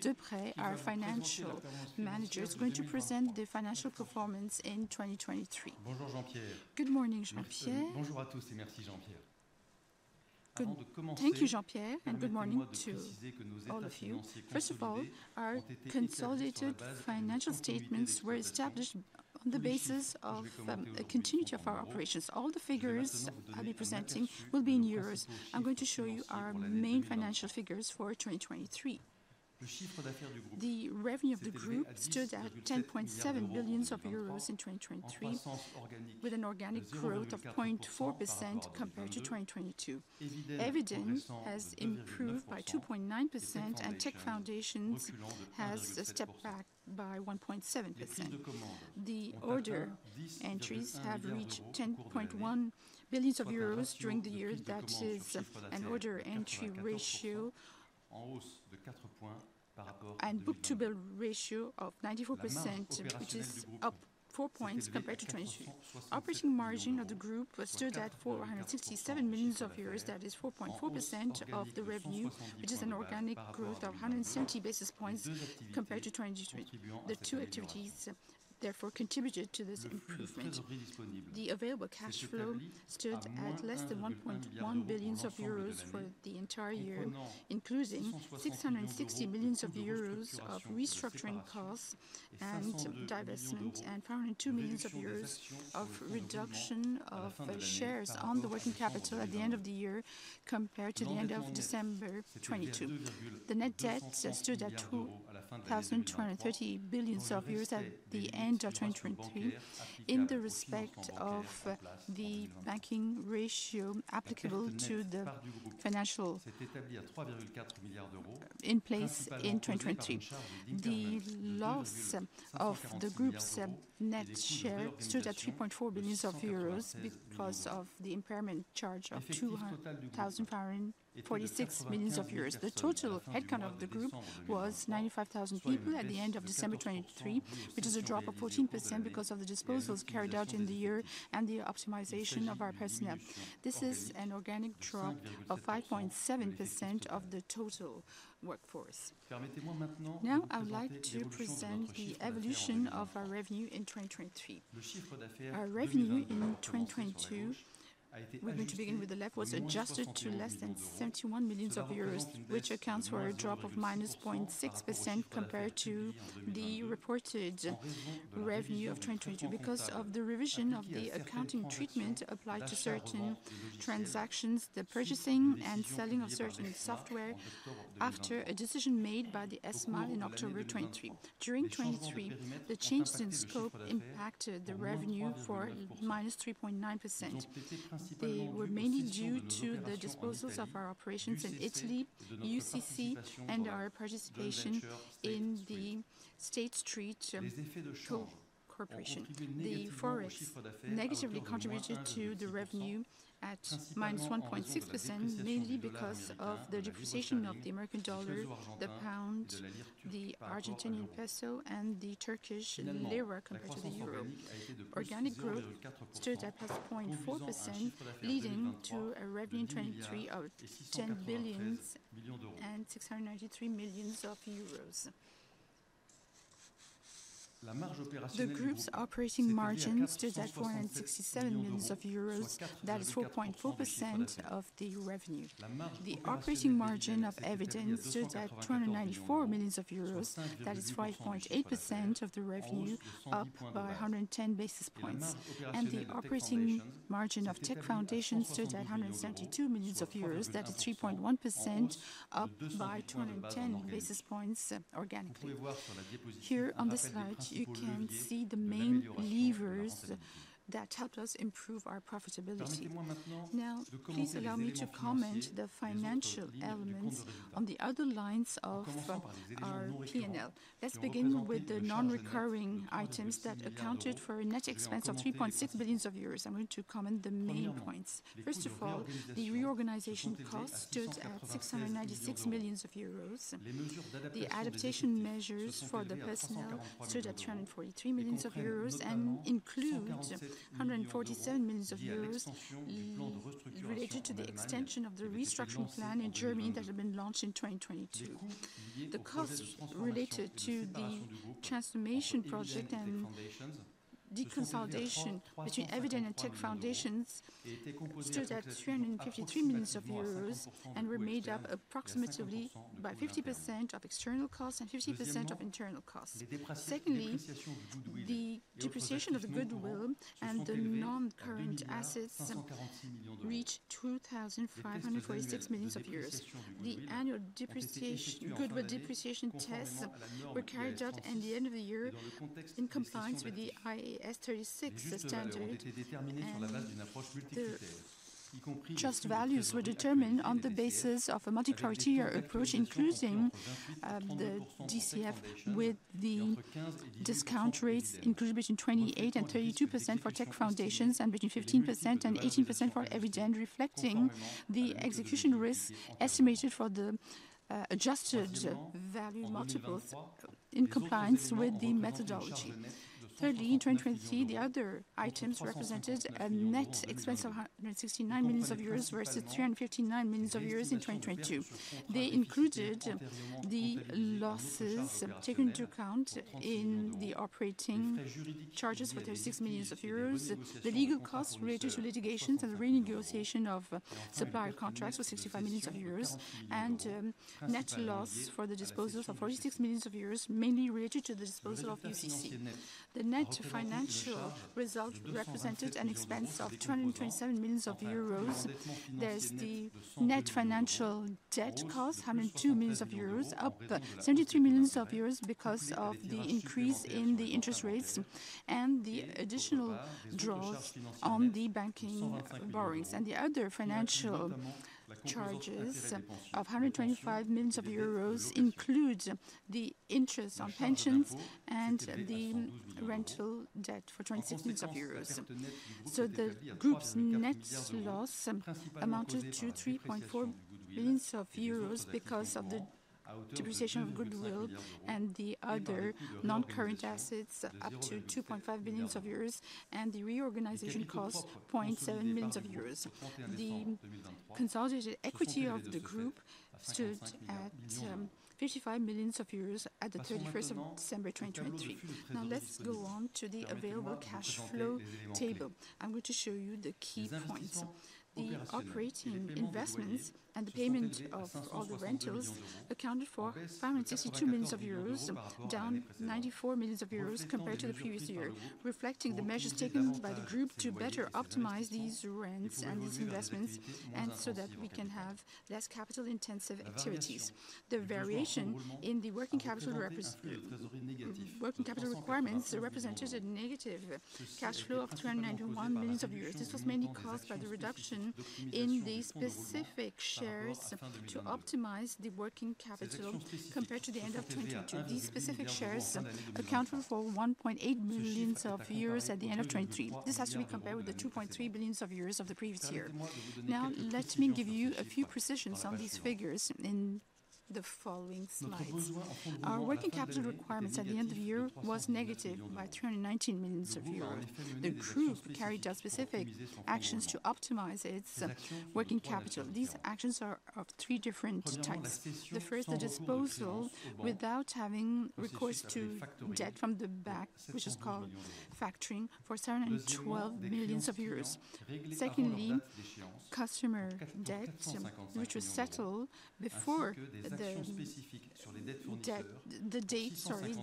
De Prest, our financial manager, is going to present the financial performance in 2023. Bonjour Jean-Pierre. Good morning Jean-Pierre. Bonjour à tous et merci Jean-Pierre. Thank you Jean-Pierre, and good morning to all of you. First of all, our consolidated financial statements were established on the basis of the continuity of our operations. All the figures I'll be presenting will be in euros. I'm going to show you our main financial figures for 2023. Le chiffre d'affaires du groupe. The revenue of the group stood at 10.7 billion euros in 2023, with an organic growth of 0.4% compared to 2022. Eviden has improved by 2.9%, and Tech Foundations has stepped back by 1.7%. The order entries have reached 10.1 billion euros during the year. That is an order entry ratio and book-to-bill ratio of 94%, which is up 4 points compared to 2023. Operating margin of the group stood at 467 million euros, that is 4.4% of the revenue, which is an organic growth of 170 basis points compared to 2023. The two activities, therefore, contributed to this improvement. The available cash flow stood at less than 1.1 billion euros for the entire year, including 660 million euros of restructuring costs and divestment, and 502 million euros of reduction of shares on the working capital at the end of the year compared to the end of December 2022. The net debt stood at 2.230 billion euros at the end of 2023 in the respect of the banking ratio applicable to the financial. C'est établi à EUR 3.4 billion. In place in 2023. The loss of the group's net share stood at 3.4 billion euros because of the impairment charge of EUR 2,046 million. The total headcount of the group was 95,000 people at the end of December 2023, which is a drop of 14% because of the disposals carried out in the year and the optimization of our personnel. This is an organic drop of 5.7% of the total workforce. Now, I would like to present the evolution of our revenue in 2023. Our revenue in 2022, we're going to begin with the left, was adjusted to less than 71 million euros, which accounts for a drop of -0.6% compared to the reported revenue of 2022. Because of the revision of the accounting treatment applied to certain transactions, the purchasing and selling of certain software after a decision made by the ESMA in October 2023. During 2023, the changes in scope impacted the revenue for -3.9%. They were mainly due to the disposals of our operations in Italy, UCC, and our participation in the State Street Corporation. The Forex negatively contributed to the revenue at -1.6%, mainly because of the depreciation of the American dollar, the pound, the Argentinian peso, and the Turkish lira compared to the euro. Organic growth stood at +0.4%, leading to a revenue in 2023 of 10 billion and 693 million. The group's operating margin stood at 467 million euros, that is 4.4% of the revenue. The operating margin of Eviden stood at 294 million euros, that is 5.8% of the revenue, up by 110 basis points. The operating margin of Tech Foundations stood at 172 million euros, that is 3.1%, up by 210 basis points organically. Here on the slide, you can see the main levers that helped us improve our profitability. Now, please allow me to comment on the financial elements on the other lines of our P&L. Let's begin with the non-recurring items that accounted for a net expense of 3.6 billion euros. I'm going to comment on the main points. First of all, the reorganization cost stood at 696 million euros. The adaptation measures for the personnel stood at 343 million euros and include 147 million euros related to the extension of the restructuring plan in Germany that had been launched in 2022. The costs related to the transformation project and deconsolidation between Eviden and Tech Foundations stood at 353 million euros and were made up approximately by 50% of external costs and 50% of internal costs. Secondly, the depreciation of the goodwill and the non-current assets reached 2,546 million euros. The annual goodwill depreciation tests were carried out at the end of the year in compliance with the IAS 36 standard. Test values were determined on the basis of a multi-criteria approach, including the DCF, with the discount rates included between 28% and 32% for Tech Foundations and between 15% and 18% for Eviden, reflecting the execution risk estimated for the adjusted value multiples in compliance with the methodology. Thirdly, in 2023, the other items represented a net expense of 169 million euros versus 359 million euros in 2022. They included the losses taken into account in the operating charges for 36 million euros, the legal costs related to litigations and the renegotiation of supplier contracts for 65 million euros, and net loss for the disposals of 46 million euros, mainly related to the disposal of UCC. The net financial result represented an expense of 227 million euros. There's the net financial debt cost, 102 million euros, up 73 million euros because of the increase in the interest rates and the additional draws on the banking borrowings. And the other financial charges of 125 million euros include the interest on pensions and the rental debt for 26 million euros. So the group's net loss amounted to 3.4 billion euros because of the depreciation of goodwill and the other non-current assets up to 2.5 billion euros, and the reorganization cost 0.7 billion euros. The consolidated equity of the group stood at 55 million euros at the 31st of December 2023. Now, let's go on to the available cash flow table. I'm going to show you the key points. The operating investments and the payment of all the rentals accounted for 562 million euros, down 94 million euros compared to the previous year, reflecting the measures taken by the group to better optimize these rents and these investments so that we can have less capital-intensive activities. The variation in the working capital requirements represented a negative cash flow of 291 million euros. This was mainly caused by the reduction in the specific shares to optimize the working capital compared to the end of 2022. These specific shares accounted for 1.8 billion EUR at the end of 2023. This has to be compared with the 2.3 billion EUR of the previous year. Now, let me give you a few precisions on these figures in the following slides. Our working capital requirements at the end of the year were negative by 319 million euros. The group carried out specific actions to optimize its working capital. These actions are of three different types. The first, the disposal without having recourse to debt from the bank, which is called factoring for 712 million euros. Secondly, customer debt, which was settled before the date, sorry,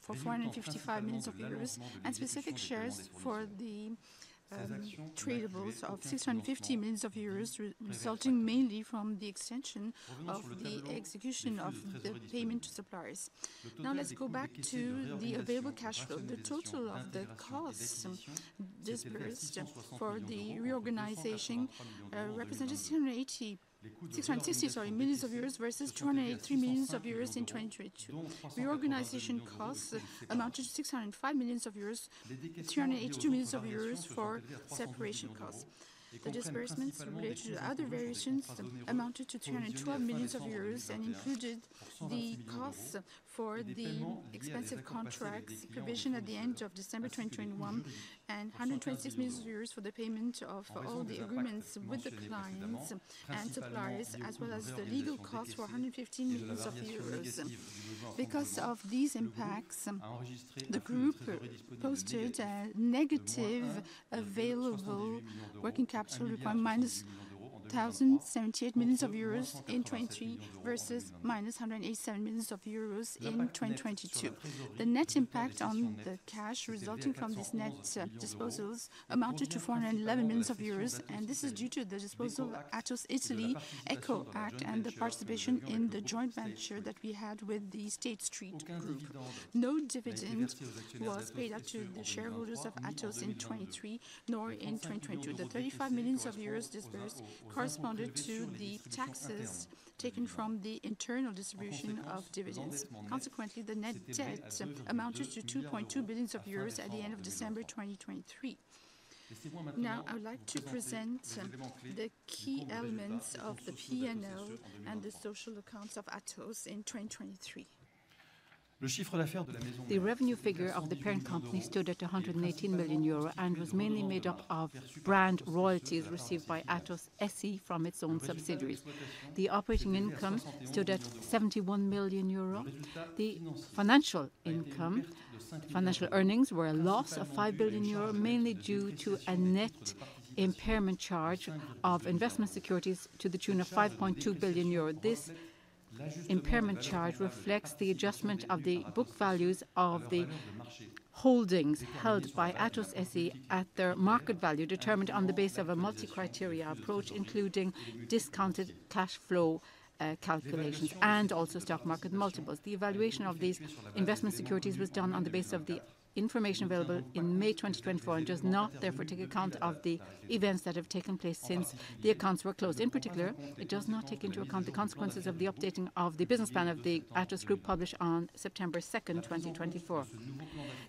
for 455 million euros, and specific measures for the trade payables of 650 million euros, resulting mainly from the extension of the payment terms to suppliers. Now, let's go back to the free cash flow. The total of the costs incurred for the reorganization represented 660 million euros versus 283 million euros in 2022. Reorganization costs amounted to 605 million euros, 382 million euros for separation costs. The disbursements related to other variations amounted to 312 million euros and included the costs for the expensive contracts provisioned at the end of December 2021 and 126 million euros for the payment of all the agreements with the clients and suppliers, as well as the legal costs for 115 million euros. Because of these impacts, the group posted a negative available working capital requirement, minus 1,078 million euros in 2023 versus minus 187 million euros in 2022. The net impact on the cash resulting from these net disposals amounted to 411 million euros, and this is due to the disposal of Atos Italy EcoAct and the participation in the joint venture that we had with the State Street Group. No dividend was paid out to the shareholders of Atos in 2023, nor in 2022. The 35 million euros dispersed corresponded to the taxes taken from the internal distribution of dividends. Consequently, the net debt amounted to 2.2 billion euros at the end of December 2023. Now, I would like to present the key elements of the P&L and the social accounts of Atos in 2023. The revenue figure of the parent company stood at 118 million euro and was mainly made up of brand royalties received by Atos SE from its own subsidiaries. The operating income stood at 71 million euro. The financial earnings were a loss of 5 billion euro, mainly due to a net impairment charge of investment securities to the tune of 5.2 billion euro. This impairment charge reflects the adjustment of the book values of the holdings held by Atos SE at their market value, determined on the basis of a multi-criteria approach, including discounted cash flow calculations and also stock market multiples. The evaluation of these investment securities was done on the basis of the information available in May 2024 and does not, therefore, take account of the events that have taken place since the accounts were closed. In particular, it does not take into account the consequences of the updating of the business plan of the Atos Group published on September 2, 2024.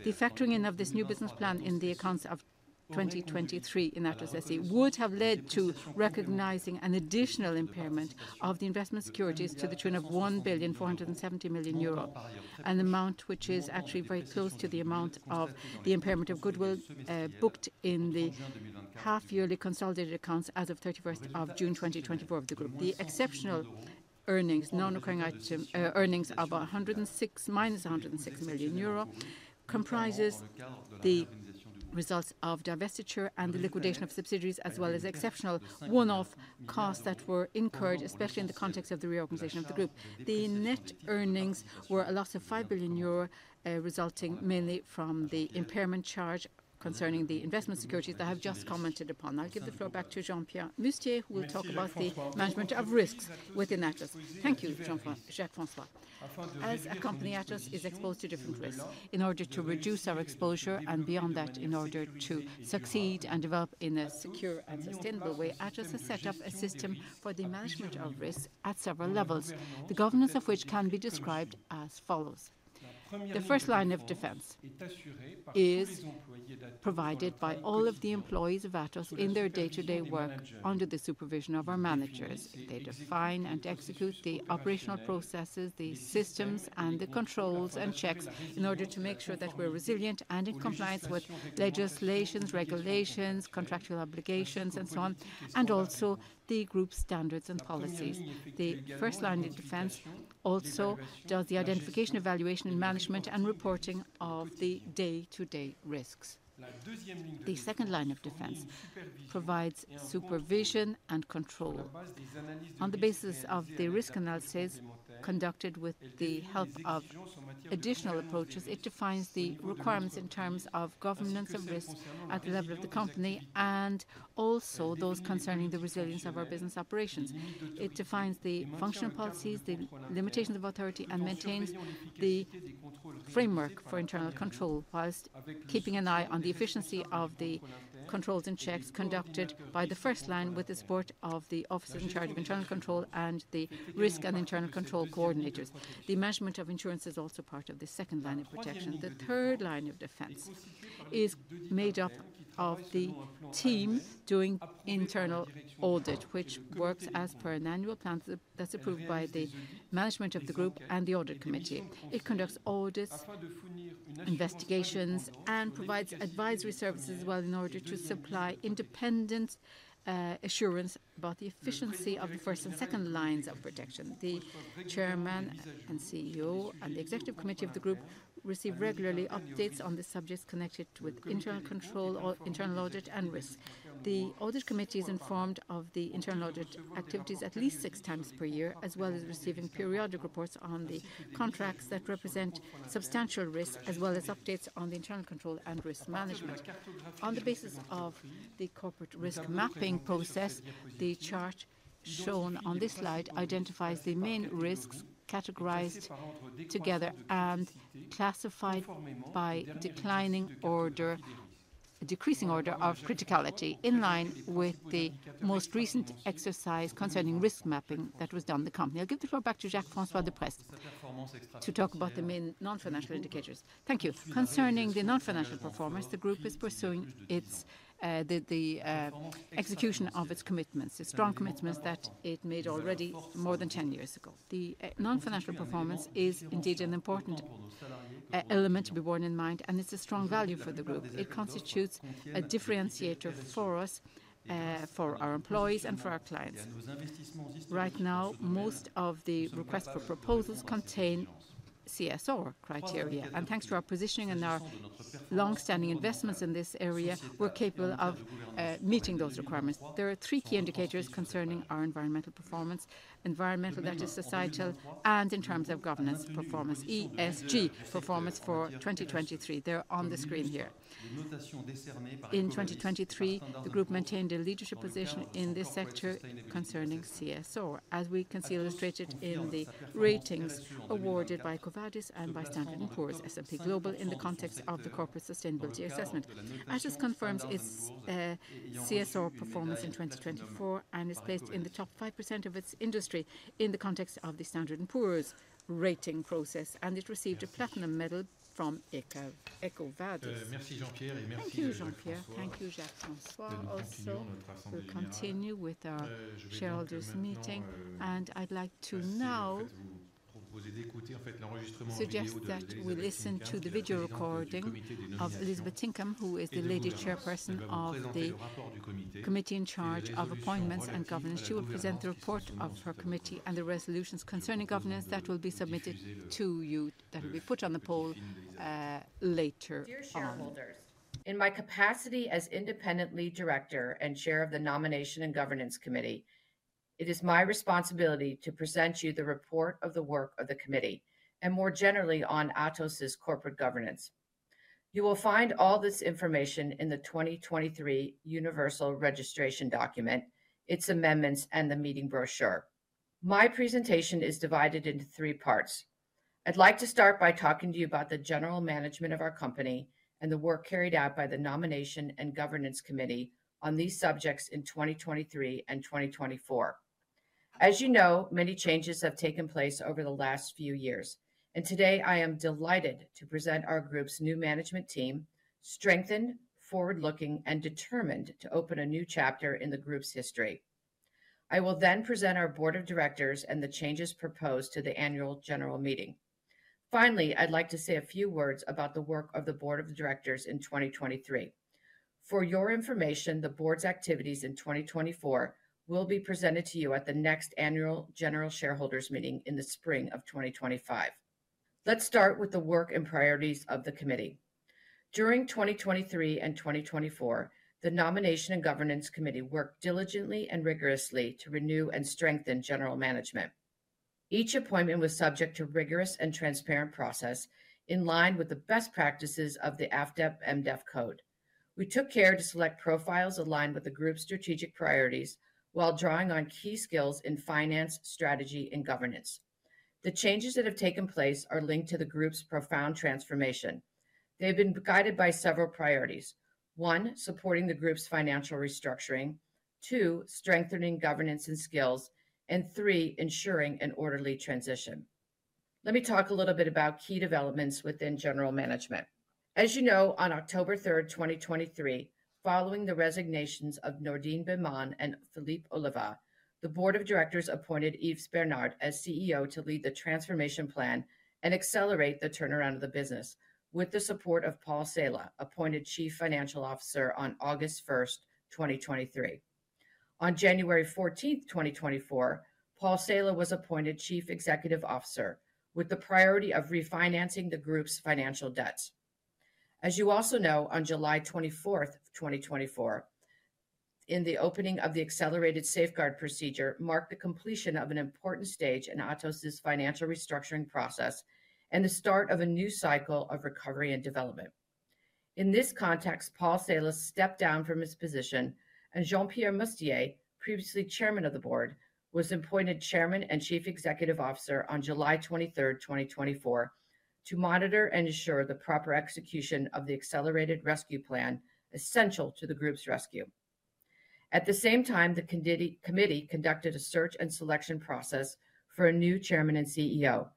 The factoring in of this new business plan in the accounts of 2023 in Atos SE would have led to recognizing an additional impairment of the investment securities to the tune of 1,470 million euros, an amount which is actually very close to the amount of the impairment of goodwill booked in the half-yearly consolidated accounts as of 30 June 2024 of the group. The exceptional earnings, non-recurring earnings of minus 106 million euro, comprise the results of divestiture and the liquidation of subsidiaries, as well as exceptional one-off costs that were incurred, especially in the context of the reorganization of the group. The net earnings were a loss of 5 billion euro, resulting mainly from the impairment charge concerning the investment securities that I have just commented upon. I'll give the floor back to Jean-Pierre Mustier, who will talk about the management of risks within Atos. Thank you, Jacques-François. Jean-Pierre Francis a company, Atos is exposed to different risks. In order to reduce our exposure and beyond that, in order to succeed and develop in a secure and sustainable way, Atos has set up a system for the management of risks at several levels, the governance of which can be described as follows. The first line of defense is provided by all of the employees of Atos in their day-to-day work under the supervision of our managers. They define and execute the operational processes, the systems, and the controls and checks in order to make sure that we're resilient and in compliance with legislations, regulations, contractual obligations, and so on, and also the group's standards and policies. The first line of defense also does the identification, evaluation, management, and reporting of the day-to-day risks. The second line of defense provides supervision and control. On the basis of the risk analysis conducted with the help of additional approaches, it defines the requirements in terms of governance of risks at the level of the company and also those concerning the resilience of our business operations. It defines the functional policies, the limitations of authority, and maintains the framework for internal control while keeping an eye on the efficiency of the controls and checks conducted by the first line with the support of the officers in charge of internal control and the risk and internal control coordinators. The management of insurance is also part of the second line of protection. The third line of defense is made up of the team doing internal audit, which works as per an annual plan that's approved by the management of the group and the audit committee. It conducts audits, investigations, and provides advisory services as well in order to supply independent assurance about the efficiency of the first and second lines of protection. The Chairman and CEO and the Executive Committee of the group receive regularly updates on the subjects connected with internal control, internal audit, and risks. The audit committee is informed of the internal audit activities at least six times per year, as well as receiving periodic reports on the contracts that represent substantial risks, as well as updates on the internal control and risk management. On the basis of the corporate risk mapping process, the chart shown on this slide identifies the main risks categorized together and classified by decreasing order of criticality in line with the most recent exercise concerning risk mapping that was done in the company. I'll give the floor back to Jacques-François de Prest to talk about the main non-financial indicators. Thank you. Concerning the non-financial performance, the group is pursuing the execution of its commitments, the strong commitments that it made already more than 10 years ago. The non-financial performance is indeed an important element to be borne in mind, and it's a strong value for the group. It constitutes a differentiator for us, for our employees and for our clients. Right now, most of the requests for proposals contain CSR criteria, and thanks to our positioning and our long-standing investments in this area, we're capable of meeting those requirements. There are three key indicators concerning our environmental performance: environmental, that is, societal, and in terms of governance performance, ESG performance for 2023. They're on the screen here. In 2023, the group maintained a leadership position in this sector concerning CSR, as we can see illustrated in the ratings awarded by EcoVadis and by Standard & Poor's, S&P Global, in the context of the corporate sustainability assessment. Atos confirms its CSR performance in 2024 and is placed in the top 5% of its industry in the context of the Standard & Poor's rating process, and it received a platinum medal from EcoVadis. Thank you, Jean-Pierre. Thank you, Jacques-François. Also, we'll continue with our shareholders' meeting, and I'd like to now suggest that we listen to the video recording of Elizabeth Tinkham, who is the lady chairperson of the committee in charge of appointments and governance. She will present the report of her committee and the resolutions concerning governance that will be submitted to you, that will be put on the poll later. Shareholders. In my capacity as Independent Lead Director and Chair of the Nomination and Governance Committee, it is my responsibility to present you the report of the work of the committee and, more generally, on Atos' corporate governance. You will find all this information in the 2023 Universal Registration Document, its amendments, and the meeting brochure. My presentation is divided into three parts. I'd like to start by talking to you about the general management of our company and the work carried out by the Nomination and Governance Committee on these subjects in 2023 and 2024. As you know, many changes have taken place over the last few years, and today, I am delighted to present our group's new management team, strengthened, forward-looking, and determined to open a new chapter in the group's history. I will then present our Board of Directors and the changes proposed to the Annual General Meeting. Finally, I'd like to say a few words about the work of the board of directors in 2023. For your information, the board's activities in 2024 will be presented to you at the next annual general shareholders' meeting in the spring of 2025. Let's start with the work and priorities of the committee. During 2023 and 2024, the nomination and governance committee worked diligently and rigorously to renew and strengthen general management. Each appointment was subject to a rigorous and transparent process in line with the best practices of the AFEP-MEDEF code. We took care to select profiles aligned with the group's strategic priorities while drawing on key skills in finance, strategy, and governance. The changes that have taken place are linked to the group's profound transformation. They have been guided by several priorities: one, supporting the group's financial restructuring; two, strengthening governance and skills; and three, ensuring an orderly transition. Let me talk a little bit about key developments within general management. As you know, on October 3, 2023, following the resignations of Nourdine Bihmane and Philippe Oliva, the board of directors appointed Yves Bernaert as CEO to lead the transformation plan and accelerate the turnaround of the business, with the support of Paul Saleh, appointed Chief Financial Officer on August 1, 2023. On January 14, 2024, Paul Saleh was appointed Chief Executive Officer, with the priority of refinancing the group's financial debts. As you also know, on July 24, 2024, the opening of the accelerated safeguard procedure marked the completion of an important stage in Atos' financial restructuring process and the start of a new cycle of recovery and development. In this context, Paul Saleh stepped down from his position, and Jean-Pierre Mustier, previously Chairman of the Board, was appointed Chairman and Chief Executive Officer on July 23, 2024, to monitor and ensure the proper execution of the accelerated safeguard plan essential to the group's rescue. At the same time, the committee conducted a search and selection process for a new chairman and CEO,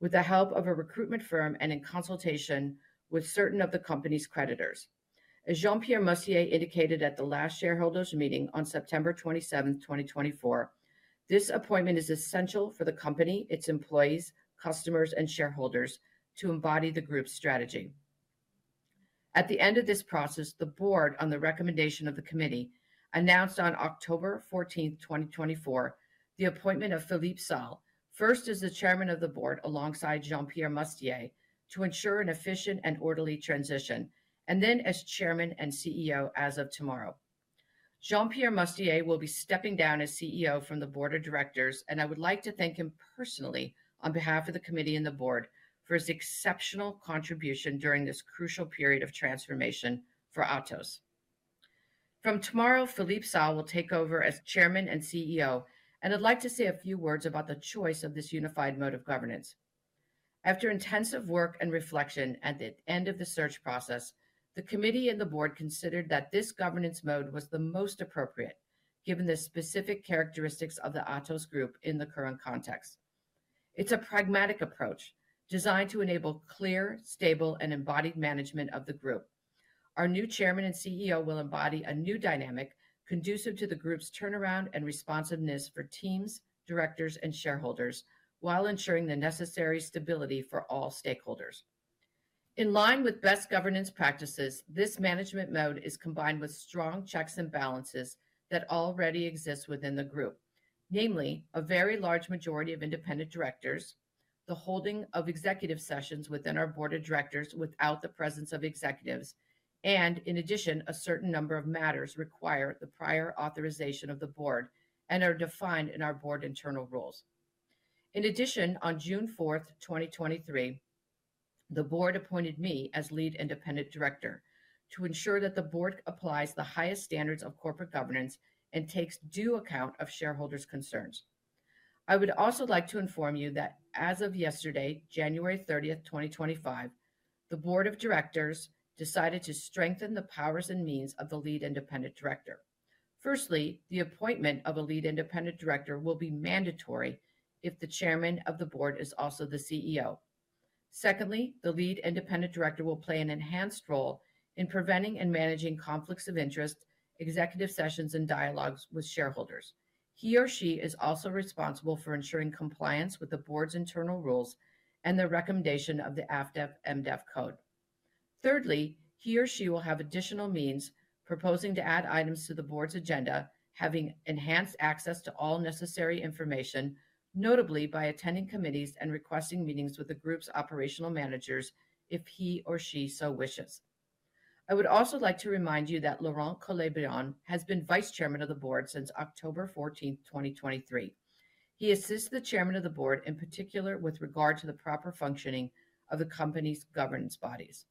with the help of a recruitment firm and in consultation with certain of the company's creditors. As Jean-Pierre Mustier indicated at the last shareholders' meeting on September 27, 2024, this appointment is essential for the company, its employees, customers, and shareholders to embody the group's strategy. At the end of this process, the board, on the recommendation of the committee, announced on October 14, 2024, the appointment of Philippe Salle first as the Chairman of the Board alongside Jean-Pierre Mustier to ensure an efficient and orderly transition, and then as Chairman and CEO as of tomorrow. Jean-Pierre Mustier will be stepping down as CEO from the board of directors, and I would like to thank him personally on behalf of the committee and the board for his exceptional contribution during this crucial period of transformation for Atos. From tomorrow, Philippe Salle will take over as Chairman and CEO, and I'd like to say a few words about the choice of this unified mode of governance. After intensive work and reflection at the end of the search process, the committee and the board considered that this governance mode was the most appropriate, given the specific characteristics of the Atos group in the current context. It's a pragmatic approach designed to enable clear, stable, and embodied management of the group. Our new Chairman and CEO will embody a new dynamic conducive to the group's turnaround and responsiveness for teams, directors, and shareholders while ensuring the necessary stability for all stakeholders. In line with best governance practices, this management mode is combined with strong checks and balances that already exist within the group, namely a very large majority of independent directors, the holding of executive sessions within our board of directors without the presence of executives, and in addition, a certain number of matters require the prior authorization of the board and are defined in our board internal rules. In addition, on June 4, 2023, the board appointed me as lead independent director to ensure that the board applies the highest standards of corporate governance and takes due account of shareholders' concerns. I would also like to inform you that as of yesterday, January 30, 2025, the board of directors decided to strengthen the powers and means of the lead independent director. Firstly, the appointment of a lead independent director will be mandatory if the Chairman of the Board is also the CEO. Secondly, the lead independent director will play an enhanced role in preventing and managing conflicts of interest, executive sessions, and dialogues with shareholders. He or she is also responsible for ensuring compliance with the board's internal rules and the recommendation of the AFEP-MEDEF code. Thirdly, he or she will have additional means proposing to add items to the board's agenda, having enhanced access to all necessary information, notably by attending committees and requesting meetings with the group's operational managers if he or she so wishes. I would also like to remind you that Laurent Collet-Billon has been Vice Chairman of the Board since October 14, 2023. He assists the Chairman of the Board in particular with regard to the proper functioning of the company's governance bodies.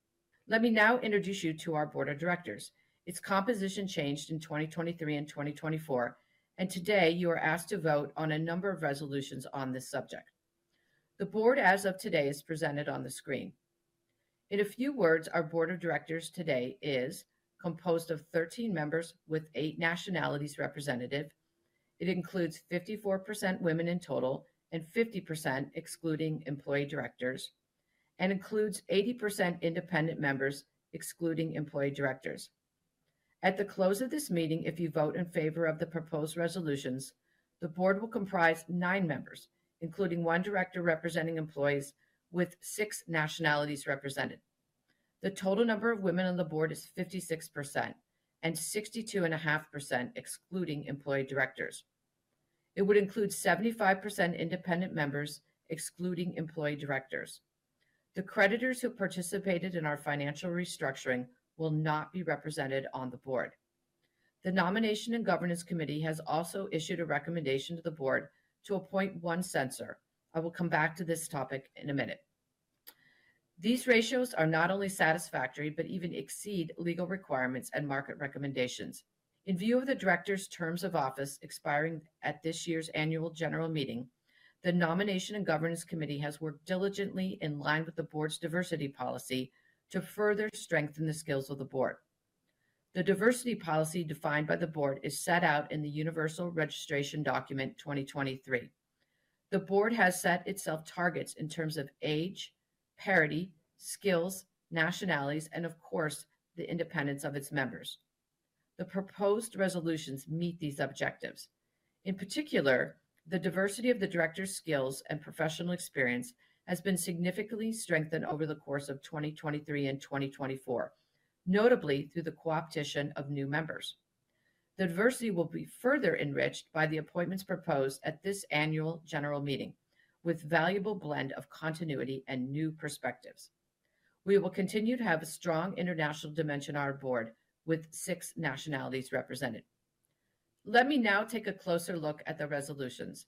Let me now introduce you to our board of directors. Its composition changed in 2023 and 2024, and today you are asked to vote on a number of resolutions on this subject. The board, as of today, is presented on the screen. In a few words, our board of directors today is composed of 13 members with eight nationalities representative. It includes 54% women in total and 50% excluding employee directors, and includes 80% independent members excluding employee directors. At the close of this meeting, if you vote in favor of the proposed resolutions, the board will comprise nine members, including one director representing employees with six nationalities represented. The total number of women on the board is 56% and 62.5% excluding employee directors. It would include 75% independent members excluding employee directors. The creditors who participated in our financial restructuring will not be represented on the board. The nomination and governance committee has also issued a recommendation to the board to appoint one Sanson. I will come back to this topic in a minute. These ratios are not only satisfactory but even exceed legal requirements and market recommendations. In view of the director's terms of office expiring at this year's annual general meeting, the nomination and governance committee has worked diligently in line with the board's diversity policy to further strengthen the skills of the board. The diversity policy defined by the board is set out in the Universal Registration Document 2023. The board has set itself targets in terms of age, parity, skills, nationalities, and, of course, the independence of its members. The proposed resolutions meet these objectives. In particular, the diversity of the director's skills and professional experience has been significantly strengthened over the course of 2023 and 2024, notably through the cooptation of new members. The diversity will be further enriched by the appointments proposed at this annual general meeting, with a valuable blend of continuity and new perspectives. We will continue to have a strong international dimension on our board with six nationalities represented. Let me now take a closer look at the resolutions.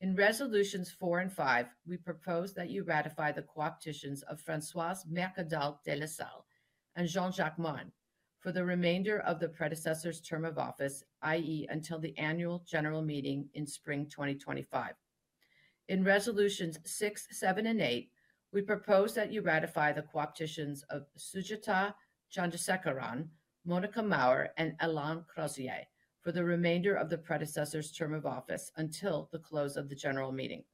In resolutions four and five, we propose that you ratify the cooptations of Françoise Mercadal-Delasalles and Jean-Jacques Morin for the remainder of the predecessor's term of office, i.e., until the annual general meeting in spring 2025. In resolutions six, seven, and eight, we propose that you ratify the cooptations of Sujatha Chandrasekaran, Monika Maurer, and Alain Crozier for the remainder of the predecessor's term of office until the close of the general meeting.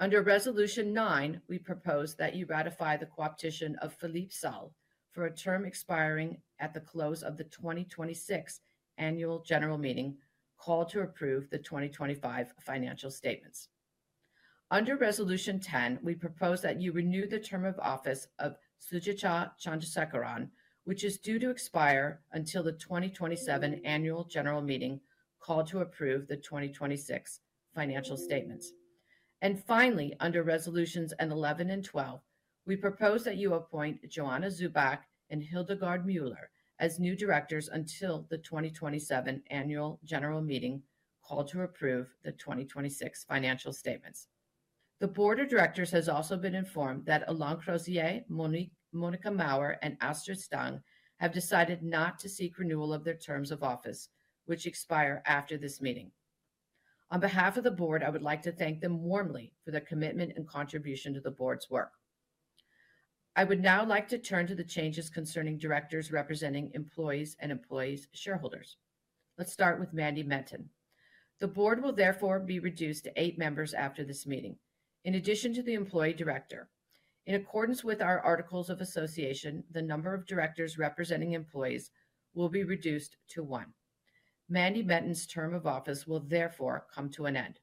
Under resolution nine, we propose that you ratify the cooptation of Philippe Salle for a term expiring at the close of the 2026 annual general meeting called to approve the 2025 financial statements. Under resolution 10, we propose that you renew the term of office of Sujatha Chandrasekaran, which is due to expire until the 2027 annual general meeting called to approve the 2026 financial statements. And finally, under resolutions 11 and 12, we propose that you appoint Joanna Dziubak and Hildegard Müller as new directors until the 2027 annual general meeting called to approve the 2026 financial statements. The board of directors has also been informed that Alain Crozier, Monika Maurer, and Astrid Stange have decided not to seek renewal of their terms of office, which expire after this meeting. On behalf of the board, I would like to thank them warmly for their commitment and contribution to the board's work. I would now like to turn to the changes concerning directors representing employees and employees' shareholders. Let's start with Mari-Noëlle Jégo-Laveissière,. The board will therefore be reduced to eight members after this meeting, in addition to the employee director. In accordance with our articles of association, the number of directors representing employees will be reduced to one Mari-Noëlle Jégo-Laveissière, term of office will therefore come to an end.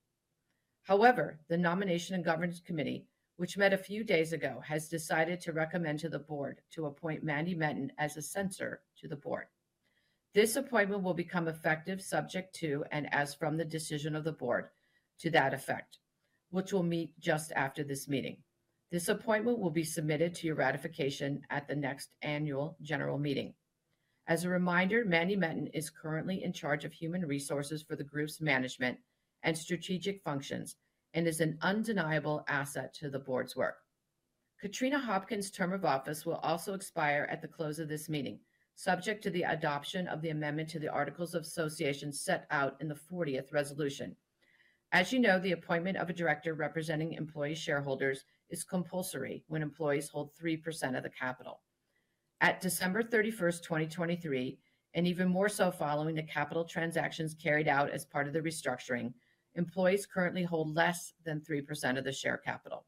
However, the nomination and governance committee, which met a few days ago, has decided to recommend to the board to appoint Mari-Noëlle Jégo-Laveissière, as a censor to the board. This appointment will become effective subject to and as from the decision of the board to that effect, which will meet just after this meeting. This appointment will be submitted to your ratification at the next annual general meeting. As a reminder, Mari-Noëlle Jégo-Laveissière, is currently in charge of human resources for the group's management and strategic functions and is an undeniable asset to the board's work. Katrina Hopkins' term of office will also expire at the close of this meeting, subject to the adoption of the amendment to the articles of association set out in the 40th resolution. As you know, the appointment of a director representing employee shareholders is compulsory when employees hold 3% of the capital. At December 31, 2023, and even more so following the capital transactions carried out as part of the restructuring, employees currently hold less than 3% of the share capital.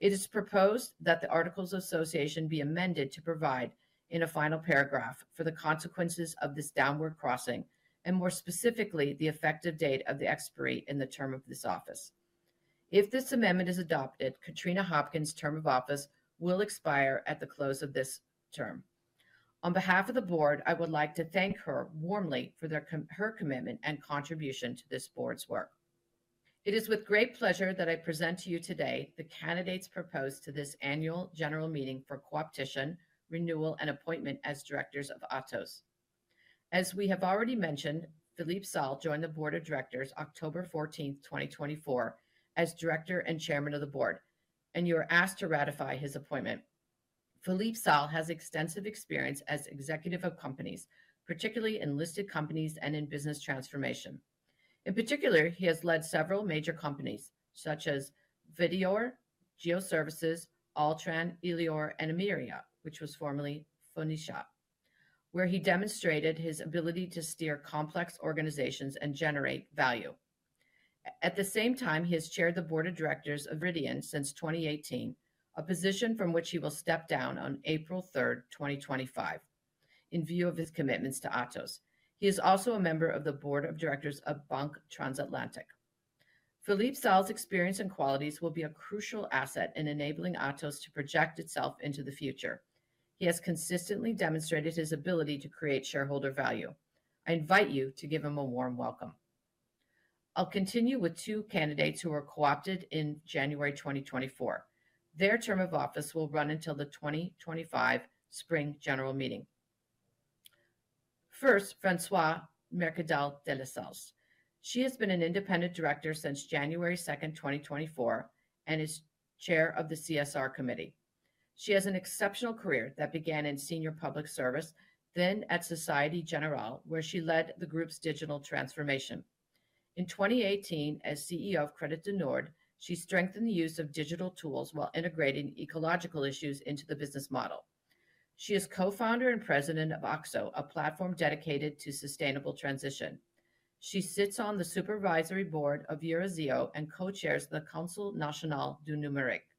It is proposed that the articles of association be amended to provide, in a final paragraph, for the consequences of this downward crossing and, more specifically, the effective date of the expiry in the term of this office. If this amendment is adopted, Katrina Hopkins' term of office will expire at the close of this term. On behalf of the board, I would like to thank her warmly for her commitment and contribution to this board's work. It is with great pleasure that I present to you today the candidates proposed to this annual general meeting for cooptation, renewal, and appointment as directors of Atos. As we have already mentioned, Philippe Salle joined the board of directors, October 14, 2024, as director and chairman of the board, and you are asked to ratify his appointment. Philippe Salle has extensive experience as executive of companies, particularly in listed companies and in business transformation. In particular, he has led several major companies such as Vedior, GeoServices, Altran, Elior, and Emeria, which was formerly Foncia, where he demonstrated his ability to steer complex organizations and generate value. At the same time, he has chaired the board of directors of Viridien since 2018, a position from which he will step down on April 3, 2025, in view of his commitments to Atos. He is also a member of the board of directors of Banque Transatlantique. Philippe Salle's experience and qualities will be a crucial asset in enabling Atos to project itself into the future. He has consistently demonstrated his ability to create shareholder value. I invite you to give him a warm welcome. I'll continue with two candidates who were co-opted in January 2024. Their term of office will run until the 2025 spring general meeting. First, Françoise Mercadal-Delasalles. She has been an independent director since January 2, 2024, and is chair of the CSR committee. She has an exceptional career that began in senior public service, then at Société Générale, where she led the group's digital transformation. In 2018, as CEO of Crédit du Nord, she strengthened the use of digital tools while integrating ecological issues into the business model. She is co-founder and president of Oïko, a platform dedicated to sustainable transition. She sits on the supervisory board of Eurazeo and co-chairs the Conseil National du Numérique.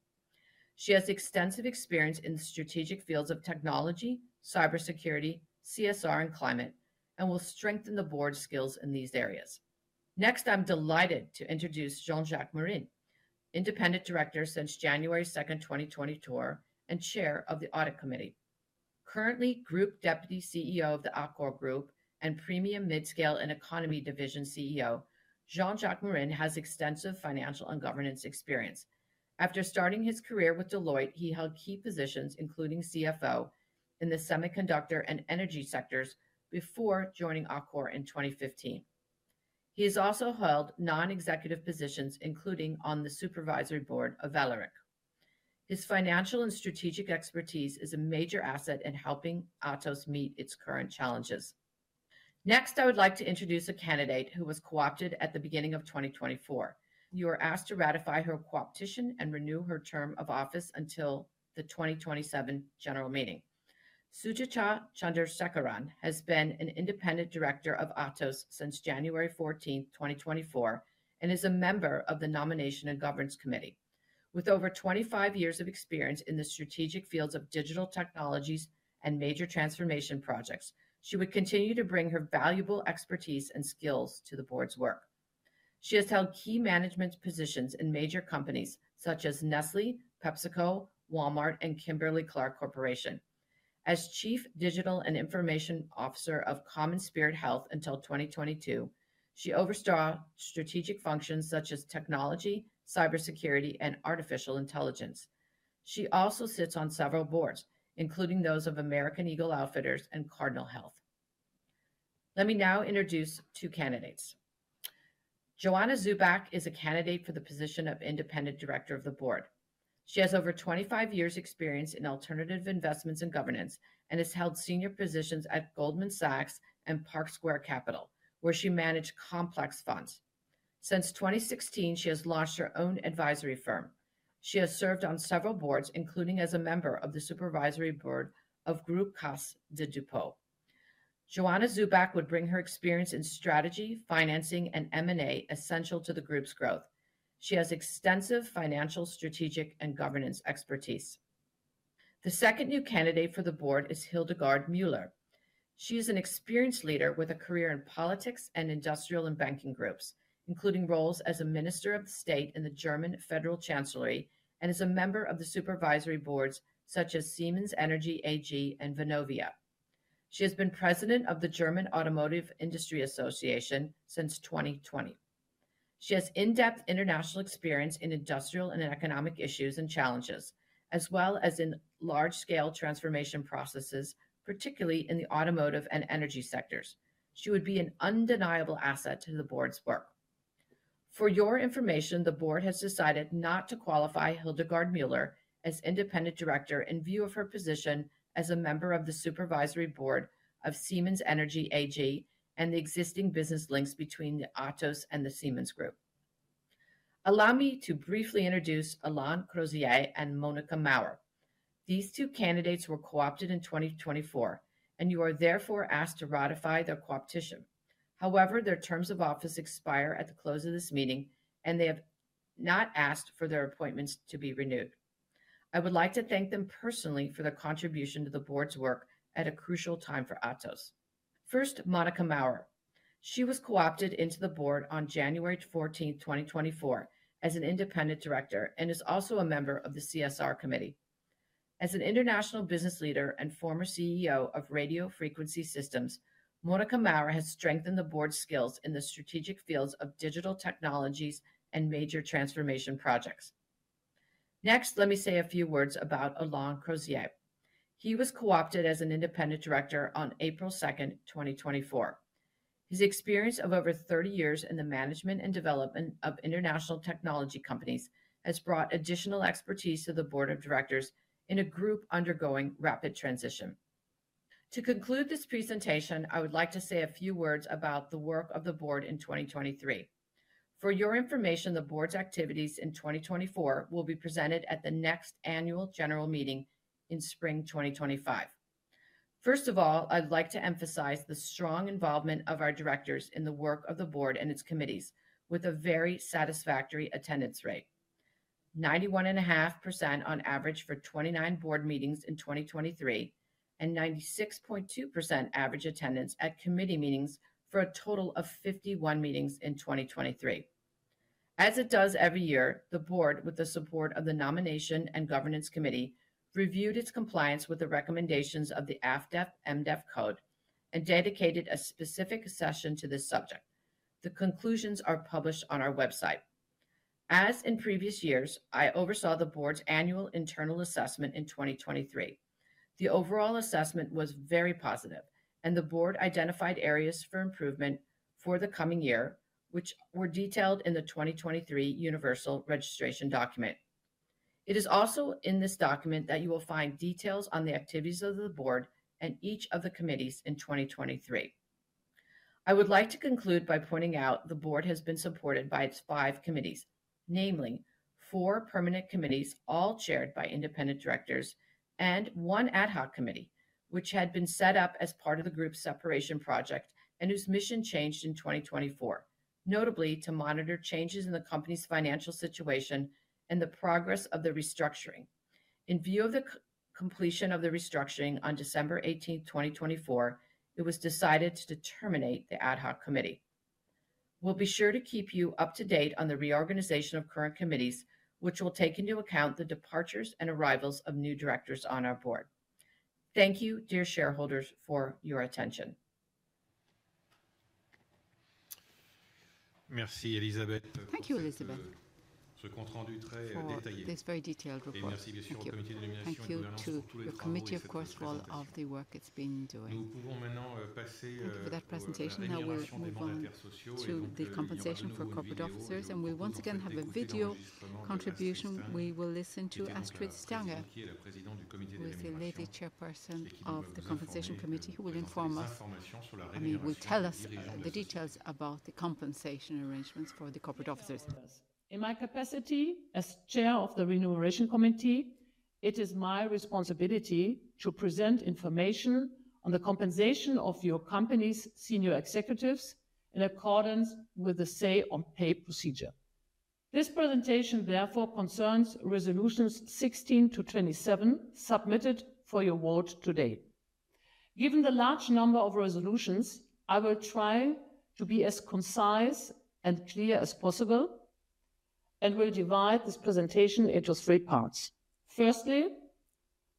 She has extensive experience in the strategic fields of technology, cybersecurity, CSR, and climate, and will strengthen the board's skills in these areas. Next, I'm delighted to introduce Jean-Jacques Morin, independent director since January 2, 2024, and chair of the audit committee. Currently Group Deputy CEO of the Accor Group and Premium Mid-scale and Economy Division CEO, Jean-Jacques Morin has extensive financial and governance experience. After starting his career with Deloitte, he held key positions, including CFO in the semiconductor and energy sectors before joining Accor in 2015. He has also held non-executive positions, including on the supervisory board of Vallourec. His financial and strategic expertise is a major asset in helping Atos meet its current challenges. Next, I would like to introduce a candidate who was co-opted at the beginning of 2024. You are asked to ratify her co-optation and renew her term of office until the 2027 general meeting. Sujatha Chandrasekaran has been an independent director of Atos since January 14, 2024, and is a member of the Nomination and Governance Committee. With over 25 years of experience in the strategic fields of digital technologies and major transformation projects, she would continue to bring her valuable expertise and skills to the board's work. She has held key management positions in major companies such as Nestlé, PepsiCo, Walmart, and Kimberly-Clark Corporation. As Chief Digital and Information Officer of CommonSpirit Health until 2022, she oversaw strategic functions such as technology, cybersecurity, and artificial intelligence. She also sits on several boards, including those of American Eagle Outfitters and Cardinal Health. Let me now introduce two candidates. Joanna Dziubak is a candidate for the position of Independent Director of the board. She has over 25 years' experience in alternative investments and governance and has held senior positions at Goldman Sachs and Park Square Capital, where she managed complex funds. Since 2016, she has launched her own advisory firm. She has served on several boards, including as a member of the supervisory board of Caisse des Dépôts. Joanna Dziubak would bring her experience in strategy, financing, and M&A essential to the group's growth. She has extensive financial, strategic, and governance expertise. The second new candidate for the board is Hildegard Müller. She is an experienced leader with a career in politics and industrial and banking groups, including roles as a minister of the state in the German federal chancellery and as a member of the supervisory boards such as Siemens Energy AG and Vonovia. She has been president of the German Automotive Industry Association since 2020. She has in-depth international experience in industrial and economic issues and challenges, as well as in large-scale transformation processes, particularly in the automotive and energy sectors. She would be an undeniable asset to the board's work. For your information, the board has decided not to qualify Hildegard Müller as independent director in view of her position as a member of the supervisory board of Siemens Energy AG and the existing business links between Atos and the Siemens Group. Allow me to briefly introduce Alain Crozier and Monika Maurer. These two candidates were coopted in 2024, and you are therefore asked to ratify their cooptation. However, their terms of office expire at the close of this meeting, and they have not asked for their appointments to be renewed. I would like to thank them personally for their contribution to the board's work at a crucial time for Atos. First, Monika Maurer. She was coopted into the board on January 14, 2024, as an independent director and is also a member of the CSR Committee. As an international business leader and former CEO of Radio Frequency Systems, Monika Maurer has strengthened the board's skills in the strategic fields of digital technologies and major transformation projects. Next, let me say a few words about Alain Crozier. He was coopted as an independent director on April 2, 2024. His experience of over 30 years in the management and development of international technology companies has brought additional expertise to the board of directors in a group undergoing rapid transition. To conclude this presentation, I would like to say a few words about the work of the board in 2023. For your information, the board's activities in 2024 will be presented at the next annual general meeting in spring 2025. First of all, I'd like to emphasize the strong involvement of our directors in the work of the board and its committees, with a very satisfactory attendance rate: 91.5% on average for 29 board meetings in 2023 and 96.2% average attendance at committee meetings for a total of 51 meetings in 2023. As it does every year, the board, with the support of the nomination and governance committee, reviewed its compliance with the recommendations of the AFEP-MEDEF code and dedicated a specific session to this subject. The conclusions are published on our website. As in previous years, I oversaw the board's annual internal assessment in 2023. The overall assessment was very positive, and the board identified areas for improvement for the coming year, which were detailed in the 2023 Universal Registration Document. It is also in this document that you will find details on the activities of the board and each of the committees in 2023. I would like to conclude by pointing out the board has been supported by its five committees, namely four permanent committees, all chaired by independent directors, and one ad hoc committee, which had been set up as part of the group's separation project and whose mission changed in 2024, notably to monitor changes in the company's financial situation and the progress of the restructuring. In view of the completion of the restructuring on December 18, 2024, it was decided to terminate the ad hoc committee. We'll be sure to keep you up to date on the reorganization of current committees, which will take into account the departures and arrivals of new directors on our board. Thank you, dear shareholders, for your attention. Merci, Elizabeth. Thank you, Élisabeth. Ce compte rendu très détaillé. Merci, messieurs les commissaires de nomination. Thank you to the committee, of course, for all of the work it's been doing. Nous pouvons maintenant passer to the presentation. Now we'll move on to the compensation for corporate officers, and we'll once again have a video contribution. We will listen to Astrid Stange, who is the lady chairperson of the compensation committee, who will inform us. I mean, will tell us the details about the compensation arrangements for the corporate officers. In my capacity as Chair of the Remuneration Committee, it is my responsibility to present information on the compensation of your company's senior executives in accordance with the say-on-pay procedure. This presentation, therefore, concerns resolutions 16 to 27 submitted for your vote today. Given the large number of resolutions, I will try to be as concise and clear as possible and will divide this presentation into three parts. Firstly,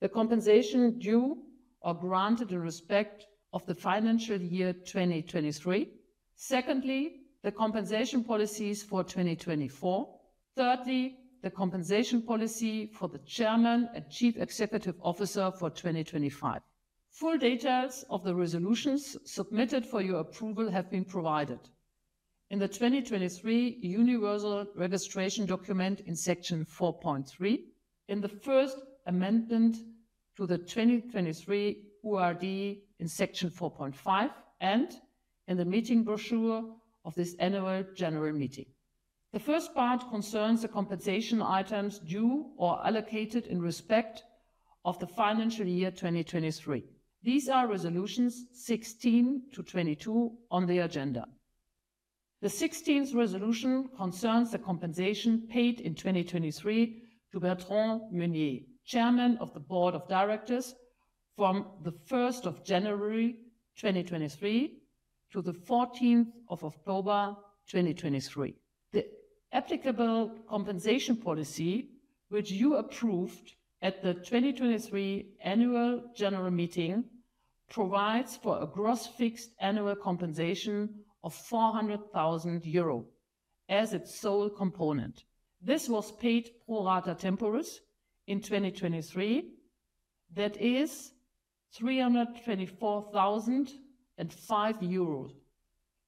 the compensation due or granted in respect of the financial year 2023. Secondly, the compensation policies for 2024. Thirdly, the compensation policy for the chairman and chief executive officer for 2025. Full details of the resolutions submitted for your approval have been provided in the 2023 Universal Registration Document in section 4.3, in the first amendment to the 2023 URD in section 4.5, and in the meeting brochure of this annual general meeting. The first part concerns the compensation items due or allocated in respect of the financial year 2023. These are resolutions 16 to 22 on the agenda. The 16th resolution concerns the compensation paid in 2023 to Bertrand Meunier, chairman of the board of directors, from the 1st of January 2023 to the 14th of October 2023. The applicable compensation policy, which you approved at the 2023 annual general meeting, provides for a gross fixed annual compensation of 400,000 euro as its sole component. This was paid pro rata temporis in 2023, that is 324,005 euros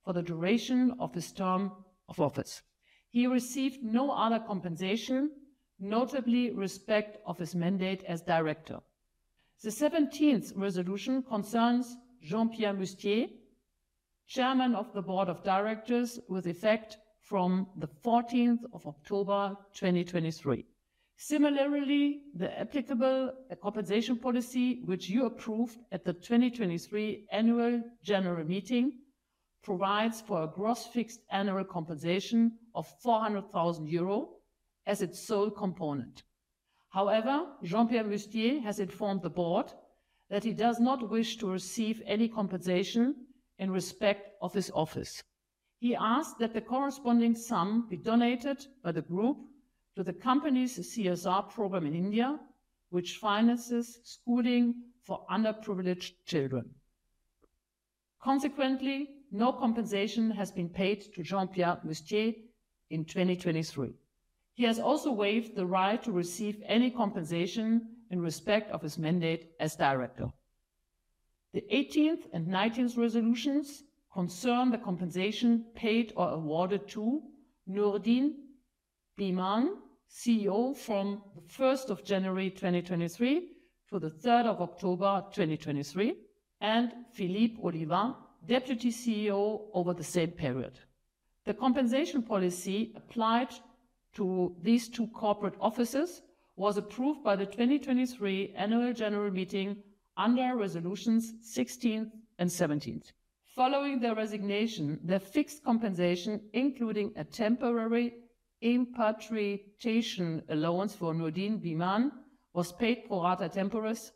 for the duration of his term of office. He received no other compensation, notably respect of his mandate as director. The 17th resolution concerns Jean-Pierre Mustier, chairman of the board of directors, with effect from the 14th of October 2023. Similarly, the applicable compensation policy, which you approved at the 2023 annual general meeting, provides for a gross fixed annual compensation of 400,000 euro as its sole component. However, Jean-Pierre Mustier has informed the board that he does not wish to receive any compensation in respect of his office. He asked that the corresponding sum be donated by the group to the company's CSR program in India, which finances schooling for underprivileged children. Consequently, no compensation has been paid to Jean-Pierre Mustier in 2023. He has also waived the right to receive any compensation in respect of his mandate as director. The 18th and 19th resolutions concern the compensation paid or awarded to Nourdine Bihmane, CEO, from the 1st of January 2023 to the 3rd of October 2023, and Philippe Oliva, deputy CEO, over the same period. The compensation policy applied to these two corporate officers was approved by the 2023 annual general meeting under resolutions 16 and 17. Following their resignation, their fixed compensation, including a temporary impartial allowance for Nourdine Bihmane, was paid pro rata temporis.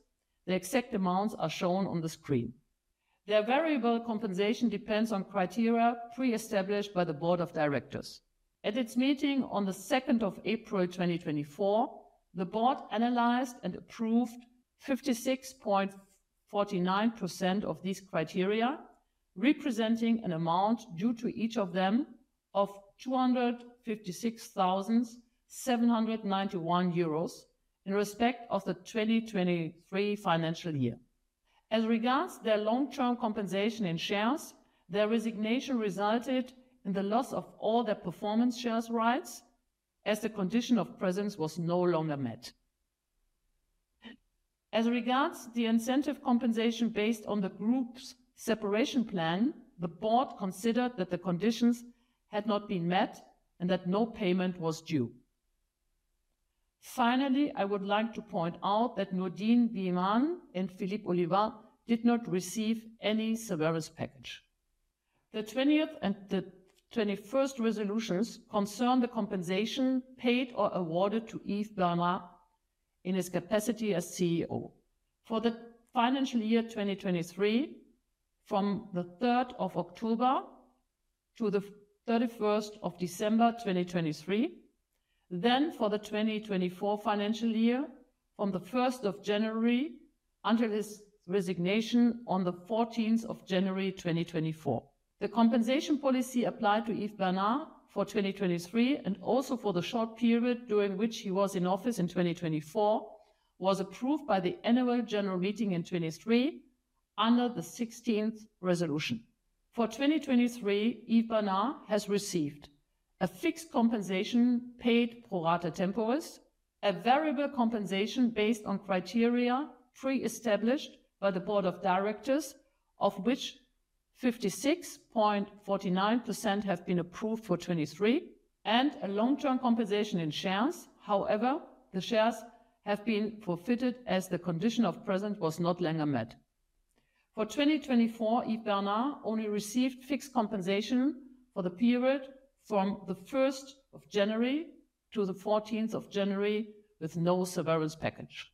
The exact amounts are shown on the screen. Their variable compensation depends on criteria pre-established by the board of directors. At its meeting on the 2nd of April 2024, the board analyzed and approved 56.49% of these criteria, representing an amount due to each of them of 256,791 euros in respect of the 2023 financial year. As regards their long-term compensation in shares, their resignation resulted in the loss of all their performance shares rights as the condition of presence was no longer met. As regards the incentive compensation based on the group's separation plan, the board considered that the conditions had not been met and that no payment was due. Finally, I would like to point out that Nourdine Bihmane and Philippe Oliva did not receive any severance package. The 20th and the 21st resolutions concern the compensation paid or awarded to Yves Bernaert in his capacity as CEO for the financial year 2023, from the 3rd of October to the 31st of December 2023, then for the 2024 financial year from the 1st of January until his resignation on the 14th of January 2024. The compensation policy applied to Yves Bernaert for 2023 and also for the short period during which he was in office in 2024 was approved by the annual general meeting in 2023 under the 16th resolution. For 2023, Yves Bernaert has received a fixed compensation paid pro rata temporis, a variable compensation based on criteria pre-established by the board of directors, of which 56.49% have been approved for 2023, and a long-term compensation in shares. However, the shares have been forfeited as the condition of presence was no longer met. For 2024, Yves Bernaert only received fixed compensation for the period from the 1st of January to the 14th of January with no severance package.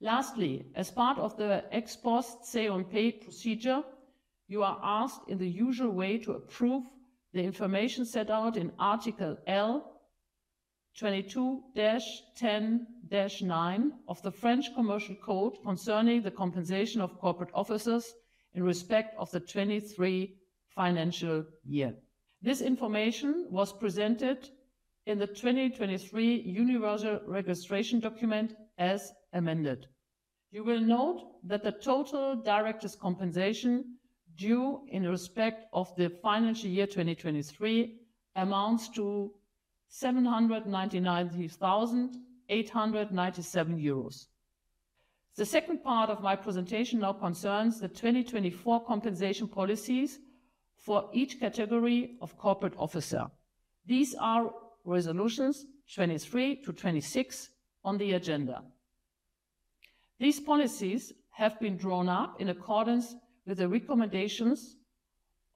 Lastly, as part of the exposed say-on-pay procedure, you are asked in the usual way to approve the information set out in Article L22-10-9 of the French Commercial Code concerning the compensation of corporate officers in respect of the 2023 financial year. This information was presented in the 2023 universal registration document as amended. You will note that the total directors' compensation due in respect of the financial year 2023 amounts to 799,897 euros. The second part of my presentation now concerns the 2024 compensation policies for each category of corporate officer. These are resolutions 23 to 26 on the agenda. These policies have been drawn up in accordance with the recommendations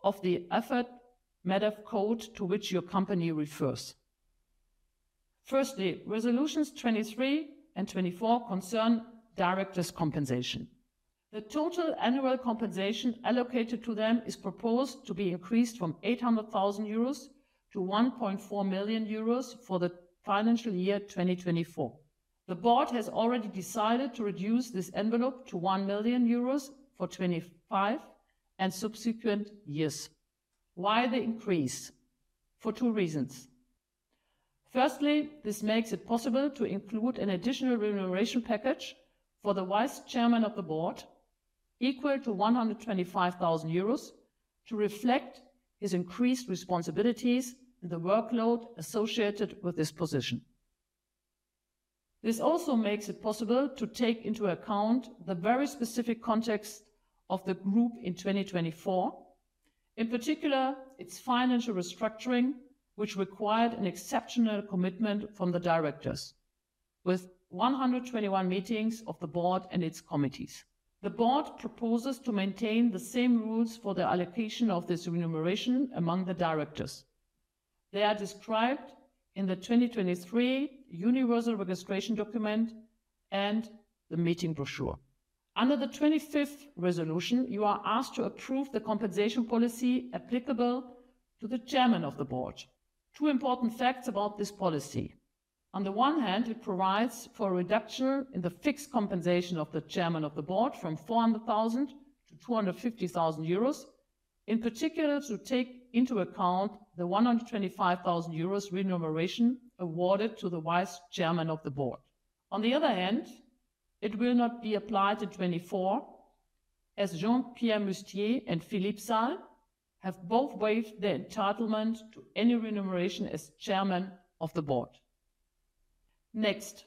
of the AFEP-MEDEF code to which your company refers. Firstly, resolutions 23 and 24 concern directors' compensation. The total annual compensation allocated to them is proposed to be increased from 800,000 euros to 1.4 million euros for the financial year 2024. The board has already decided to reduce this envelope to 1 million euros for 2025 and subsequent years. Why the increase? For two reasons. Firstly, this makes it possible to include an additional remuneration package for the vice chairman of the board equal to 125,000 euros to reflect his increased responsibilities and the workload associated with this position. This also makes it possible to take into account the very specific context of the group in 2024, in particular its financial restructuring, which required an exceptional commitment from the directors with 121 meetings of the board and its committees. The board proposes to maintain the same rules for the allocation of this remuneration among the directors. They are described in the 2023 universal registration document and the meeting brochure. Under the 25th resolution, you are asked to approve the compensation policy applicable to the chairman of the board. Two important facts about this policy. On the one hand, it provides for a reduction in the fixed compensation of the chairman of the board from 400,000 to 250,000 euros, in particular to take into account the 125,000 euros remuneration awarded to the vice chairman of the board. On the other hand, it will not be applied in 2024 as Jean-Pierre Mustier and Philippe Salle have both waived their entitlement to any remuneration as chairman of the board. Next,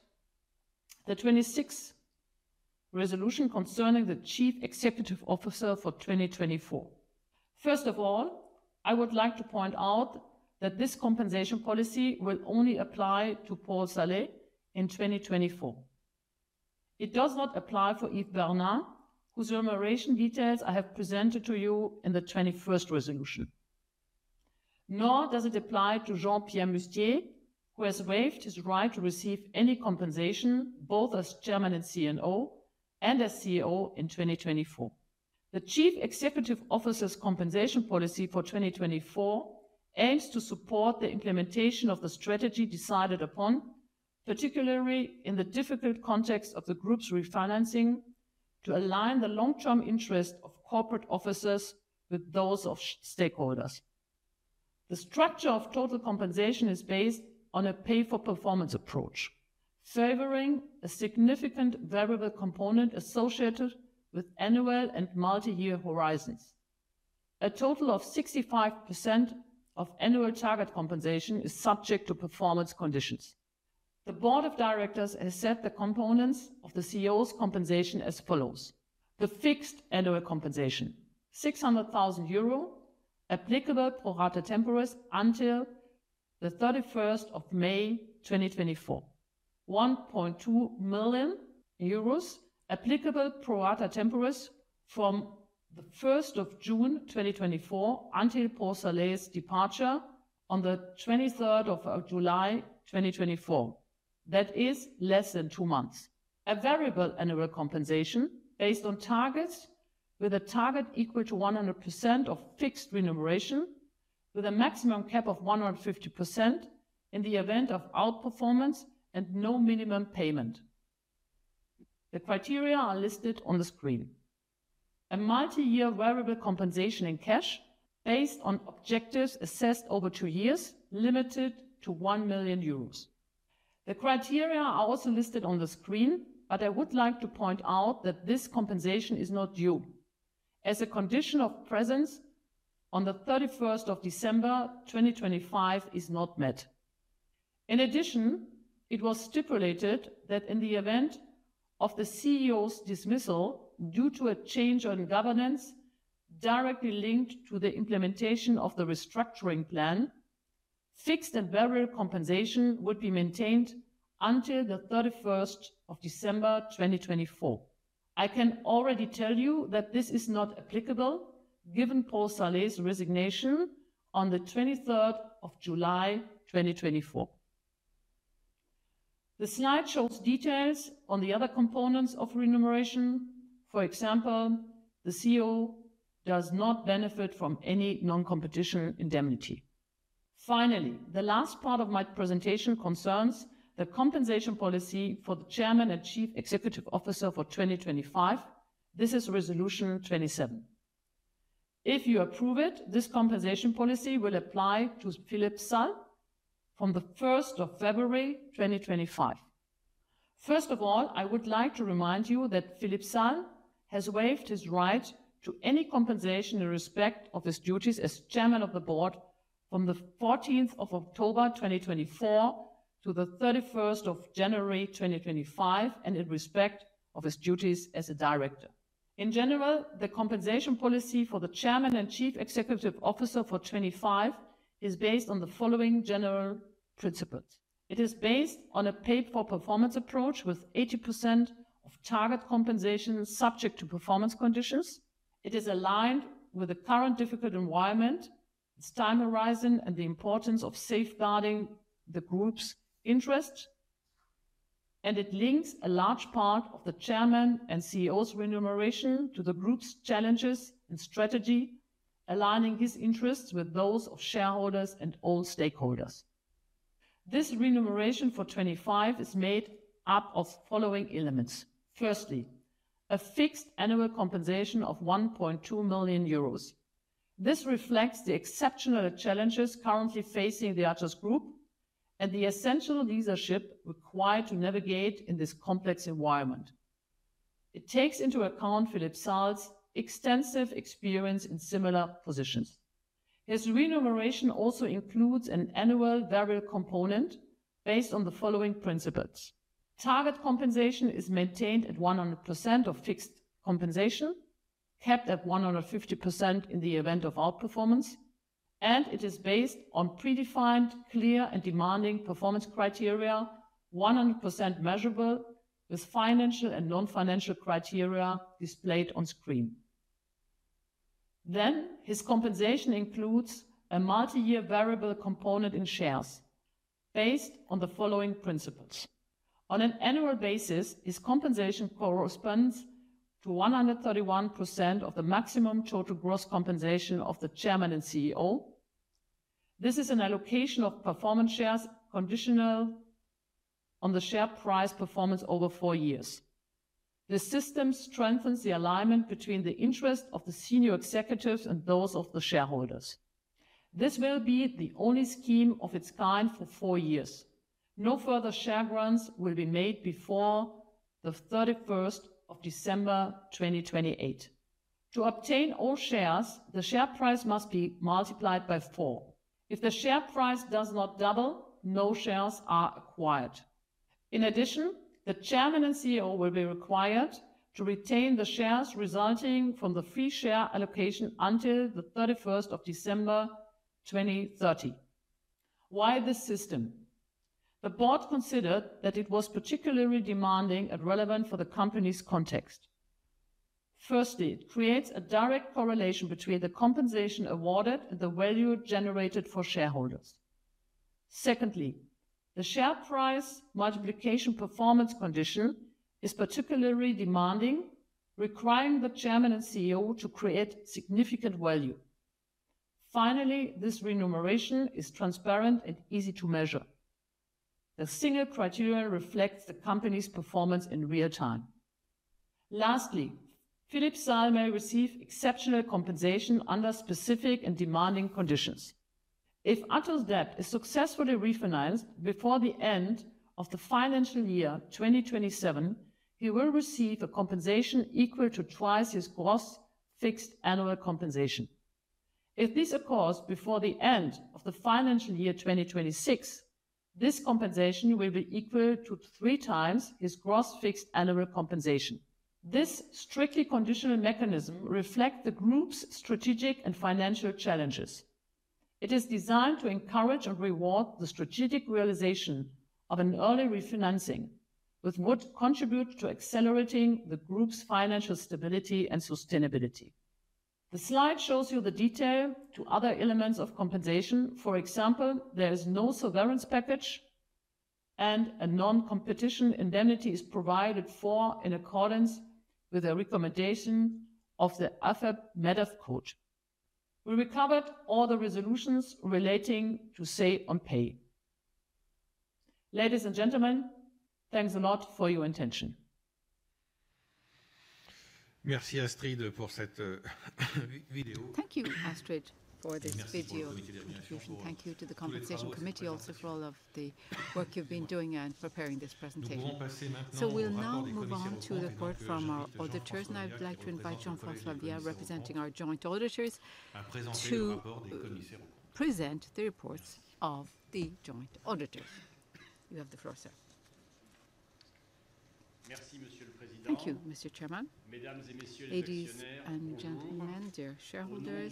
the 26th resolution concerning the chief executive officer for 2024. First of all, I would like to point out that this compensation policy will only apply to Paul Saleh in 2024. It does not apply for Yves Bernaert, whose remuneration details I have presented to you in the 21st resolution. Nor does it apply to Jean-Pierre Mustier, who has waived his right to receive any compensation both as Chairman and CEO and as CEO in 2024. The Chief Executive Officer's compensation policy for 2024 aims to support the implementation of the strategy decided upon, particularly in the difficult context of the group's refinancing, to align the long-term interests of corporate officers with those of stakeholders. The structure of total compensation is based on a pay-for-performance approach, favoring a significant variable component associated with annual and multi-year horizons. A total of 65% of annual target compensation is subject to performance conditions. The board of directors has set the components of the CEO's compensation as follows: the fixed annual compensation, 600,000 euro applicable pro rata temporis until the 31st of May 2024. 1.2 million euros applicable pro rata temporis from the 1st of June 2024 until Paul Saleh's departure on the 23rd of July 2024, that is less than two months. A variable annual compensation based on targets with a target equal to 100% of fixed remuneration, with a maximum cap of 150% in the event of outperformance and no minimum payment. The criteria are listed on the screen: a multi-year variable compensation in cash based on objectives assessed over two years, limited to 1 million euros. The criteria are also listed on the screen, but I would like to point out that this compensation is not due, as a condition of presence on the 31st of December 2025 is not met. In addition, it was stipulated that in the event of the CEO's dismissal due to a change in governance directly linked to the implementation of the restructuring plan, fixed and variable compensation would be maintained until the 31st of December 2024. I can already tell you that this is not applicable given Paul Saleh's resignation on the 23rd of July 2024. The slide shows details on the other components of remuneration. For example, the CEO does not benefit from any non-competition indemnity. Finally, the last part of my presentation concerns the compensation policy for the chairman and chief executive officer for 2025. This is resolution 27. If you approve it, this compensation policy will apply to Philippe Salle from the 1st of February 2025. First of all, I would like to remind you that Philippe Salle has waived his right to any compensation in respect of his duties as chairman of the board from the 14th of October 2024 to the 31st of January 2025, and in respect of his duties as a director. In general, the compensation policy for the chairman and chief executive officer for 2025 is based on the following general principles. It is based on a pay-for-performance approach with 80% of target compensation subject to performance conditions. It is aligned with the current difficult environment, its time horizon, and the importance of safeguarding the group's interests, and it links a large part of the chairman and CEO's remuneration to the group's challenges and strategy, aligning his interests with those of shareholders and all stakeholders. This remuneration for 2025 is made up of following elements. Firstly, a fixed annual compensation of 1.2 million euros. This reflects the exceptional challenges currently facing the Atos Group and the essential leadership required to navigate in this complex environment. It takes into account Philippe Salle's extensive experience in similar positions. His remuneration also includes an annual variable component based on the following principles. Target compensation is maintained at 100% of fixed compensation, kept at 150% in the event of outperformance, and it is based on predefined, clear, and demanding performance criteria, 100% measurable with financial and non-financial criteria displayed on screen. Then his compensation includes a multi-year variable component in shares based on the following principles. On an annual basis, his compensation corresponds to 131% of the maximum total gross compensation of the chairman and CEO. This is an allocation of performance shares conditional on the share price performance over four years. The system strengthens the alignment between the interests of the senior executives and those of the shareholders. This will be the only scheme of its kind for four years. No further share grants will be made before the 31st of December 2028. To obtain all shares, the share price must be multiplied by four. If the share price does not double, no shares are acquired. In addition, the Chairman and CEO will be required to retain the shares resulting from the free share allocation until the 31st of December 2030. Why this system? The board considered that it was particularly demanding and relevant for the company's context. Firstly, it creates a direct correlation between the compensation awarded and the value generated for shareholders. Secondly, the share price multiplication performance condition is particularly demanding, requiring the Chairman and CEO to create significant value. Finally, this remuneration is transparent and easy to measure. The single criterion reflects the company's performance in real time. Lastly, Philippe Salle may receive exceptional compensation under specific and demanding conditions. If Atos SE is successfully refinanced before the end of the financial year 2027, he will receive a compensation equal to twice his gross fixed annual compensation. If this occurs before the end of the financial year 2026, this compensation will be equal to three times his gross fixed annual compensation. This strictly conditional mechanism reflects the group's strategic and financial challenges. It is designed to encourage and reward the strategic realization of an early refinancing, which would contribute to accelerating the group's financial stability and sustainability. The slide shows you the details of other elements of compensation. For example, there is no severance package and a non-competition indemnity is provided for in accordance with the recommendation of the AFEP-MEDEF code. We recovered all the resolutions relating to say on pay. Ladies and gentlemen, thanks a lot for your attention. Merci Astrid pour cette vidéo. Thank you Astrid for this video presentation. Thank you to the compensation committee also for all of the work you've been doing and preparing this presentation. So we'll now move on to the report from our auditors. I would like to invite Jean-François Viat, representing our joint auditors, to present the reports of the joint auditors. You have the floor, sir. Merci Monsieur le Président. Thank you Mr. Chairman. Mesdames et Messieurs les actionnaires et les gentlemen, chers shareholders.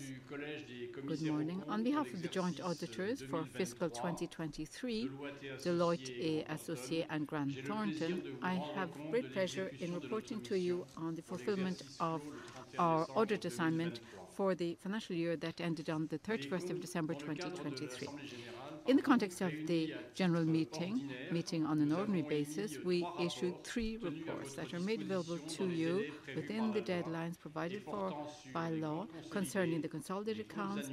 Good morning. On behalf of the joint auditors for fiscal 2023, Deloitte et Associés and Grant Thornton, I have great pleasure in reporting to you on the fulfillment of our audit assignment for the financial year that ended on the 31st of December 2023. In the context of the general meeting, meeting on an ordinary basis, we issued three reports that are made available to you within the deadlines provided for by law concerning the consolidated accounts,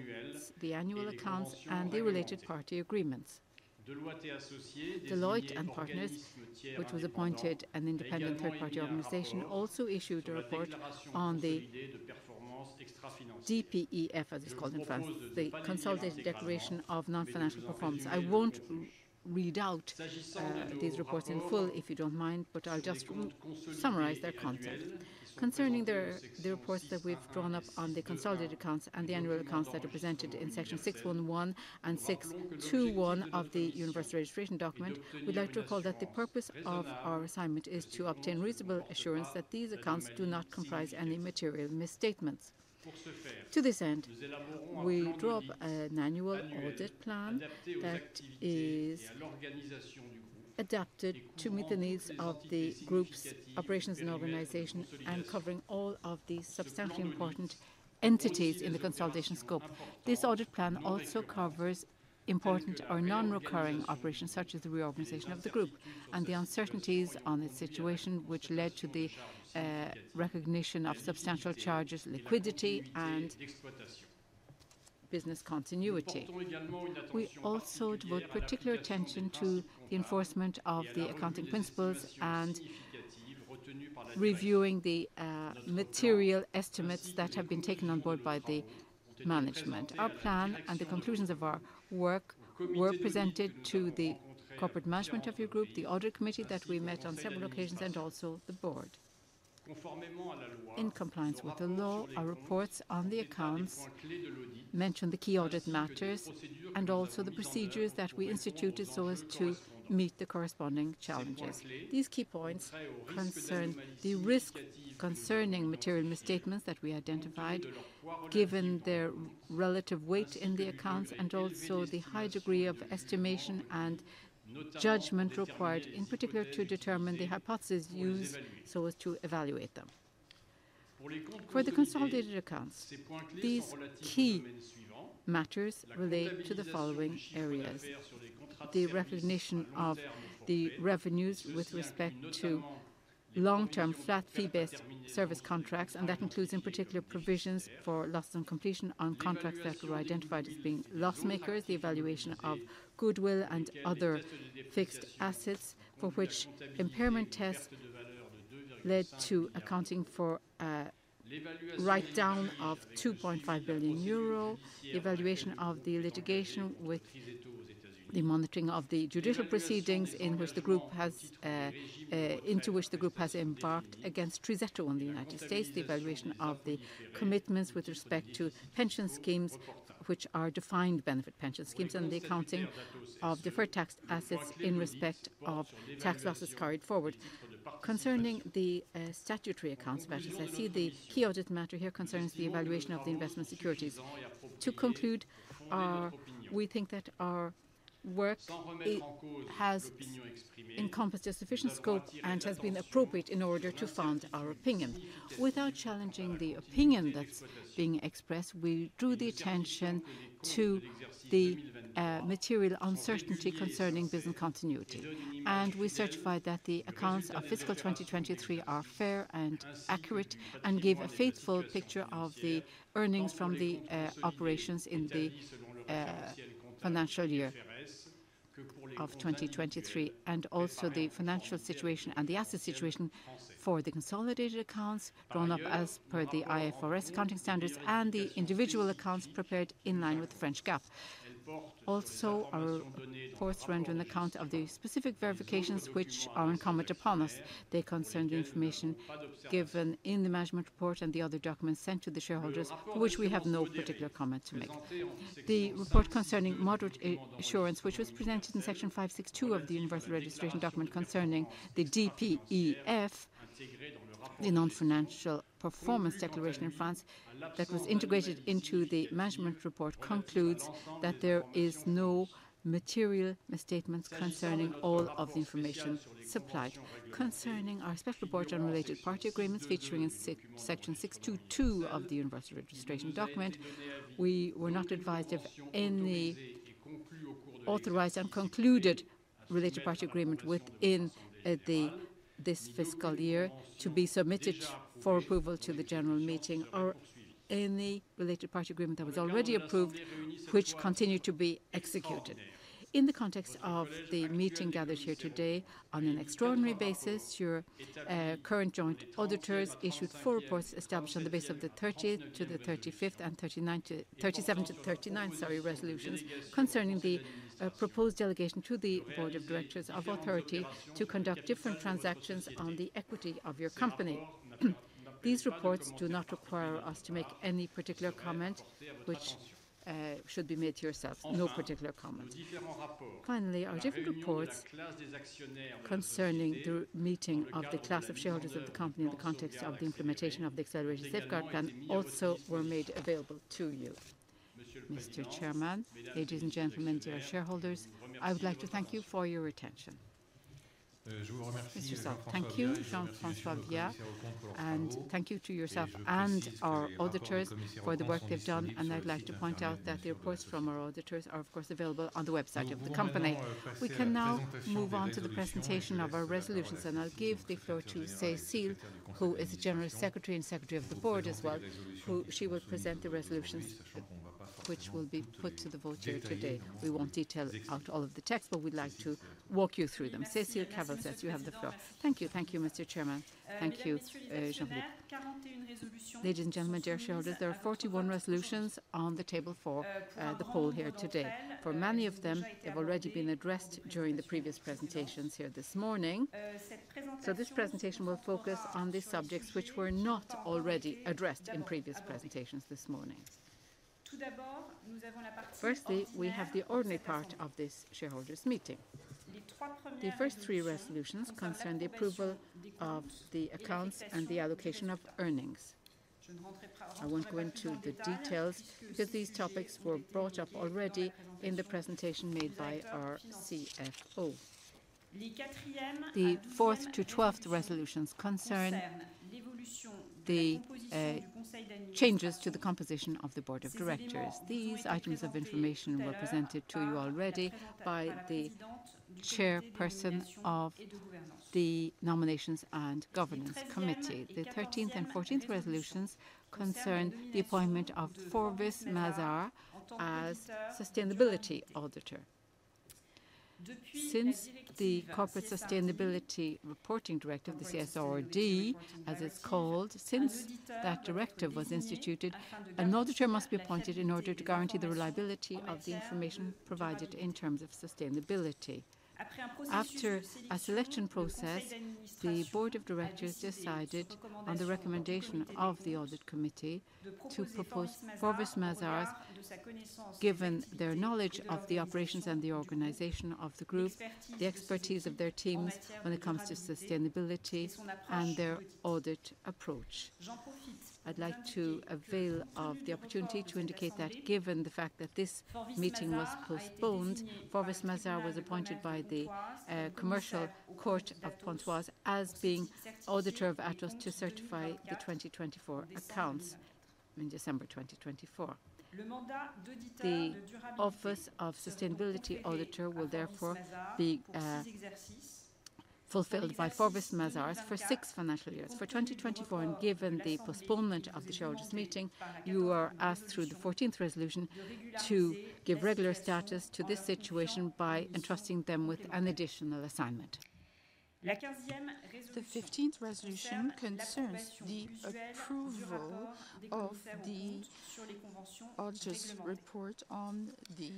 the annual accounts, and the related party agreements. Deloitte et Associés, which was appointed an independent third-party organization, also issued a report on the DPEF, as it's called in France, the consolidated declaration of non-financial performance. I won't read out these reports in full if you don't mind, but I'll just summarize their content. Concerning the reports that we've drawn up on the consolidated accounts and the annual accounts that are presented in section 611 and 621 of the Universal Registration Document, we'd like to recall that the purpose of our assignment is to obtain reasonable assurance that these accounts do not comprise any material misstatements. To this end, we draw up an annual audit plan that is adapted to meet the needs of the group's operations and organization and covering all of the substantially important entities in the consolidation scope. This audit plan also covers important or non-recurring operations such as the reorganization of the group and the uncertainties on its situation, which led to the recognition of substantial charges, liquidity, and business continuity. We also devote particular attention to the enforcement of the accounting principles and reviewing the material estimates that have been taken on board by the management. Our plan and the conclusions of our work were presented to the corporate management of your group, the audit committee that we met on several occasions, and also the board. In compliance with the law, our reports on the accounts mention the key audit matters and also the procedures that we instituted so as to meet the corresponding challenges. These key points concern the risk concerning material misstatements that we identified, given their relative weight in the accounts and also the high degree of estimation and judgment required in particular to determine the hypotheses used so as to evaluate them. For the consolidated accounts, these key matters relate to the following areas: the recognition of the revenues with respect to long-term flat fee-based service contracts, and that includes in particular provisions for loss and completion on contracts that were identified as being loss-makers, the evaluation of goodwill and other fixed assets for which impairment tests led to accounting for a write-down of 2.5 billion euro, the evaluation of the litigation with the monitoring of the judicial proceedings into which the group has embarked against TriZetto in the United States, the evaluation of the commitments with respect to pension schemes which are defined benefit pension schemes, and the accounting of deferred tax assets in respect of tax losses carried forward. Concerning the statutory accounts, as I see, the key audit matter here concerns the evaluation of the investment securities. To conclude, we think that our work has encompassed a sufficient scope and has been appropriate in order to form our opinion. Without challenging the opinion that's being expressed, we drew the attention to the material uncertainty concerning business continuity, and we certify that the accounts of fiscal 2023 are fair and accurate and give a faithful picture of the earnings from the operations in the financial year of 2023 and also the financial situation and the asset situation for the consolidated accounts drawn up as per the IFRS accounting standards and the individual accounts prepared in line with the French GAAP. Also, our reports render an account of the specific verifications which are incumbent upon us. They concern the information given in the management report and the other documents sent to the shareholders for which we have no particular comment to make. The report concerning moderate assurance, which was presented in section 562 of the Universal Registration Document concerning the DPEF, the non-financial performance declaration in France that was integrated into the management report, concludes that there are no material misstatements concerning all of the information supplied. Concerning our special report on related party agreements featuring in section 622 of the Universal Registration Document, we were not advised of any authorized and concluded related party agreement within this fiscal year to be submitted for approval to the general meeting or any related party agreement that was already approved, which continued to be executed. In the context of the meeting gathered here today, on an extraordinary basis, your current joint auditors issued four reports established on the basis of the 30th to the 37th to the 39th resolutions concerning the proposed delegation to the board of directors of authority to conduct different transactions on the equity of your company. These reports do not require us to make any particular comment, which should be made to yourselves. No particular comment. Finally, our different reports concerning the meeting of the class of shareholders of the company in the context of the implementation of the Accelerated Safeguard Plan also were made available to you. Mr. Chairman, ladies and gentlemen, dear shareholders, I would like to thank you for your attention. Monsieur Salle, thank you, Jean-François Bioul, and thank you to yourself and our auditors for the work they've done. I'd like to point out that the reports from our auditors are, of course, available on the website of the company. We can now move on to the presentation of our resolutions. I'll give the floor to Cécile, who is the General Secretary and Secretary of the Board as well, who she will present the resolutions which will be put to the vote here today. We won't detail out all of the text, but we'd like to walk you through them. Cécile May-Edouard, you have the floor. Thank you. Thank you, Mr. Chairman. Thank you, Jean-Philippe. Ladies and gentlemen, dear shareholders, there are 41 resolutions on the table for the poll here today. For many of them, they've already been addressed during the previous presentations here this morning. This presentation will focus on the subjects which were not already addressed in previous presentations this morning. Firstly, we have the ordinary part of this shareholders' meeting. The first three resolutions concern the approval of the accounts and the allocation of earnings. I won't go into the details because these topics were brought up already in the presentation made by our CFO. The fourth to twelfth resolutions concern the changes to the composition of the board of directors. These items of information were presented to you already by the chairperson of the nominations and governance committee. The 13th and 14th resolutions concern the appointment of Forvis Mazars as sustainability auditor. Since the Corporate Sustainability Reporting Directive, the CSRD, as it's called, since that directive was instituted, an auditor must be appointed in order to guarantee the reliability of the information provided in terms of sustainability. After a selection process, the board of directors decided on the recommendation of the audit committee to propose Forvis Mazars, given their knowledge of the operations and the organization of the group, the expertise of their teams when it comes to sustainability and their audit approach. I'd like to avail of the opportunity to indicate that given the fact that this meeting was postponed, Forvis Mazars was appointed by the commercial court of Pontoise as being auditor of Atos to certify the 2024 accounts in December 2024. The office of sustainability auditor will therefore be fulfilled by Forvis Mazars for six financial years for 2024. And given the postponement of the shareholders' meeting, you are asked through the 14th resolution to give regular status to this situation by entrusting them with an additional assignment. The 15th resolution concerns the approval of the auditor's report on the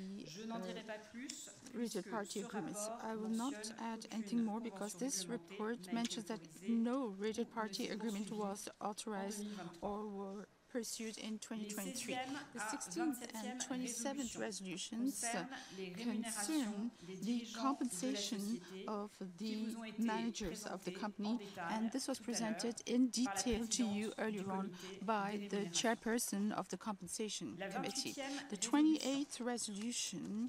related party agreements. I will not add anything more because this report mentions that no regional party agreement was authorized or pursued in 2023. The 16th and 27th resolutions concern the compensation of the managers of the company, and this was presented in detail to you earlier on by the chairperson of the compensation committee. The 28th resolution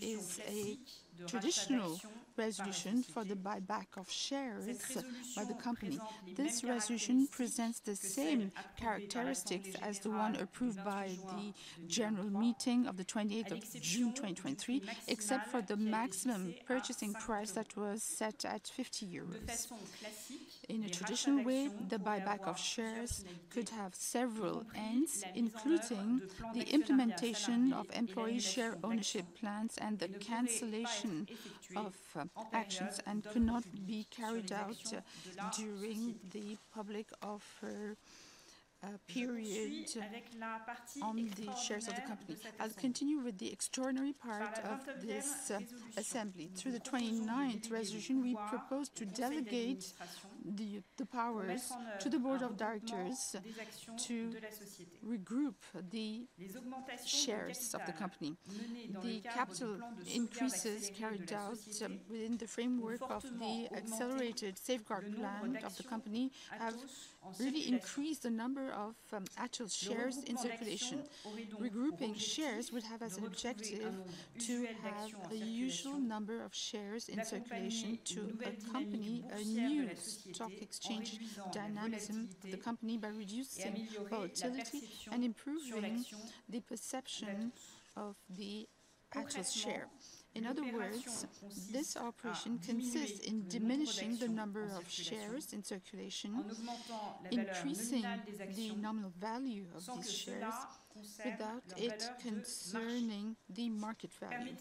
is a traditional resolution for the buyback of shares by the company. This resolution presents the same characteristics as the one approved by the general meeting of the 28th of June 2023, except for the maximum purchasing price that was set at 50 euros. In a traditional way, the buyback of shares could have several ends, including the implementation of employee share ownership plans and the cancellation of actions and could not be carried out during the public offer period on the shares of the company. I'll continue with the extraordinary part of this assembly. Through the 29th resolution, we propose to delegate the powers to the board of directors to regroup the shares of the company. The capital increases carried out within the framework of the Accelerated Safeguard Plan of the company have really increased the number of actual shares in circulation. Regrouping shares would have as an objective to have the usual number of shares in circulation to accompany a new stock exchange dynamism of the company by reducing volatility and improving the perception of the actual share. In other words, this operation consists in diminishing the number of shares in circulation, increasing the nominal value of these shares without it concerning the market value.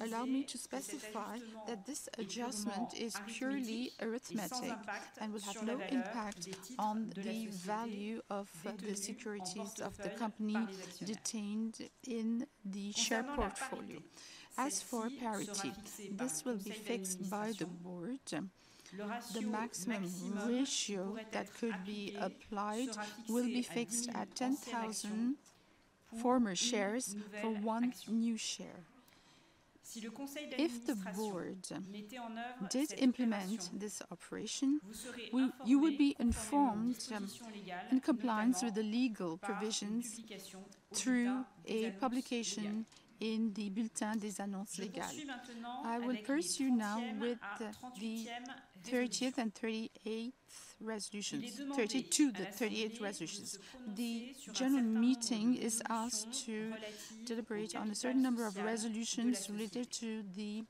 Allow me to specify that this adjustment is purely arithmetic and will have no impact on the value of the securities of the company detained in the share portfolio. As for parity, this will be fixed by the board. The maximum ratio that could be applied will be fixed at 10,000 former shares for one new share. If the board did implement this operation, you will be informed in compliance with the legal provisions through a publication in the Bulletin des Annonces Légales. I will pursue now with the 30th and 38th resolutions. The general meeting is asked to deliberate on a certain number of resolutions related to the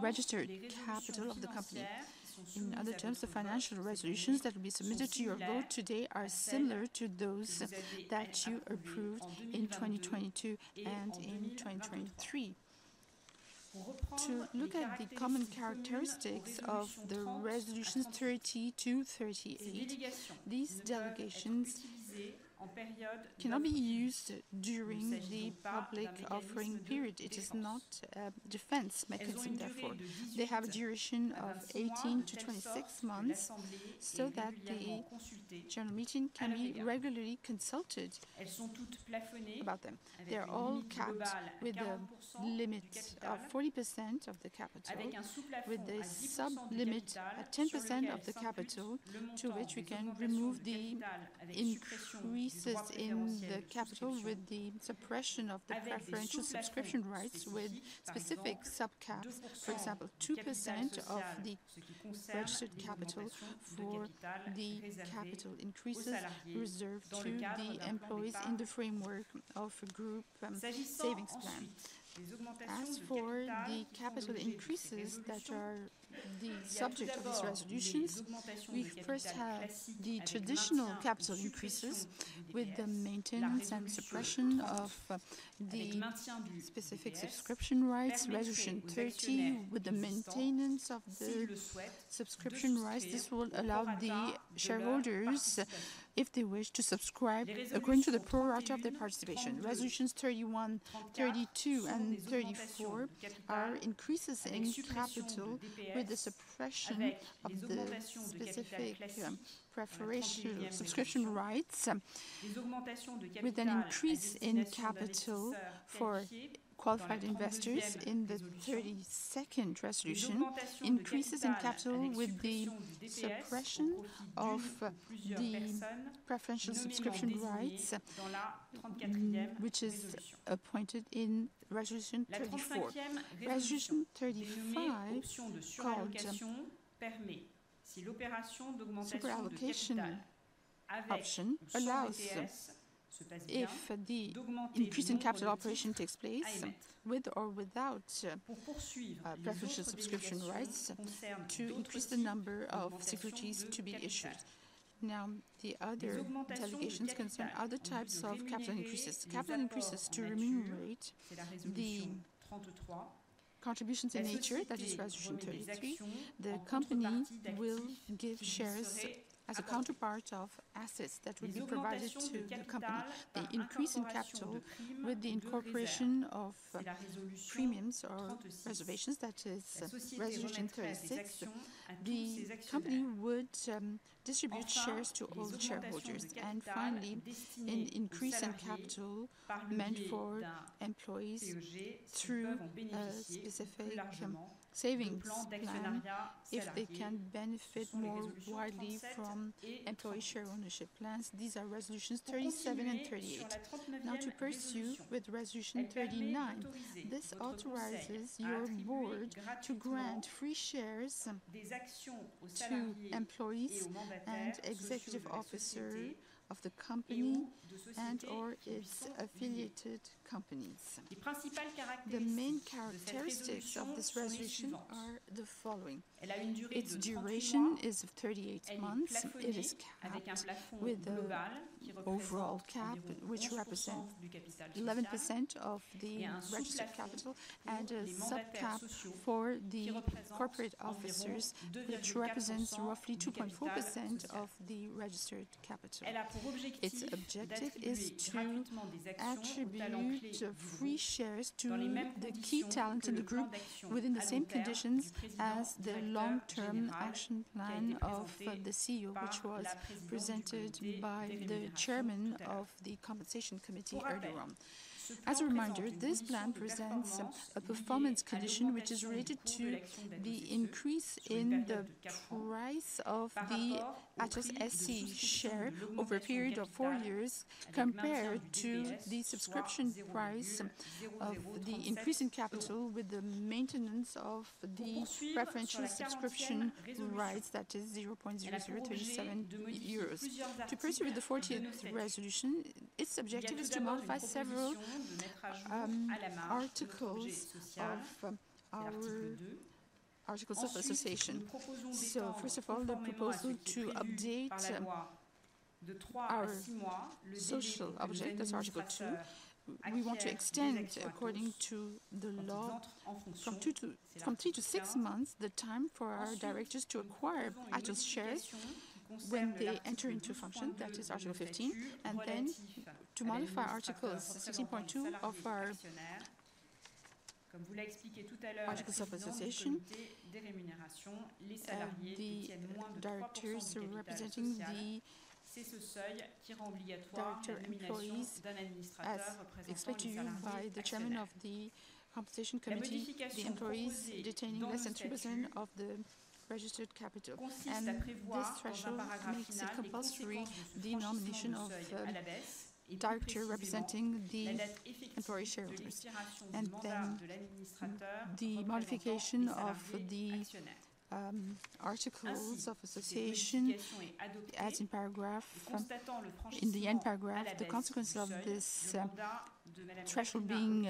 registered capital of the company. In other terms, the financial resolutions that will be submitted to your vote today are similar to those that you approved in 2022 and in 2023. To look at the common characteristics of the resolutions 30 to 38, these delegations cannot be used during the public offering period. It is not a defense mechanism, therefore. They have a duration of 18-26 months so that the general meeting can be regularly consulted about them. They are all capped with a limit of 40% of the capital, with a sub-limit at 10% of the capital, to which we can remove the increases in the capital with the suppression of the preferential subscription rights with specific sub-caps, for example, 2% of the registered capital for the capital increases reserved to the employees in the framework of a group savings plan. As for the capital increases that are the subject of these resolutions, we first have the traditional capital increases with the maintenance and suppression of the specific subscription rights. Resolution 30, with the maintenance of the subscription rights, this will allow the shareholders, if they wish, to subscribe according to the pro-rata of their participation. Resolutions 31, 32, and 34 are increases in capital with the suppression of the preferential subscription rights, with an increase in capital for qualified investors. In the 32nd resolution, increases in capital with the suppression of the preferential subscription rights, which is appointed in Resolution 34. Resolution 35, called surallocation option, allows, if the increase in capital operation takes place with or without preferential subscription rights, to increase the number of securities to be issued. Now, the other delegations concern other types of capital increases. Capital increases to remunerate the contributions in kind, that is, Resolution 33, the company will give shares as a counterpart of assets that will be provided to the company. The increase in capital with the incorporation of premiums or reserves, that is, Resolution 36, the company would distribute shares to all shareholders. Finally, an increase in capital meant for employees through a specific savings plan if they can benefit more widely from employee share ownership plans. These are Resolutions 37 and 38. Now, to pursue with Resolution 39, this authorizes your board to grant free shares to employees and executive officers of the company and/or its affiliated companies. The main characteristics of this resolution are the following. Its duration is 38 months in a scale with an overall cap which represents 11% of the registered capital and a sub-cap for the corporate officers, which represents roughly 2.4% of the registered capital. Its objective is to attribute free shares to the key talents in the group within the same conditions as the long-term action plan of the CEO, which was presented by the Chairman of the Compensation Committee earlier on. As a reminder, this plan presents a performance condition which is related to the increase in the price of the Atos SE share over a period of four years compared to the subscription price of the increase in capital with the maintenance of the preferential subscription rights, that is, 0.0037 euros. To pursue with the 14th resolution, its objective is to modify several articles of our articles of association. First of all, the proposal to update our social object, that's Article 2. We want to extend, according to the law, from three to six months the time for our directors to acquire Atos shares when they enter into function, that is, Article 15. And then to modify Article 16.2 of our articles of association, the seats held by the directors representing the employee directors expected to be appointed by the chairman of the compensation committee, the employees holding less than 3% of the registered capital, and this structure may compel the nomination of directors representing the employee shareholders. And then the modification of the articles of association, as in paragraph, in the end paragraph, the consequence of this threshold being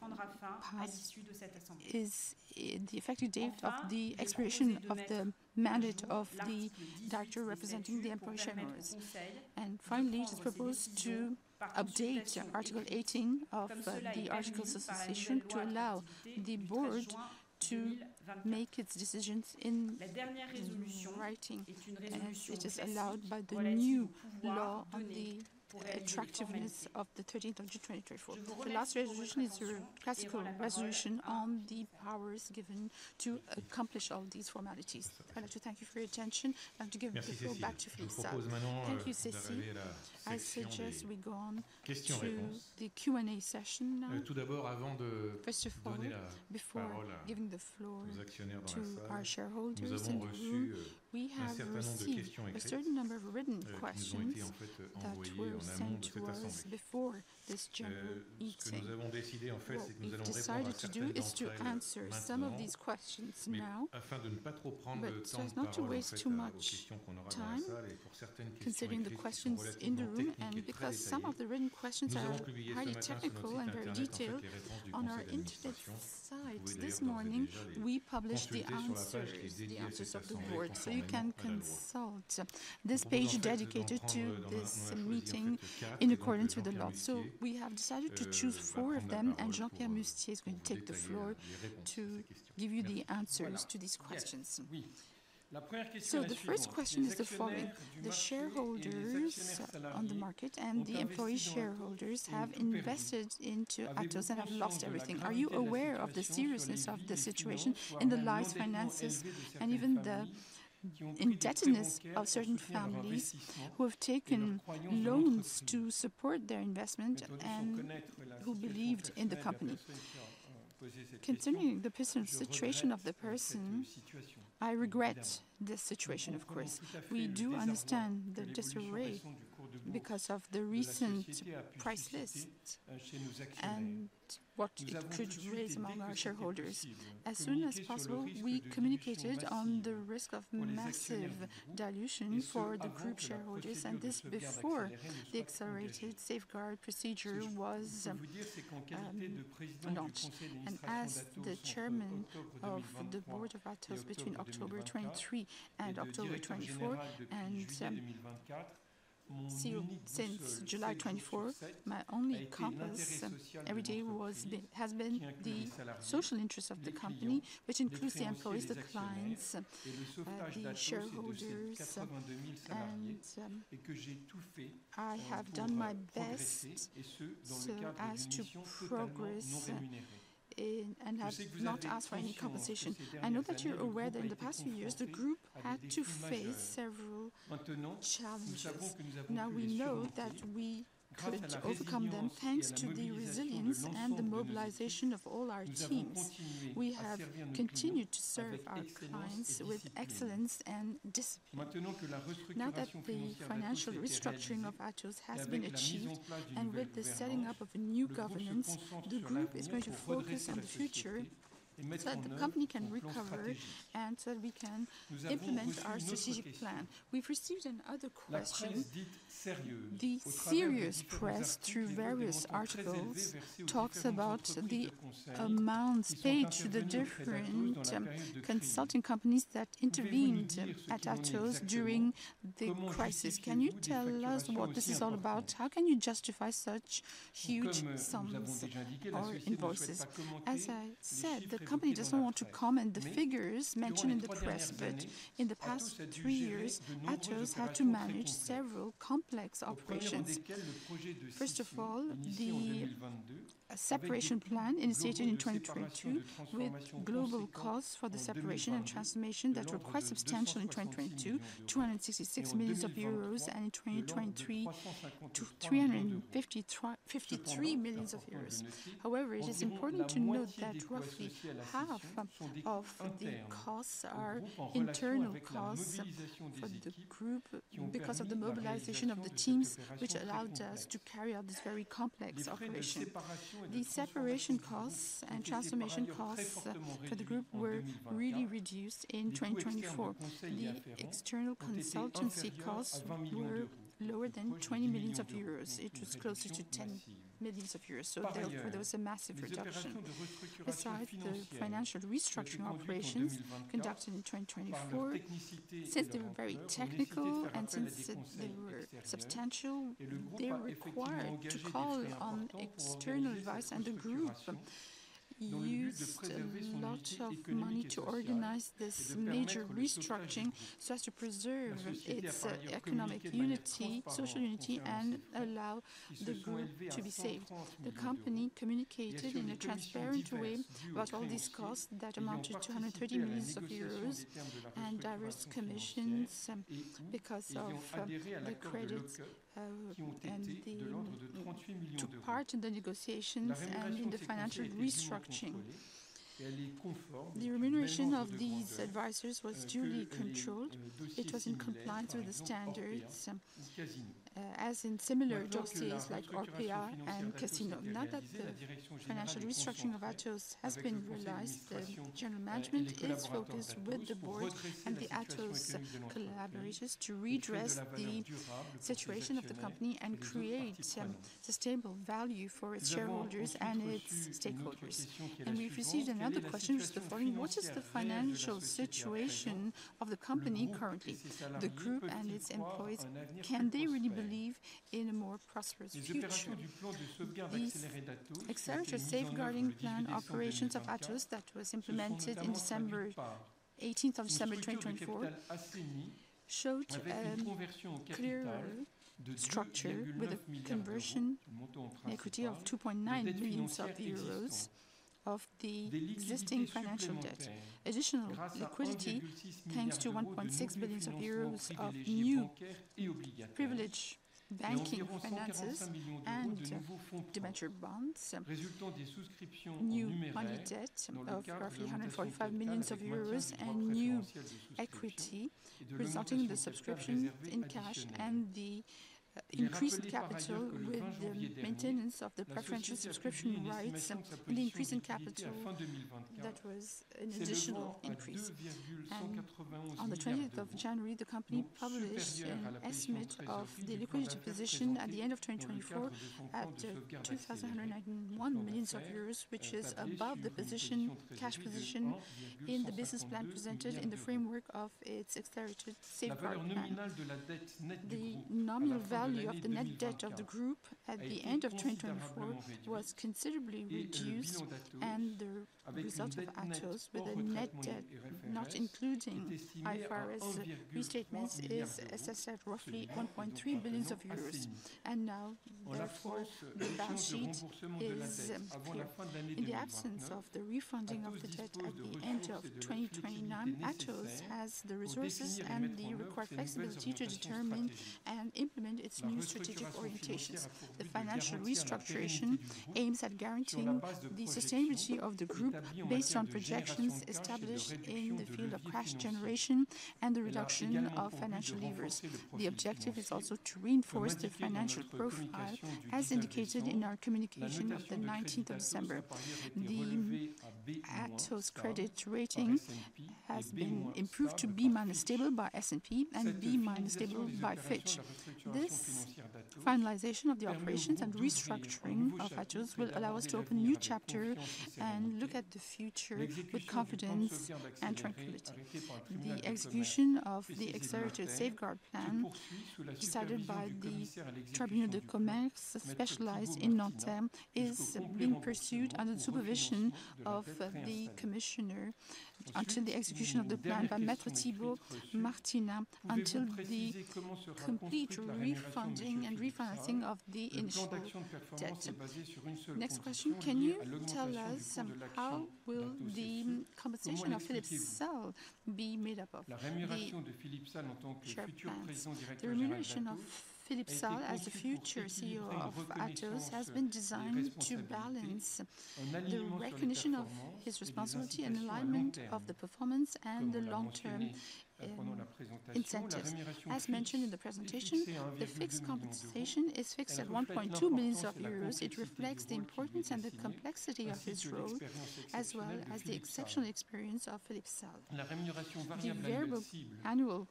prendra fin à l'issue de cette assemblée is the effective date of the expiration of the mandate of the director representing the employee shareholders. And finally, it is proposed to update Article 18 of the articles of association to allow the board to make its decisions in writing. It is allowed by the new law on the attractiveness of the 13th of June 2024. The last resolution is a classical resolution on the powers given to accomplish all these formalities. I'd like to thank you for your attention. I'd like to give the floor back to Philippe Salle. Thank you, Cécile. I suggest we go on to the Q&A session. Tout d'abord, avant de vous donner la parole, to our shareholders, we have a certain number of written questions to be sent to us before this general meeting. What we decided to do is to answer some of these questions now so as not to waste too much time considering the questions in the room and because some of the written questions are highly technical and very detailed. On our internet site this morning, we published the answers of the board so you can consult this page dedicated to this meeting in accordance with the law. So we have decided to choose four of them, and Jean-Pierre Mustier is going to take the floor to give you the answers to these questions. So the first question is the following. The shareholders on the market and the employee shareholders have invested into Atos and have lost everything. Are you aware of the seriousness of the situation in the lives, finances, and even the indebtedness of certain families who have taken loans to support their investment and who believed in the company? Considering t he situation of the person, I regret this situation, of course. We do understand the disarray because of the recent price list and what it could raise among our shareholders. As soon as possible, we communicated on the risk of massive dilution for the group shareholders, and this before the accelerated safeguard procedure was announced. And as the chairman of the board of Atos, between October 23 and October 24, and since July 24, my only compass every day has been the social interest of the company, which includes the employees, the clients, and the shareholders. I have done my best as to progress and have not asked for any compensation. I know that you're aware that in the past few years, the group had to face several challenges. Now we know that we could overcome them thanks to the resilience and the mobilization of all our teams. We have continued to serve our clients with excellence and discipline. Now that the financial restructuring of Atos has been achieved and with the setting up of a new governance, the group is going to focus on the future so that the company can recover and so that we can implement our strategic plan. We've received another question. The serious press through various articles talks about the amounts paid to the different consulting companies that intervened at Atos during the crisis. Can you tell us what this is all about? How can you justify such huge sums or invoices? As I said, the company doesn't want to comment on the figures mentioned in the press, but in the past three years, Atos had to manage several complex operations. First of all, the separation plan initiated in 2022 with global costs for the separation and transformation that were quite substantial in 2022, 266 million euros, and in 2023, 353 million euros. However, it is important to note that roughly half of the costs are internal costs for the group because of the mobilization of the teams, which allowed us to carry out this very complex operation. The separation costs and transformation costs for the group were really reduced in 2024. The external consultancy costs were lower than 20 million euros. It was closer to 10 million euros. So there was a massive reduction. Besides the financial restructuring operations conducted in 2024, since they were very technical and since they were substantial, they were required to call on external advice, and the group used a lot of money to organize this major restructuring so as to preserve its economic unity, social unity, and allow the group to be saved. The company communicated in a transparent way about all these costs that amounted to 130 million euros and diverse commissions because of the credits and the. Took part in the negotiations and in the financial restructuring. The remuneration of these advisors was duly controlled. It was in compliance with the standards, as in similar jobs like Orpea and Casino. Now that the financial restructuring of Atos has been realized, the general management is focused with the board and the Atos collaborators to redress the situation of the company and create sustainable value for its shareholders and its stakeholders. We've received another question, which is the following: What is the financial situation of the company currently? The group and its employees, can they really believe in a more prosperous future? This Accelerated Safeguard Plan operations of Atos that was implemented on December 18, 2024 showed a clear structure with a conversion equity of 2.9 million euros of the existing financial debt. Additional liquidity thanks to 1.6 billion euros of new privileged banking finances and debenture bonds, new money debt of roughly 145 million euros, and new equity resulting in the subscription in cash and the increased capital with the maintenance of the preferential subscription rights, the increase in capital that was an additional increase. On the 20th of January, the company published an estimate of the liquidity position at the end of 2024 at 2,191 million euros, which is above the cash position in the business plan presented in the framework of its Accelerated Safeguard Plan. The nominal value of the net debt of the group at the end of 2024 was considerably reduced, and the result of Atos with a net debt not including IFRS restatements is assessed at roughly 1.3 billion euros. Now, therefore, the balance sheet is full. In the absence of the refunding of the debt at the end of 2029, Atos has the resources and the required flexibility to determine and implement its new strategic orientations. The financial restructuring aims at guaranteeing the sustainability of the group based on projections established in the field of cash generation and the reduction of financial levers. The objective is also to reinforce the financial profile, as indicated in our communication of the 19th of December. The Atos credit rating has been improved to B-stable by S&P and B-stable by Fitch. This finalization of the operations and restructuring of Atos will allow us to open a new chapter and look at the future with confidence and tranquility. The execution of the Accelerated Safeguard Plan decided by the Tribunal de Commerce spécialisé de Nanterre is being pursued under the supervision of the commissioner until the execution of the plan by Maître Thibaut Martinat until the complete refunding and refinancing of the initial debt. Next question, can you tell us how will the compensation of Philippe Salle be made up of? The remuneration of Philippe Salle as the future CEO of Atos has been designed to balance the recognition of his responsibility and alignment of the performance and the long-term incentives. As mentioned in the presentation, the fixed compensation is fixed at 1.2 billion euros. It reflects the importance and the complexity of his role, as well as the exceptional experience of Philippe Salle. The variable annual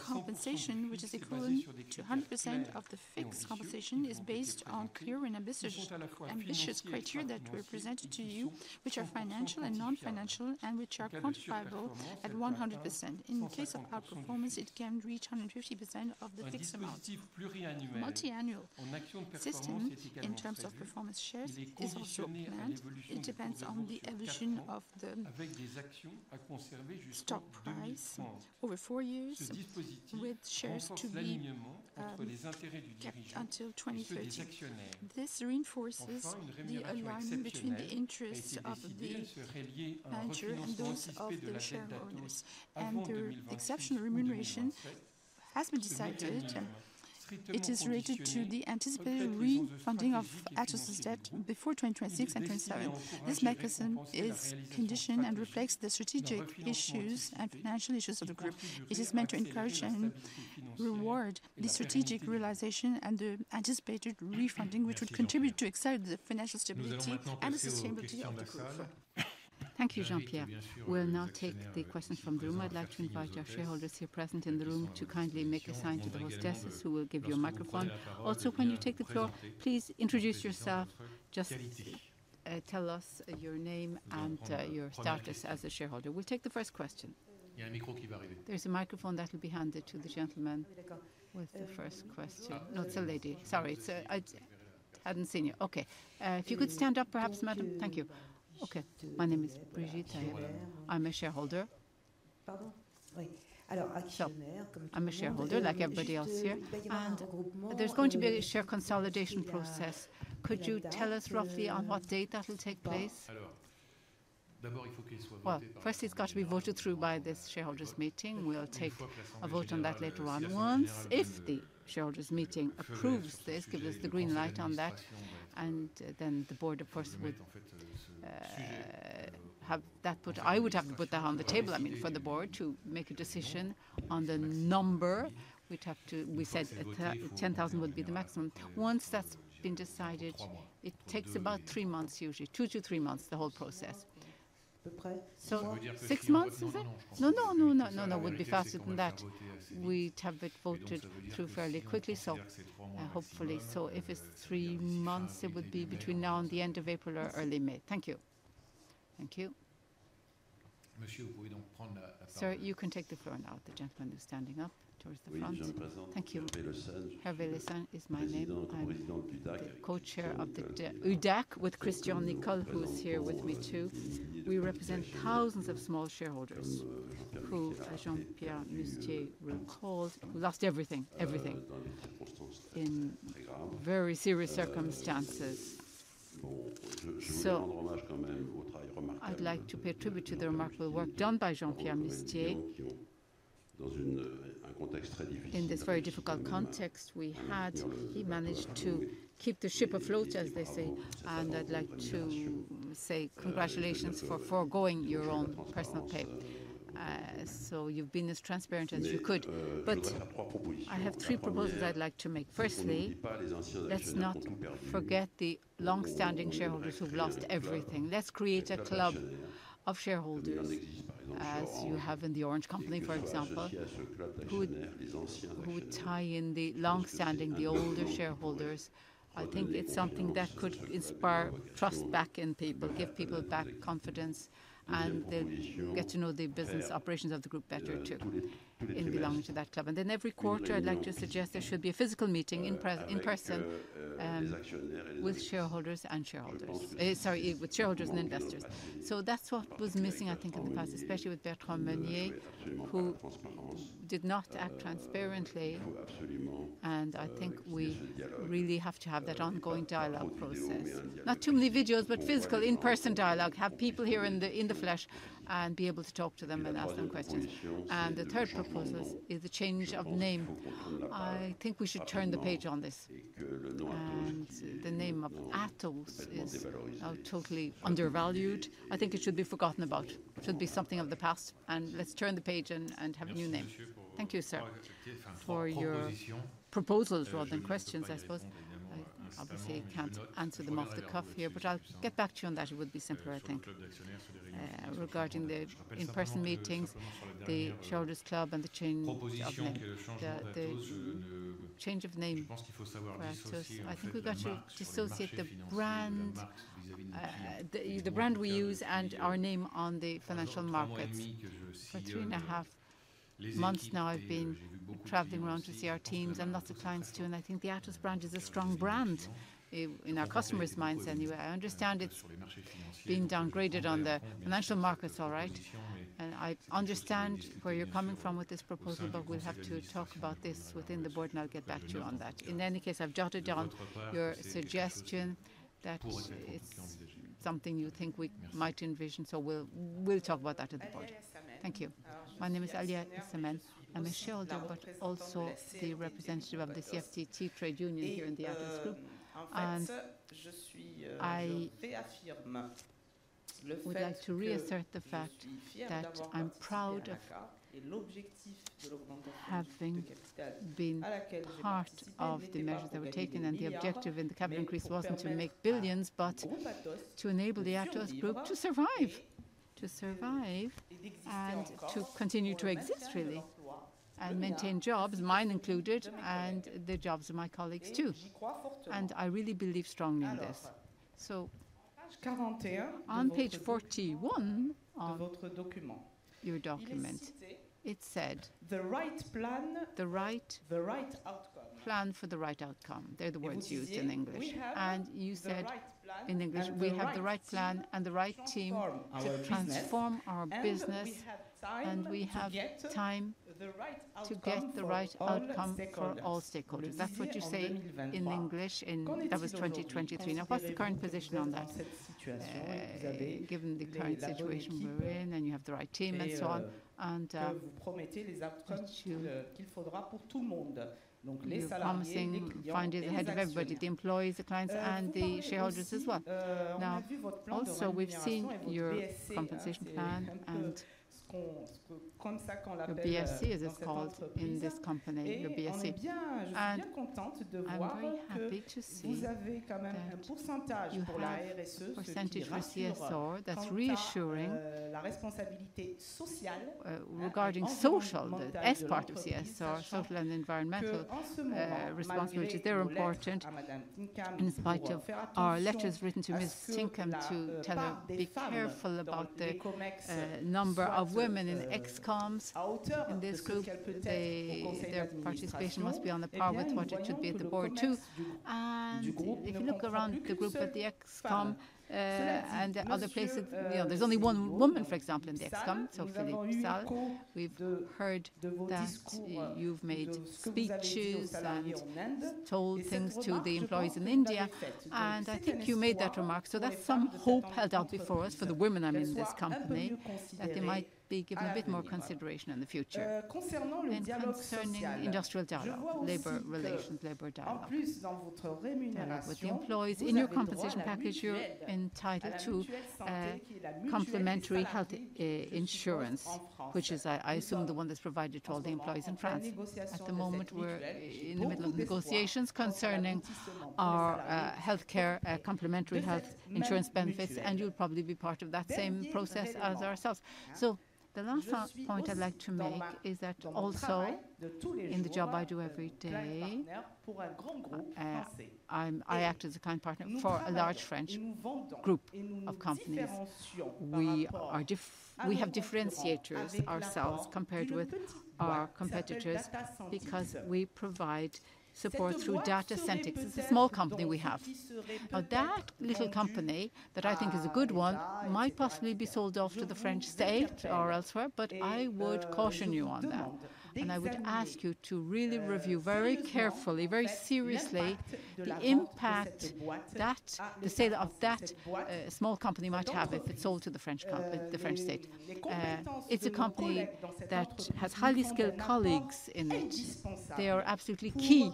compensation, which is equivalent to 100% of the fixed compensation, is based on clear and ambitious criteria that were presented to you, which are financial and non-financial, and which are quantifiable at 100%. In case of outperformance, it can reach 150% of the fixed amount. A multi-annual system in terms of performance shares is also planned. It depends on the evolution of the stock price over four years, with shares to be kept until 2030. This reinforces the alignment between the interests of the managers and those of the shareholders. The exceptional remuneration has been decided. It is related to the anticipated refinancing of Atos' debt before 2026 and 2027. This mechanism is conditional and reflects the strategic issues and financial issues of the group. It is meant to encourage and reward the strategic realization and the anticipated refunding, which would contribute to accelerating the financial stability and the sustainability of the group. Thank you, Jean-Pierre. We'll now take the questions from the room. I'd like to invite our shareholders here present in the room to kindly make a sign to the hostesses who will give you a microphone. Also, when you take the floor, please introduce yourself. Just tell us your name and your status as a shareholder. We'll take the first question. There's a microphone that will be handed to the gentleman with the first question. No, it's a lady. Sorry. I hadn't seen you. Okay. If you could stand up, perhaps, madam. Thank you. Okay. My name is Brigitte Taieb. I'm a shareholder. I'm a shareholder like everybody else here. And there's going to be a share consolidation process. Could you tell us roughly on what date that will take place? First, it's got to be voted through by this shareholders' meeting. We'll take a vote on that later on. Once the shareholders' meeting approves this, gives us the green light on that, and then the board, of course, would have that put. I would have to put that on the table, I mean, for the board to make a decision on the number. We said 10,000 would be the maximum. Once that's been decided, it takes about three months, usually, two to three months, the whole process. Six months, you said? No, no, no, no, no, no. It would be faster than that. We'd have it voted through fairly quickly, hopefully. So if it's three months, it would be between now and the end of April or early May. Thank you. Thank you. Sir, you can take the floor now. The gentleman who's standing up towards the front. Thank you. Hervé Lecesne is my name. I'm the co-chair of the UDAAC with Christian Nicol, who is here with me too. We represent thousands of small shareholders who, as Jean-Pierre Mustier recalls, lost everything, everything in very serious circumstances. I'd like to pay tribute to the remarkable work done by Jean-Pierre Mustier in this very difficult context we had. He managed to keep the ship afloat, as they say. And I'd like to say congratulations for forgoing your own personal pay. So you've been as transparent as you could. But I have three proposals I'd like to make. Firstly, let's not forget the long-standing shareholders who've lost everything. Let's create a club of shareholders, as you have in the Orange Company, for example, who tie in the long-standing, the older shareholders. I think it's something that could inspire trust back in people, give people back confidence, and they'll get to know the business operations of the group better too in belonging to that club. And then every quarter, I'd like to suggest there should be a physical meeting in person with shareholders and shareholders. Sorry, with shareholders and investors. So that's what was missing, I think, in the past, especially with Bertrand Meunier, who did not act transparently. And I think we really have to have that ongoing dialogue process. Not too many videos, but physical in-person dialogue. Have people here in the flesh and be able to talk to them and ask them questions. And the third proposal is the change of name. I think we should turn the page on this. And the name of Atos is now totally undervalued. I think it should be forgotten about. It should be something of the past, and let's turn the page and have a new name. Thank you, sir, for your proposals rather than questions, I suppose. I obviously can't answer them off the cuff here, but I'll get back to you on that. It would be simpler, I think. Regarding the in-person meetings, the shareholders' club, and the change of name, the change of name for Atos, I think we've got to dissociate the brand we use and our name on the financial markets. For three and a half months now, I've been traveling around to see our teams and lots of clients too, and I think the Atos brand is a strong brand in our customers' minds anyway. I understand it's been downgraded on the financial markets, all right. I understand where you're coming from with this proposal, but we'll have to talk about this within the board, and I'll get back to you on that. In any case, I've jotted down your suggestion that it's something you think we might envision. We'll talk about that at the board. Thank you. My name is gitte Tayeb but also the representative of the CFDT trade union here in the Atos group. I would like to reassert the fact that I'm proud of having been part of the measures that were taken. The objective in the Capital Increase wasn't to make billions, but to enable the Atos group to survive, to survive and to continue to exist, really, and maintain jobs, mine included, and the jobs of my colleagues too. I really believe strongly in this. So on page 41 of your document, it said, "The right plan, the right plan for the right outcome." They're the words used in English. And you said in English, "We have the right plan and the right team to transform our business, and we have time to get the right outcome for all stakeholders." That's what you said in English, and that was 2023. Now, what's the current position on that? Given the current situation we're in, and you have the right team and so on, and the promising findings ahead of everybody, the employees, the clients, and the shareholders as well. Now, also, we've seen your compensation plan and the BSC, as it's called in this company, the BSC. And I'm very happy to see the percentage for CSR, that's reassuring regarding social, the S part of CSR, social and environmental responsibilities. They're important in spite of our letters written to Ms. Tinkham, too. Be careful about the number of women in ex-coms in this group. Their participation must be on a par with what it should be at the board, too. If you look around the group at the ex-com and other places, there's only one woman, for example, in the ex-com, so Philippe Salle. We've heard that you've made speeches and told things to the employees in India. I think you made that remark. That's some hope held out before us for the women, I mean, in this company, that they might be given a bit more consideration in the future. Concerning industrial dialogue, labor relations, labor dialogue, and with the employees, in your compensation package, you're entitled to complementary health insurance, which is, I assume, the one that's provided to all the employees in France. At the moment, we're in the middle of negotiations concerning our healthcare, complementary health insurance benefits, and you'll probably be part of that same process as ourselves. The last point I'd like to make is that also in the job I do every day, I act as a client partner for a large French group of companies. We have differentiators ourselves compared with our competitors because we provide support through data centers. It's a small company we have. Now, that little company that I think is a good one might possibly be sold off to the French state or elsewhere, but I would caution you on that. I would ask you to really review very carefully, very seriously, the impact that the sale of that small company might have if it's sold to the French state. It's a company that has highly skilled colleagues in it. They are absolutely key.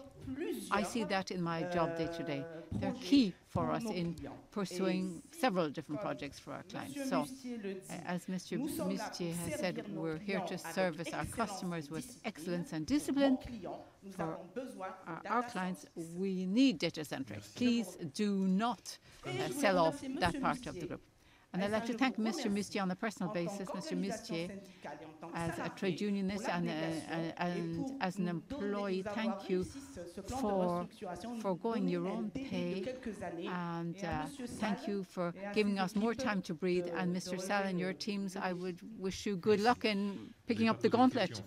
I see that in my job day-to-day. They're key for us in pursuing several different projects for our clients. As Mr. Mustier has said, we're here to service our customers with excellence and discipline. For our clients, we need data centers. Please do not sell off that part of the group. I'd like to thank Mr. Mustier on a personal basis, Mr. Mustier, as a trade unionist and as an employee. Thank you for forgoing your own pay. Thank you for giving us more time to breathe. Mr. Salle and your teams, I would wish you good luck in picking up the gauntlet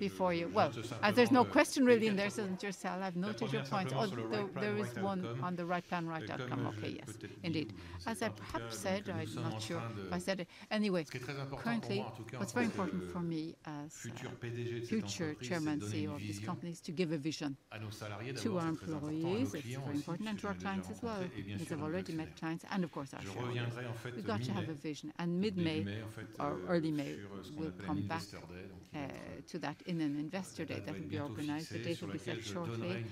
before you. Well, there's no question really in there, isn't there, Salle? I've noted your points. Although there is one on the right plan, right outcome. Okay, yes. Indeed. As I perhaps said, I'm not sure if I said it. Anyway, currently, what's very important for me as future Chairman and Chief Executive Officer of this company is to give a vision to our employees. It's very important and to our clients as well. Because I've already met clients and, of course, our shareholders. We've got to have a vision. And mid-May or early May, we'll come back to that in an investor day that will be organized. The date will be set shortly.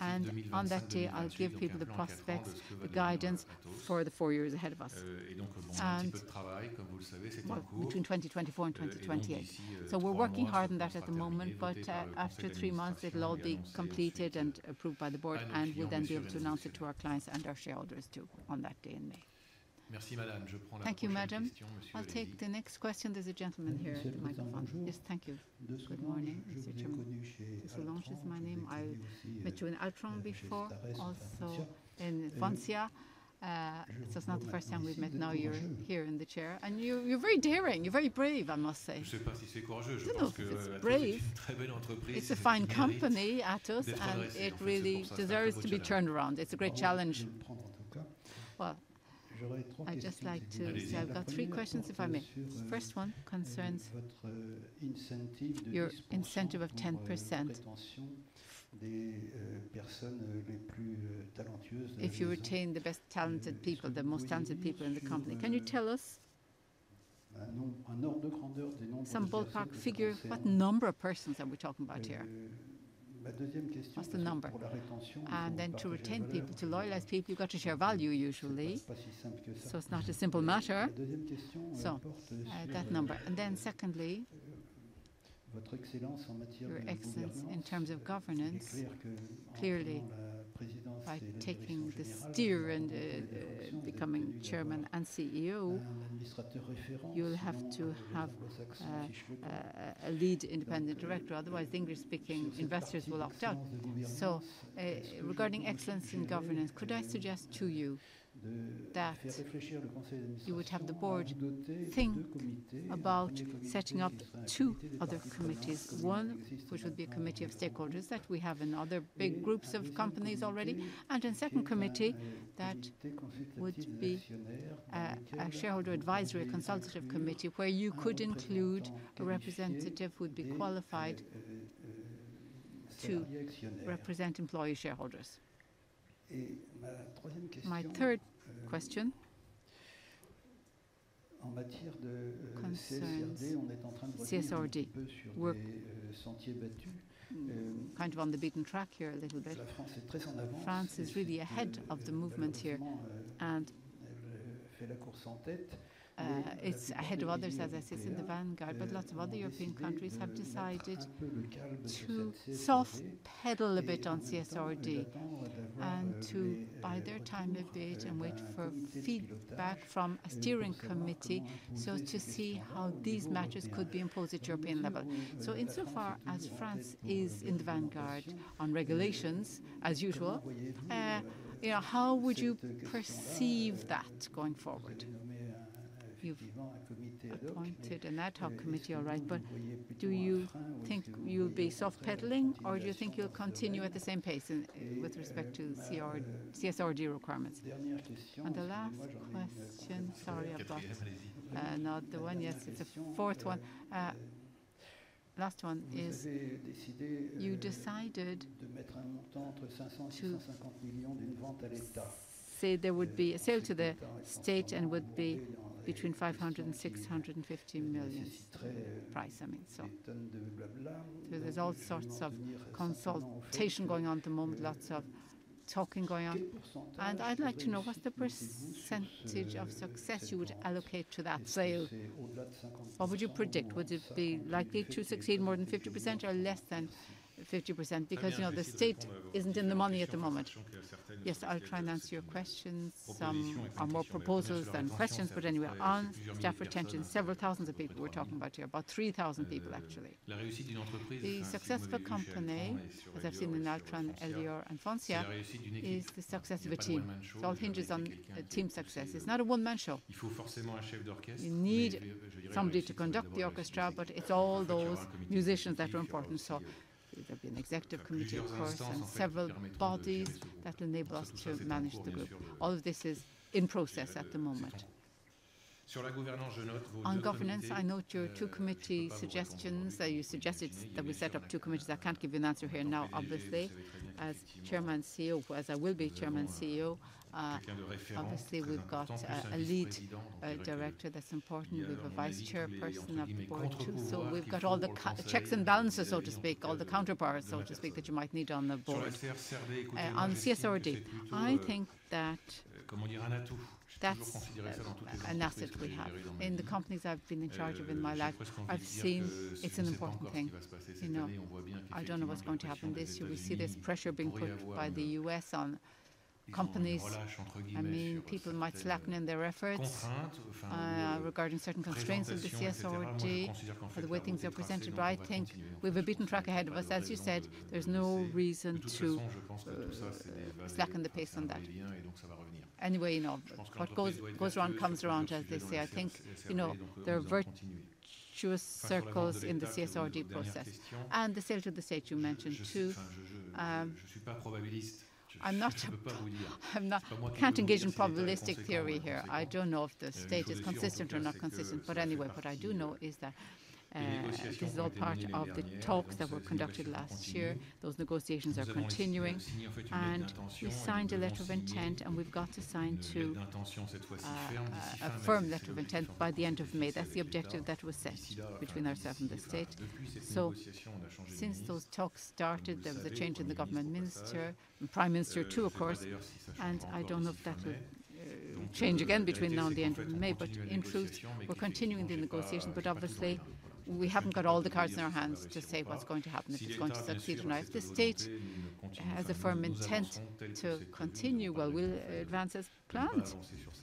And on that day, I'll give people the prospects, the guidance for the four years ahead of us. And between 2024 and 2028. So we're working hard on that at the moment, but after three months, it'll all be completed and approved by the board, and we'll then be able to announce it to our clients and our shareholders too on that day in May. Thank you, madam. I'll take the next question. There's a gentleman here at the microphone. Yes, thank you. Good morning, Mr.Chairman. This is Laurent, my name. I've met you in Altran before, also in Vinci. This is not the first time we've met. Now you're here in the chair. And you're very daring. You're very brave, I must say. No, no, it's a fine company, Atos, and it really deserves to be turned around. It's a great challenge. Well, I'd just like to say I've got three questions, if I may. The first one concerns your incentive of 10%. If you retain the best talented people, the most talented people in the company, can you tell us some ballpark figure? What number of persons are we talking about here? What's the number? And then to retain people, to loyalize people, you've got to share value, usually. So it's not a simple matter. So that number. And then secondly, in terms of governance, clearly, by taking the steer and becoming chairman and CEO, you'll have to have a lead independent director. Otherwise, English-speaking investors will opt out. So regarding excellence in governance, could I suggest to you that you would have the board think about setting up two other committees. One, which would be a committee of stakeholders that we have in other big groups of companies already. And a second committee that would be a shareholder advisory, a consultative committee where you could include a representative who would be qualified to represent employee shareholders. My third question concerns CSRD. Kind of on the beaten track here a little bit. France is really ahead of the movement here and is ahead of others, as I said, in the vanguard. But lots of other European countries have decided to soft-pedal a bit on CSRD and to buy their time a bit and wait for feedback from a steering committee to see how these matters could be imposed at European level. So insofar as France is in the vanguard on regulations, as usual, how would you perceive that going forward? You've appointed an ad hoc committee, all right. But do you think you'll be soft-pedaling, or do you think you'll continue at the same pace with respect to CSRD requirements? The last question, sorry, I've got not the one. Yes, it's a fourth one. Last one is you decided to say there would be a sale to the state and would be between 500 million and 650 million price. I mean, so there's all sorts of consultation going on at the moment, lots of talking going on. And I'd like to know what's the percentage of success you would allocate to that sale. What would you predict? Would it be likely to succeed more than 50% or less than 50%? Because the state isn't in the money at the moment. Yes, I'll try and answer your questions. Some are more proposals than questions, but anyway, on staff retention, several thousands of people we're talking about here, about 3,000 people, actually. The success of a company, as I've seen in Altran, Elior, and Vinci, is the success of a team. It all hinges on team success. It's not a one-man show. You need somebody to conduct the orchestra, but it's all those musicians that are important. So there'll be an executive committee, of course, and several bodies that will enable us to manage the group. All of this is in process at the moment. On governance, I note your two committee suggestions. You suggested that we set up two committees. I can't give you an answer here now, obviously. As Chairman and CEO, as I will be Chairman and CEO, obviously, we've got a lead director that's important. We have a Vice Chairperson of the Board too. So we've got all the checks and balances, so to speak, all the counterparts, so to speak, that you might need on the board. On CSRD, I think that that's an asset we have. In the companies I've been in charge of in my life, I've seen it's an important thing. I don't know what's going to happen this year. We see there's pressure being put by the U.S. on companies. I mean, people might slacken in their efforts regarding certain constraints of the CSRD or the way things are presented. But I think we have a beaten track ahead of us. As you said, there's no reason to slacken the pace on that. Anyway, what goes around comes around, as they say. I think there are virtuous circles in the CSRD process. And the sale to the state, you mentioned too. I'm not—I can't engage in probabilistic theory here. I don't know if the state is consistent or not consistent. But anyway, what I do know is that this is all part of the talks that were conducted last year. Those negotiations are continuing, and we signed a letter of intent, and we've got to sign to affirm a letter of intent by the end of May. That's the objective that was set between ourselves and the state. Since those talks started, there was a change in the government minister, the prime minister too, of course. I don't know if that will change again between now and the end of May. In truth, we're continuing the negotiations. Obviously, we haven't got all the cards in our hands to say what's going to happen, if it's going to succeed or not. If the state has a firm intent to continue, well, we'll advance as planned.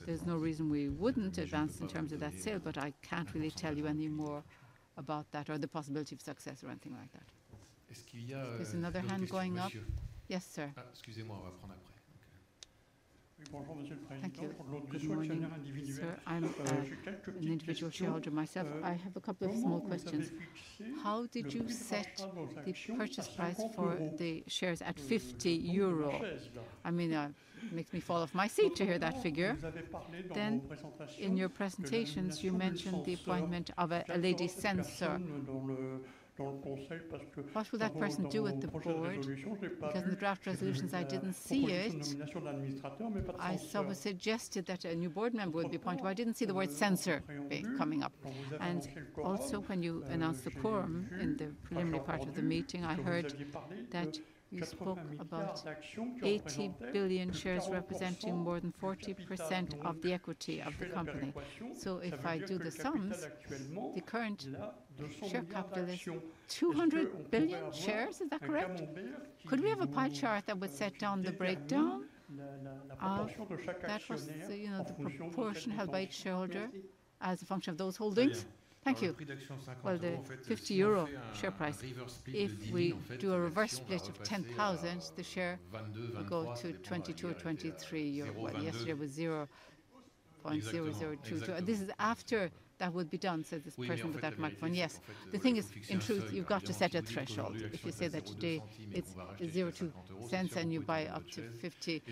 There's no reason we wouldn't advance in terms of that sale. I can't really tell you any more about that or the possibility of success or anything like that. Is another hand going up? Yes, sir. I'm an individual shareholder myself. I have a couple of small questions. How did you set the purchase price for the shares at 50 euro? I mean, it makes me fall off my seat to hear that figure. Then in your presentations, you mentioned the appointment of a lady censor. What will that person do at the board? Because in the draft resolutions, I didn't see it. I suggested that a new board member would be appointed. I didn't see the word censor coming up. And also, when you announced the quorum in the preliminary part of the meeting, I heard that you spoke about 80 billion shares representing more than 40% of the equity of the company. So if I do the sums, the current share capital is 200 billion shares. Is that correct? Could we have a pie chart that would set down the breakdown of that for the proportion held by each shareholder as a function of those holdings? Thank you. Well, the 50 euro share price, if we do a reverse split of 10,000, the share will go to 22 or 23. Yesterday it was 0.0022. This is after that would be done, said this person with that microphone. Yes. The thing is, in truth, you've got to set a threshold. If you say that today it's 0.02 cents and you buy up to 50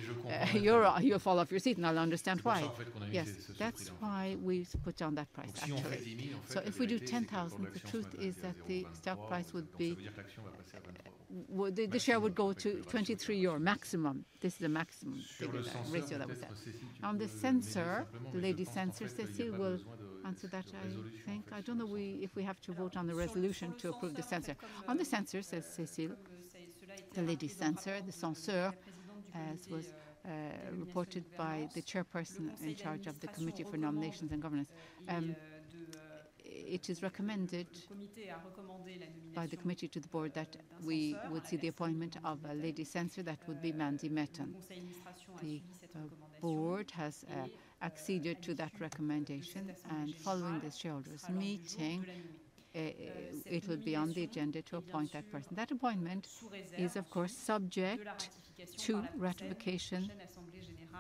euro, you'll fall off your seat, and I'll understand why. Yes, that's why we put down that price, actually so if we do 10,000, the truth is that the stock price would be, the share would go to 23 euro maximum. This is the maximum ratio that was set. On the censor, the lady censor, Cécile, will answer that, I think. I don't know if we have to vote on the resolution to approve the censor. On the censor, says Cécile, the lady censor, the censeur, as was reported by the chairperson in charge of the committee for nominations and governance, it is recommended by the committee to the board that we would see the appointment of a lady censor. That would be Mandy Metten. The board has acceded to that recommendation. And following this shareholders' meeting, it will be on the agenda to appoint that person. That appointment is, of course, subject to ratification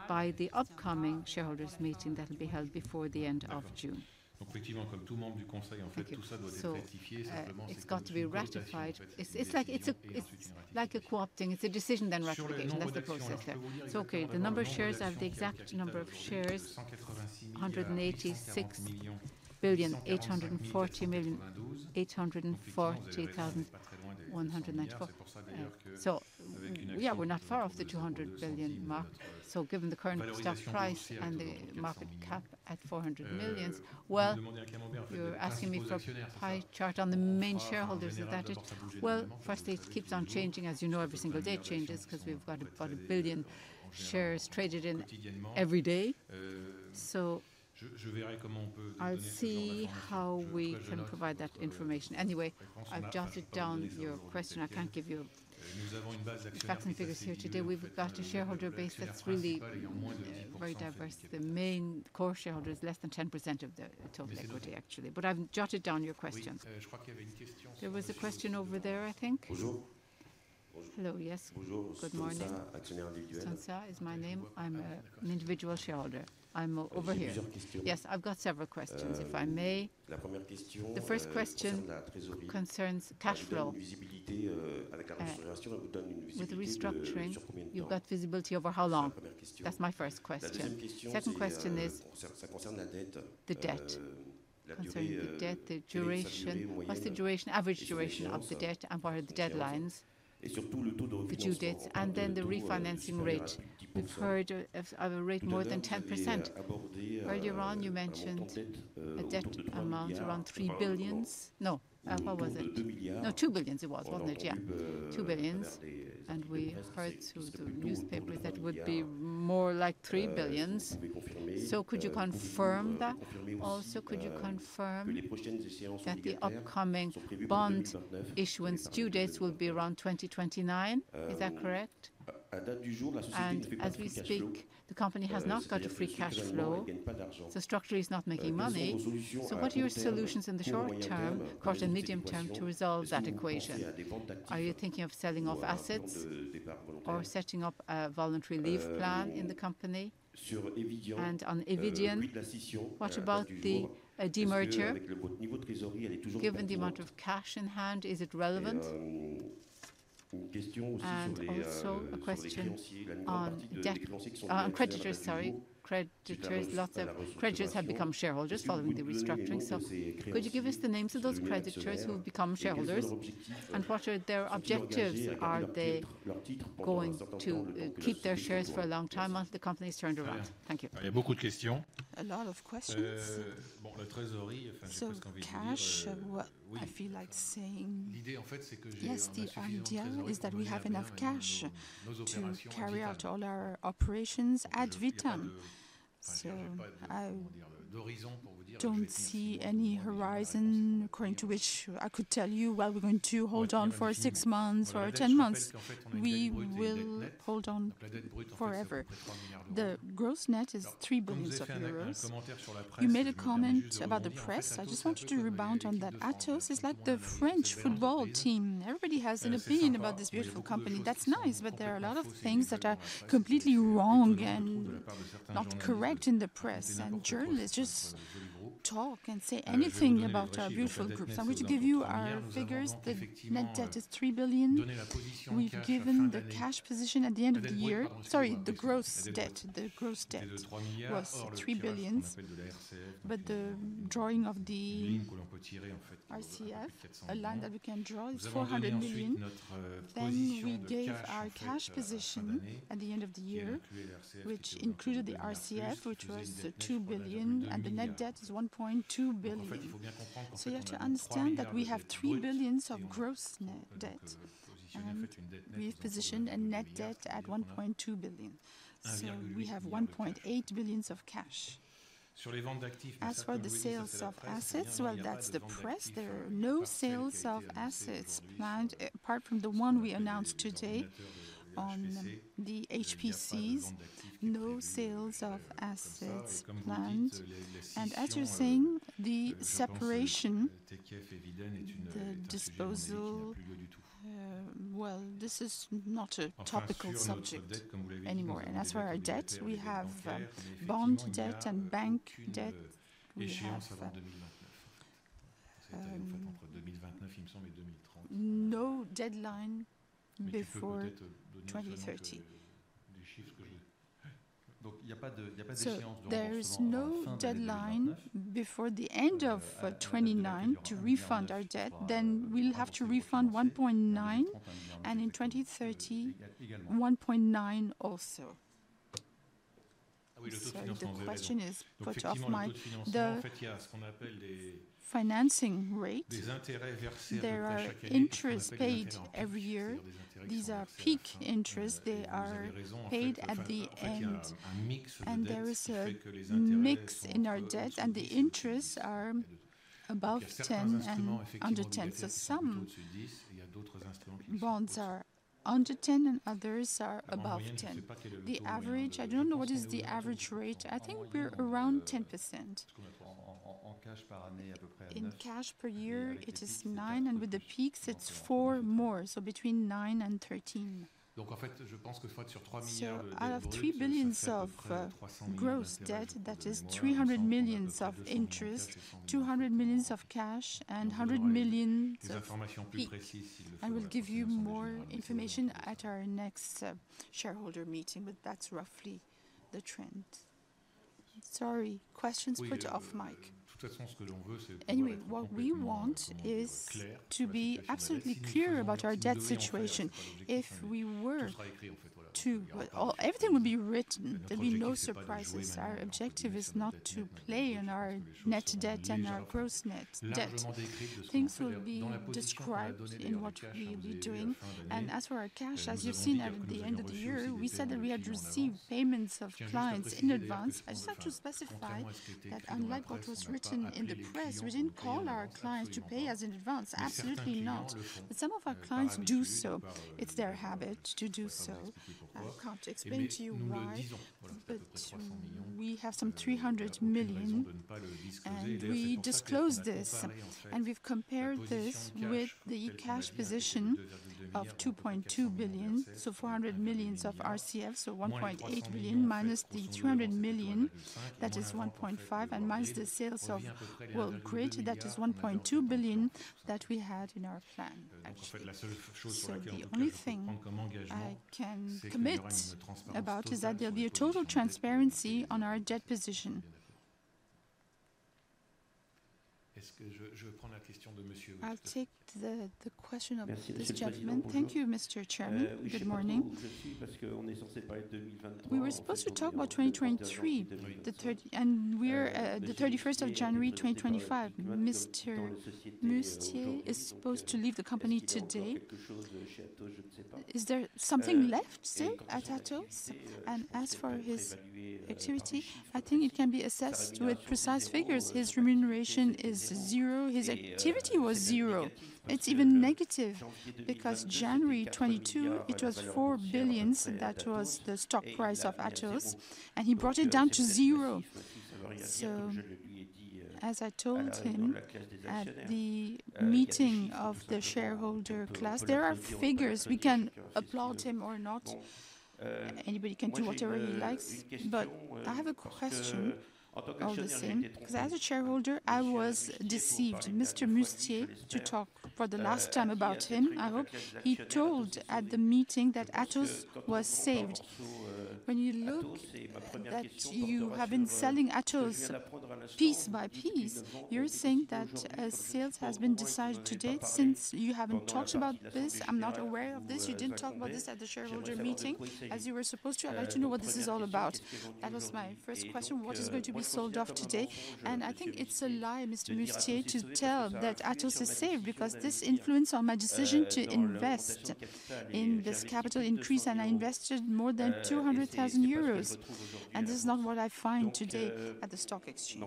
by the upcoming shareholders' meeting that will be held before the end of June. It's got to be ratified. It's like a co-opting. It's a decision, then ratification. That's the process there. So, okay, the number of shares. I have the exact number of shares: 186 billion, 840 million, 840,194. Yeah, we're not far off the 200 billion mark. Given the current stock price and the market cap at 400 million, well, you're asking me for a pie chart on the main shareholders of that. Well, firstly, it keeps on changing, as you know, every single day changes because we've got about a billion shares traded in every day. I'll see how we can provide that information. Anyway, I've jotted down your question. I can't give you the facts and figures here today. We've got a shareholder base that's really very diverse. The main core shareholder is less than 10% of the total equity, actually. I've jotted down your question. There was a question over there, I think. Hello, yes. Good morning. Censor is my name. I'm an individual shareholder. I'm over here. Yes, I've got several questions, if I may. The first question concerns cash flow. With restructuring, you've got visibility over how long? That's my first question. Second question is, what's the duration, average duration of the debt, and what are the deadlines? And then the refinancing rate. We've heard of a rate more than 10%. Earlier on, you mentioned a debt amount around 3 billion. No, what was it? No, 2 billion it was, wasn't it? Yeah, 2 billion. And we heard through the newspapers that it would be more like 3 billion. So could you confirm that? Also, could you confirm that the upcoming bond issuance due dates will be around 2029? Is that correct? As we speak, the company has not got a free cash flow. The structure is not making money. So what are your solutions in the short term, short and medium term to resolve that equation? Are you thinking of selling off assets or setting up a voluntary leave plan in the company? And on Eviden, what about the demerger? Given the amount of cash in hand, is it relevant? Also, a question on debt. On creditors, sorry. Creditors have become shareholders following the restructuring. So could you give us the names of those creditors who have become shareholders? And what are their objectives? Are they going to keep their shares for a long time once the company is turned around? Thank you. The idea, in fact, is that we have enough cash to carry out all our operations ad vitam. I don't see any horizon according to which I could tell you, well, we're going to hold on for six months or 10 months. We will hold on forever. The gross net is 3 billion euros. You made a comment about the press. I just wanted to rebound on that. Atos is like the French football team. Everybody has an opinion about this beautiful company. That's nice, but there are a lot of things that are completely wrong and not correct in the press. And journalists just talk and say anything about our beautiful groups. I'm going to give you our figures. The net debt is 3 billion. We've given the cash position at the end of the year. Sorry, the gross debt. The gross debt was 3 billion. But the drawing of the RCF, a line that we can draw, is 400 million. Then we gave our cash position at the end of the year, which included the RCF, which was 2 billion, and the net debt is 1.2 billion. So you have to understand that we have €3 billion of gross debt. We've positioned a net debt at €1.2 billion. So we have €1.8 billion of cash. As for the sales of assets, well, that's the press. There are no sales of assets planned apart from the one we announced today on the HPCs. No sales of assets planned. And as you're saying, the separation, the disposal, well, this is not a topical subject anymore. And as for our debt, we have bond debt and bank debt. No deadline before 2030. So, there is no deadline before the end of 2029 to refinance our debt. Then we'll have to refinance €1.9 billion, and in 2030, €1.9 billion also. The question is, put off the financing rate. There are interests paid every year. These are PIK interests. They are paid at the end. There is a mix in our debt, and the interests are above 10% and under 10%. So some bonds are under 10% and others are above 10%. The average, I don't know what is the average rate. I think we're around 10%. In cash per year, it is 9%, and with the peaks, it's 4% more. So between 9% and 13%. So I have 3 billion of gross debt. That is 300 million of interest, 200 million of cash, and 100 million of. I will give you more information at our next shareholder meeting, but that's roughly the trend. Sorry, questions put off mic. Anyway, what we want is to be absolutely clear about our debt situation. If we were to, everything would be written. There'd be no surprises. Our objective is not to play on our net debt and our gross net debt. Things will be described in what we'll be doing. As for our cash, as you've seen at the end of the year, we said that we had received payments of clients in advance. I just have to specify that unlike what was written in the press, we didn't call our clients to pay us in advance. Absolutely not. But some of our clients do so. It's their habit to do so. I can't explain to you why, but we have some €300 million, and we disclosed this. And we've compared this with the cash position of €2.2 billion. So €400 million of RCF, so €1.8 billion, minus the €200 million, that is €1.5 billion, and minus the sales of, well, Worldgrid, that is €1.2 billion that we had in our plan, actually. The only thing I can commit about is that there'll be a total transparency on our debt position. I'll take the question of this gentleman. Thank you, Mr. Chairman. Good morning. We were supposed to talk about 2023, and we're the 31st of January 2025. Mr. Mustier is supposed to leave the company today. Is there something left still at Atos? And as for his activity, I think it can be assessed with precise figures. His remuneration is zero. His activity was zero. It's even negative because January 22, it was 4 billion. That was the stock price of Atos. And he brought it down to zero. So as I told him at the meeting of the shareholder class, there are figures. We can applaud him or not. Anybody can do whatever he likes. But I have a question of the same. Because as a shareholder, I was deceived. Mr. Mustier, to talk for the last time about him, I hope he told at the meeting that Atos was saved. When you look that you have been selling Atos piece by piece, you're saying that a sale has been decided to date. Since you haven't talked about this, I'm not aware of this. You didn't talk about this at the shareholder meeting as you were supposed to. I'd like to know what this is all about. That was my first question. What is going to be sold off today? And I think it's a lie, Mr. Mustier, to tell that Atos is saved because this influenced on my decision to invest in this capital increase, and I invested more than 200,000 euros. And this is not what I find today at the stock exchange.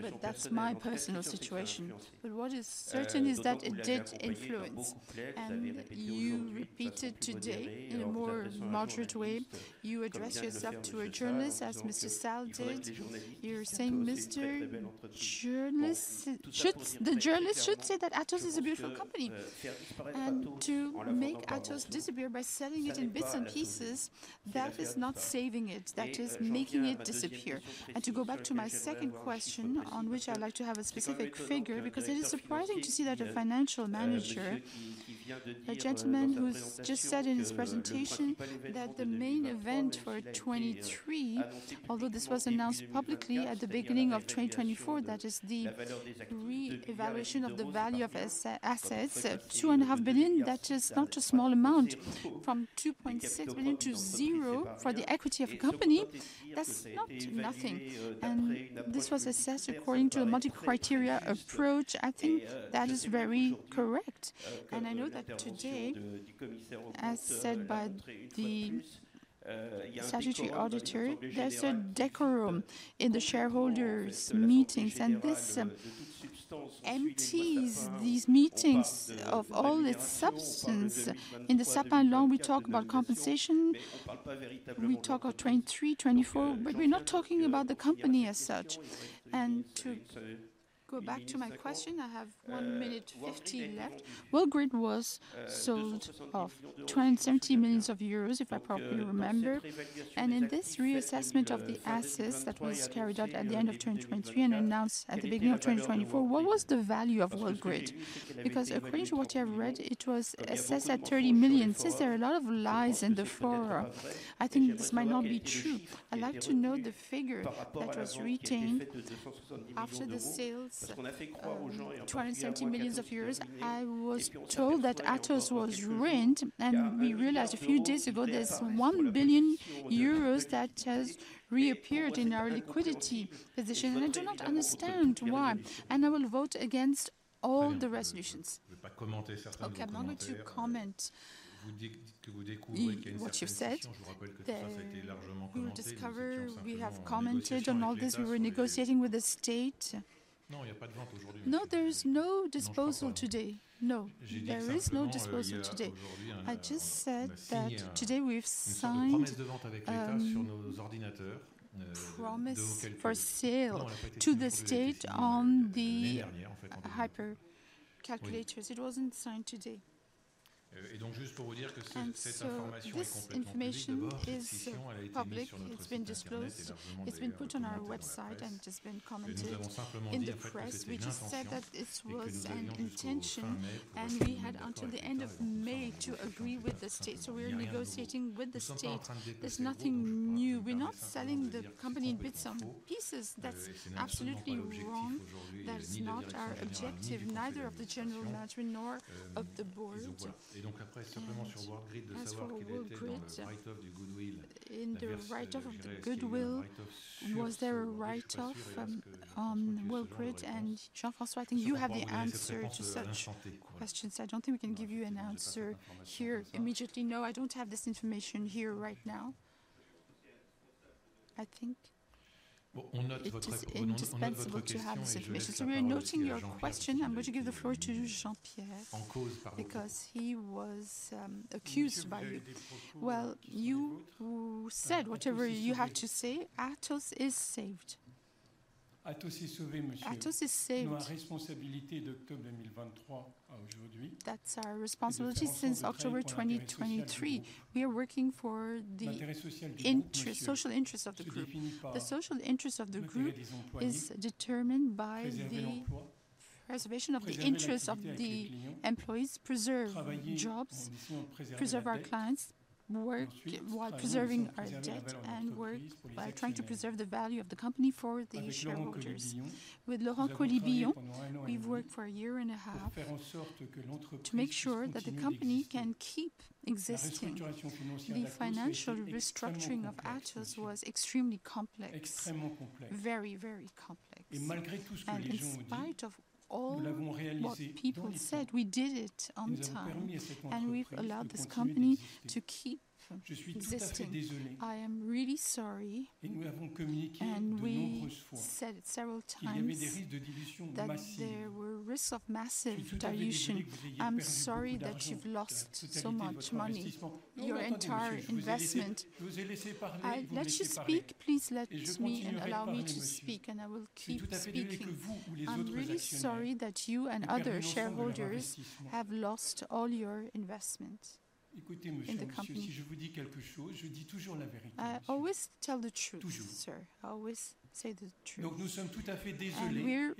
But that's my personal situation. But what is certain is that it did influence. You repeated today in a more moderate way. You addressed yourself to a journalist, as Mr. Salle did. You're saying, "Mr. Journalist should say that Atos is a beautiful company." To make Atos disappear by selling it in bits and pieces, that is not saving it. That is making it disappear. To go back to my second question, on which I'd like to have a specific figure, because it is surprising to see that a financial manager, a gentleman who just said in his presentation that the main event for 2023, although this was announced publicly at the beginning of 2024, that is the re-evaluation of the value of assets, €2.5 billion, that is not a small amount. From €2.6 billion to zero for the equity of a company, that's not nothing. This was assessed according to a multi-criteria approach. I think that is very correct. I know that today, as said by the statutory auditor, there's a decorum in the shareholders' meetings. This empties these meetings of all its substance. In the Sapin Law, we talk about compensation. We talk of 23, 24, but we're not talking about the company as such. To go back to my question, I have one minute 15 left. Worldgrid was sold off for 270 million euros, if I properly remember. In this reassessment of the assets that was carried out at the end of 2023 and announced at the beginning of 2024, what was the value of Worldgrid? Because according to what I've read, it was assessed at 30 million. Since there are a lot of lies in the forum, I think this might not be true. I'd like to know the figure that was retained after the sales, 270 million euros. I was told that Atos was rent, and we realized a few days ago there's 1 billion euros that has reappeared in our liquidity position, and I do not understand why, and I will vote against all the resolutions. Okay, I'm not going to comment. What you've said. We have commented on all this. We were negotiating with the state. No, there is no disposal today. No, there is no disposal today. I just said that today we've signed promesse de vente avec l'État sur nos ordinateurs for sale to the state on the hypercalculators. It wasn't signed today. This information is public. It's been disclosed. It's been put on our website and it has been commented in the press, which has said that it was an intention, and we had until the end of May to agree with the state, so we're negotiating with the state. There's nothing new. We're not selling the company in bits and pieces. That's absolutely wrong. That is not our objective, neither of the general management nor of the board. For Worldgrid, in the write-off of the Goodwill, was there a write-off on Worldgrid? Jean-François, I think you have the answer to such questions. I don't think we can give you an answer here immediately. No, I don't have this information here right now. I think it's inexcusable to have this information. We're noting your question. I'm going to give the floor to Jean-Pierre because he was accused by you. You said whatever you have to say. Atos is saved. Atos is saved. That's our responsibility since October 2023. We are working for the social interest of the group. The social interest of the group is determined by the preservation of the interests of the employees, preserve jobs, preserve our clients, while preserving our debt and work by trying to preserve the value of the company for the shareholders. With Laurent Collet-Billon, we've worked for a year and a half to make sure that the company can keep existing. The financial restructuring of Atos was extremely complex. Very, very complex, and we did it on time, and we've allowed this company to keep existing. I am really sorry, and we said it several times. There were risks of massive dilution. I'm sorry that you've lost so much money. Your entire investment. Let you speak. Please let me and allow me to speak, and I will keep speaking. I'm really sorry that you and other shareholders have lost all your investment in the company. I always tell the truth, sir. I always say the truth, and we're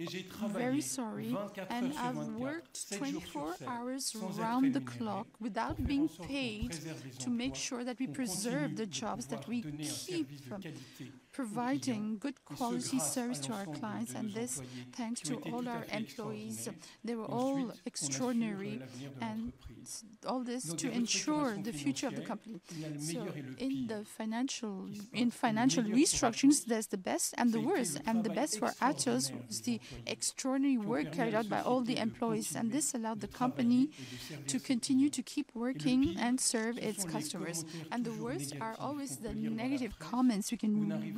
very sorry. I have worked 24 hours around the clock without being paid to make sure that we preserve the jobs that we keep from providing good quality service to our clients, and this thanks to all our employees. They were all extraordinary, and all this to ensure the future of the company, so in the financial restructuring, there's the best and the worst. The best for Atos was the extraordinary work carried out by all the employees, and this allowed the company to continue to keep working and serve its customers. The worst are always the negative comments you can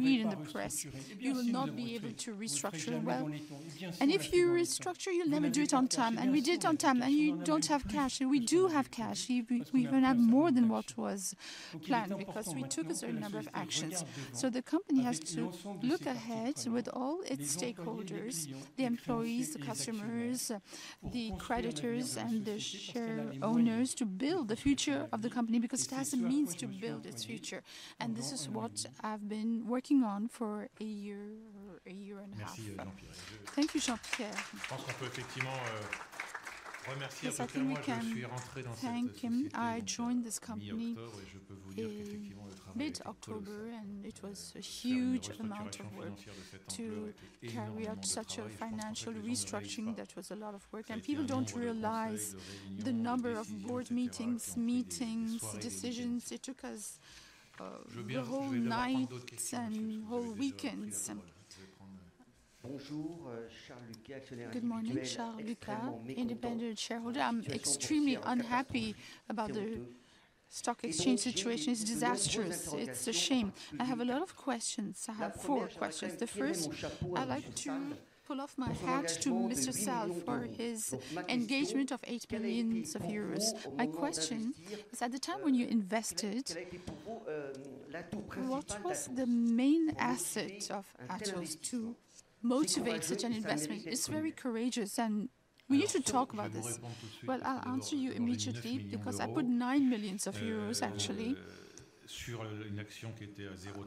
read in the press. You will not be able to restructure well, and if you restructure, you'll never do it on time, and we did it on time. You don't have cash, and we do have cash. We even have more than what was planned because we took a certain number of actions. So the company has to look ahead with all its stakeholders, the employees, the customers, the creditors, and the share owners to build the future of the company because it has a means to build its future. And this is what I've been working on for a year and a half. Thank you, Jean-Pierre. Thank you. I joined this company mid-October, and it was a huge amount of work to carry out such a financial restructuring. That was a lot of work. And people don't realize the number of board meetings, meetings, decisions. It took us the whole nights and whole weekends. Good morning, Charles Lucas, independent shareholder. I'm extremely unhappy about the stock exchange situation. It's disastrous. It's a shame. I have a lot of questions. I have four questions. The first, I'd like to doff my hat to Mr. Salle for his engagement of 8 billion euros. My question is, at the time when you invested, what was the main asset of Atos to motivate such an investment? It's very courageous. And we need to talk about this. Well, I'll answer you immediately because I put 9 million euros, actually,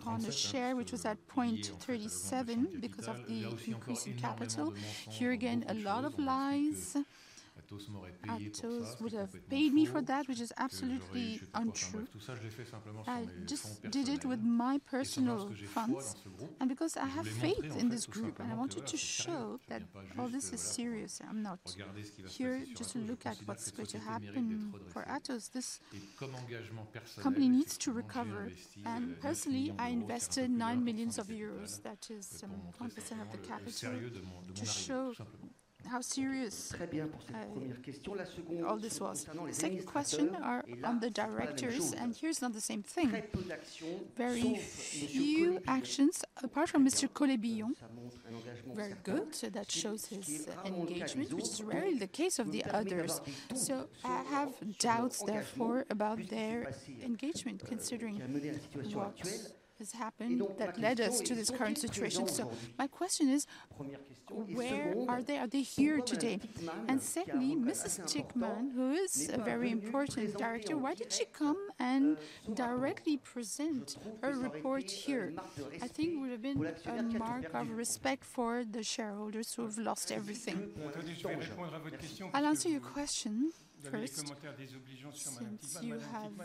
on a share which was at 0.37 because of the increase in capital. Here again, a lot of lies. Atos would have paid me for that, which is absolutely untrue. I just did it with my personal funds. And because I have faith in this group, and I wanted to show that all this is serious. I'm not here just to look at what's going to happen for Atos. The company needs to recover. And personally, I invested 9 million euros. That is 1% of the capital to show how serious all this was. Second question on the directors. And here it's not the same thing. Very few actions, apart from Mr. Collet-Billon, were good. That shows his engagement, which is rarely the case of the others. So I have doubts, therefore, about their engagement, considering what has happened that led us to this current situation. So my question is, where are they? Are they here today? And secondly, Mrs. Tinkham, who is a very important director, why did she come and directly present her report here? I think it would have been a mark of respect for the shareholders who have lost everything. I'll answer your question first. You have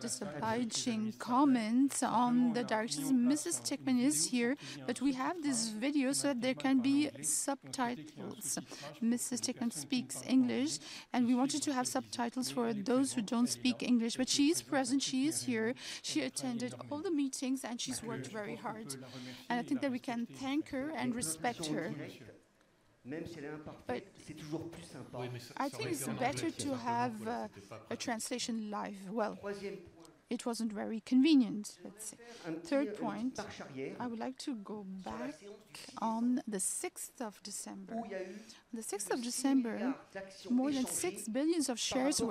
disobliging comments on the directors. Mrs. Tinkham is here, but we have this video so that there can be subtitles. Mrs. Tinkham speaks English, and we wanted to have subtitles for those who don't speak English. She is present. She is here. She attended all the meetings, and she's worked very hard. I think that we can thank her and respect her. I think it's better to have a translation live. It wasn't very convenient. Third point, I would like to go back on the 6th of December. On the 6th of December, more than €6 billion in shares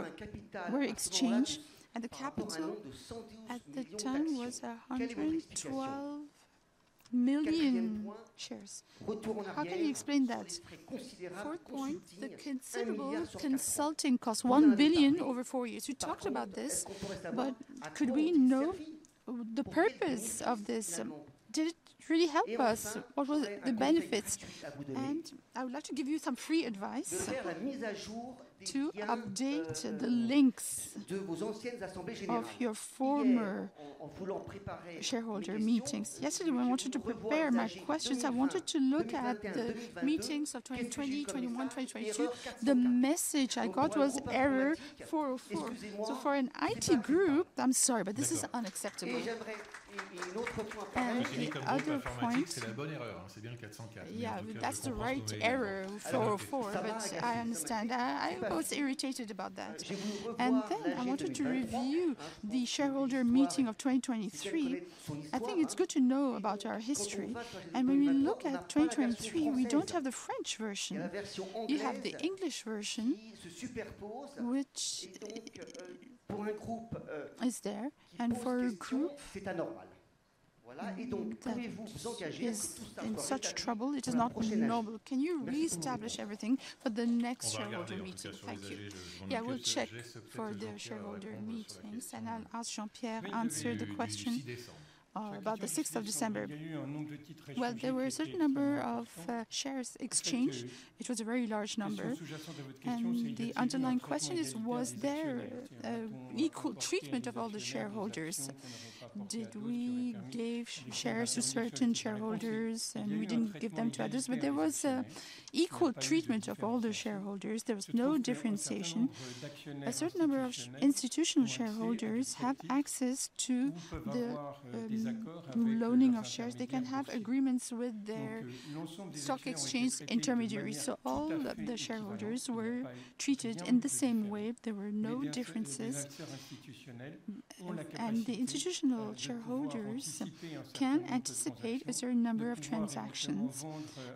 were exchanged, and the capital at the time was 112 million shares. How can you explain that? Fourth point, the external consulting cost, €1 billion over four years. We talked about this, but could we know the purpose of this? Did it really help us? What were the benefits? I would like to give you some free advice to update the links of your former shareholder meetings. Yesterday, when I wanted to prepare my questions, I wanted to look at the meetings of 2020, 2021, 2022. The message I got was error 404. So for an IT group, I'm sorry, but this is unacceptable. And other point, that's the right error 404, but I understand. I was irritated about that. And then I wanted to review the shareholder meeting of 2023. I think it's good to know about our history. And when we look at 2023, we don't have the French version. You have the English version, which is there. And for a group, yes, in such trouble, it is not normal. Can you reestablish everything for the next shareholder meeting? Thank you. Yeah, we'll check for the shareholder meetings, and I'll ask Jean-Pierre to answer the question about the 6th of December. Well, there were a certain number of shares exchanged. It was a very large number. And the underlying question is, was there equal treatment of all the shareholders? Did we give shares to certain shareholders, and we didn't give them to others? But there was equal treatment of all the shareholders. There was no differentiation. A certain number of institutional shareholders have access to the loaning of shares. They can have agreements with their stock exchange intermediaries. So all the shareholders were treated in the same way. There were no differences. And the institutional shareholders can anticipate a certain number of transactions.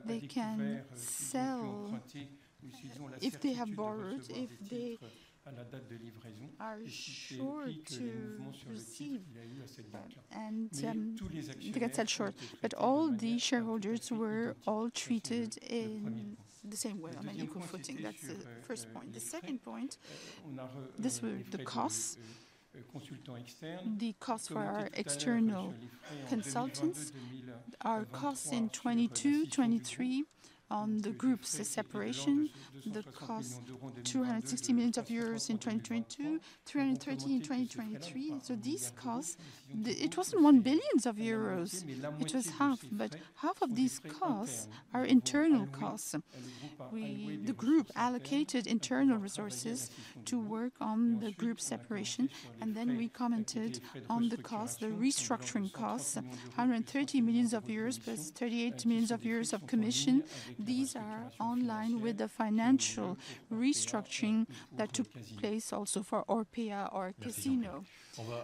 They can sell if they have borrowed, if they are sure to receive. And they get sold short. But all the shareholders were all treated in the same way. That's the first point. The second point, this was the cost. The cost for our external consultants, our costs in 2022, 2023 on the group separation, the cost, 260 million euros in 2022, 330 million in 2023. These costs, it wasn't 1 billion euros. It was half. Half of these costs are internal costs. The group allocated internal resources to work on the group separation. Then we commented on the costs, the restructuring costs, 130 million euros, plus 38 million euros of commission. These are in line with the financial restructuring that took place also for Orpea or Casino.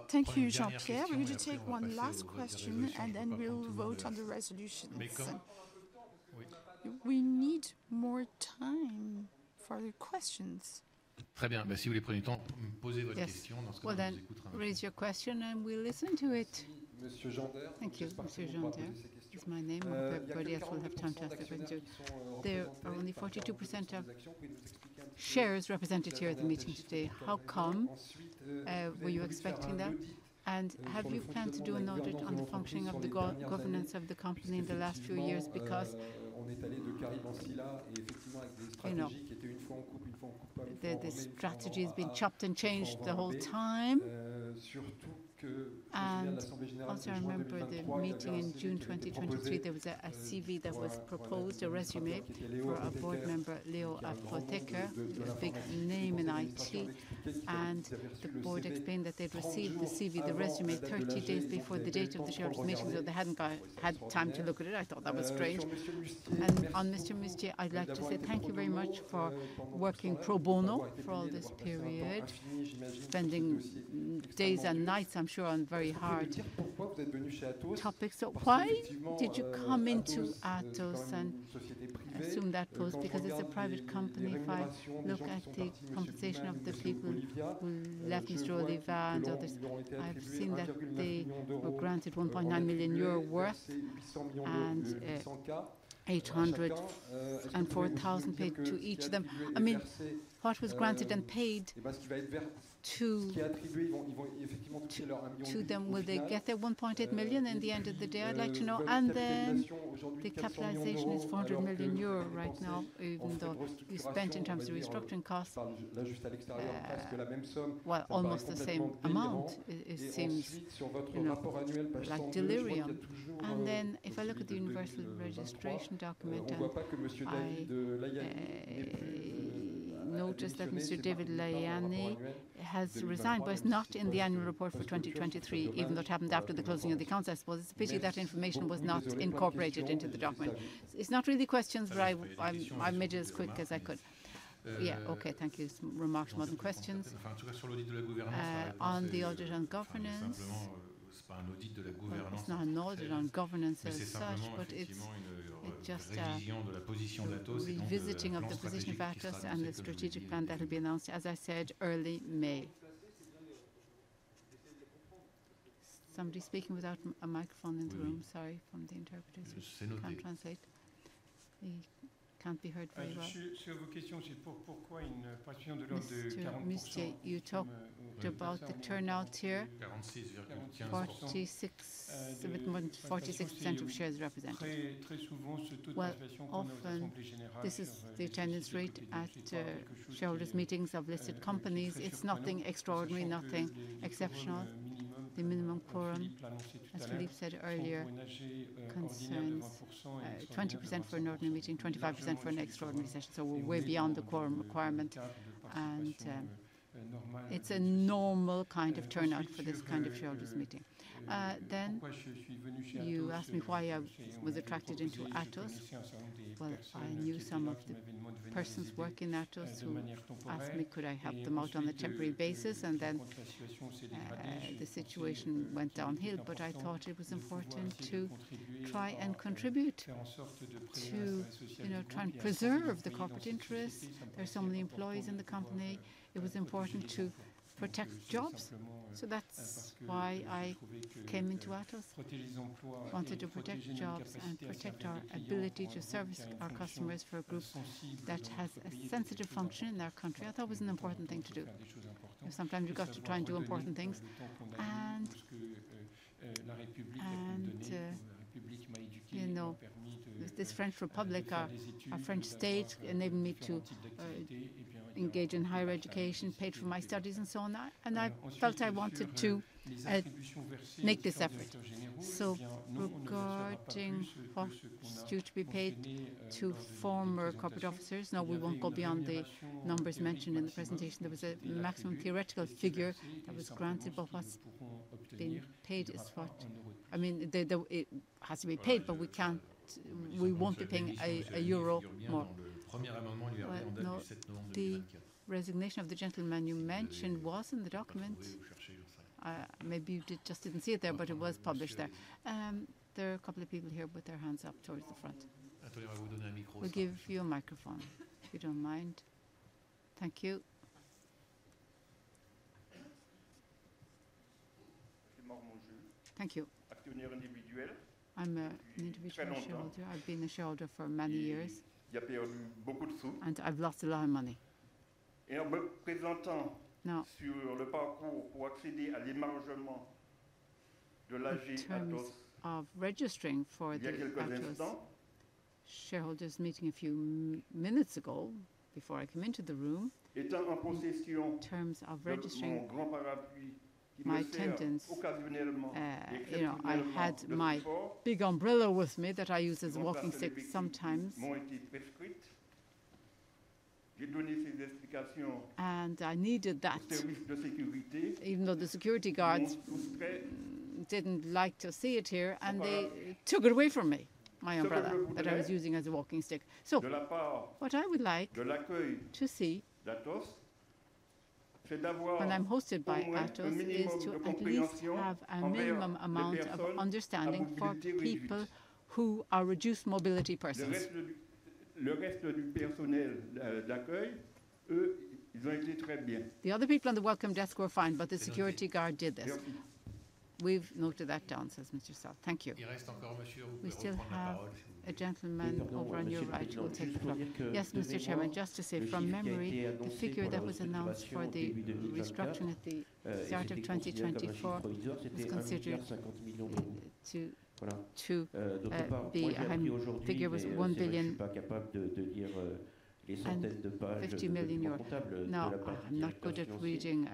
Thank you, Jean-Pierre. We're going to take one last question, and then we'll vote on the resolution. We need more time for the questions. Très bien. Mais si vous voulez prendre du temps, posez votre question. Well, then raise your question, and we'll listen to it. Thank you, Mr. Jander. My name and Paul Saleh will have time to answer questions. There are only 42% of shares represented here at the meeting today. How come? Were you expecting that? And have you planned to do a note on the functioning of the governance of the company in the last few years? Because the strategy has been chopped and changed the whole time. I also remember the meeting in June 2023. There was a CV that was proposed, a résumé for a board member, Léo Apotheker, a big name in IT. And the board explained that they'd received the CV, the résumé, 30 days before the date of the shareholders' meeting. So they hadn't had time to look at it. I thought that was strange. And on Mr. Mustier, I'd like to say thank you very much for working pro bono for all this period, spending days and nights, I'm sure, on very hard topics. Why did you come into Atos and assume that post? Because it's a private company. If I look at the compensation of the people who left Mr. Oliva and others, I've seen that they were granted 1.9 million euro worth and 800 and 4,000 paid to each of them. I mean, what was granted and paid to them, will they get their 1.8 million at the end of the day? I'd like to know. And then the capitalization is 400 million euros right now, even though you spent in terms of restructuring costs. Well, almost the same amount, it seems, like delirium. And then if I look at the universal registration document, I noticed that Mr. David Layani has resigned, but it's not in the annual report for 2023, even though it happened after the closing of the accounts. I suppose it's a pity that information was not incorporated into the document. It's not really questions, but I made it as quick as I could. Yeah, okay, thank you. Some remarks, more than questions. On the audit and governance, it's not an audit and governance as such, but it's just a visiting of the position of Atos and the strategic plan that will be announced, as I said, early May. Somebody speaking without a microphone in the room. Sorry from the interpreters. Can't translate. Can't be heard very well. You talked about the turnout here. It's a bit more than 46% of shares represented. This is the attendance rate at shareholders' meetings of listed companies. It's nothing extraordinary, nothing exceptional. The minimum quorum, as Philippe said earlier, concerns 20% for an ordinary meeting, 25% for an extraordinary session, so we're way beyond the quorum requirement, and it's a normal kind of turnout for this kind of shareholders' meeting. Then you asked me why I was attracted into Atos. Well, I knew some of the persons working at Atos who asked me could I help them out on a temporary basis, and then the situation went downhill, but I thought it was important to try and contribute to try and preserve the corporate interests. There are so many employees in the company. It was important to protect jobs, so that's why I came into Atos. I wanted to protect jobs and protect our ability to service our customers for a group that has a sensitive function in their country. I thought it was an important thing to do. Sometimes you've got to try and do important things. And this French Republic, our French state, enabled me to engage in higher education, paid for my studies, and so on. And I felt I wanted to make this effort. So regarding what's due to be paid to former corporate officers, no, we won't go beyond the numbers mentioned in the presentation. There was a maximum theoretical figure that was granted, but what's been paid is what I mean, it has to be paid, but we won't be paying EUR 1 more. The resignation of the gentleman you mentioned was in the document. Maybe you just didn't see it there, but it was published there. There are a couple of people here with their hands up towards the front. We'll give you a microphone, if you don't mind. Thank you. Thank you. I'm an individual shareholder. I've been a shareholder for many years. And I've lost a lot of money. Sur le parcours pour accéder à l'hébergement de l'AG Atos. Of registering for the Atos shareholders' meeting a few minutes ago before I came into the room. Terms of registering my attendance. I had my big umbrella with me that I use as a walking stick sometimes. And I needed that, even though the security guards didn't like to see it here, and they took it away from me, my umbrella that I was using as a walking stick. So what I would like to see when I'm hosted by Atos is to at least have a minimum amount of understanding for people who are reduced mobility persons. The other people on the welcome desk were fine, but the security guard did this. We've noted that down, says Mr. Salle. Thank you. A gentleman over on your right will take the floor. Yes, Mr. Chairman, just to say, from memory, the figure that was announced for the restructuring at the start of 2024 was considered to be a high figure, was EUR 1 billion. No, I'm not good at reading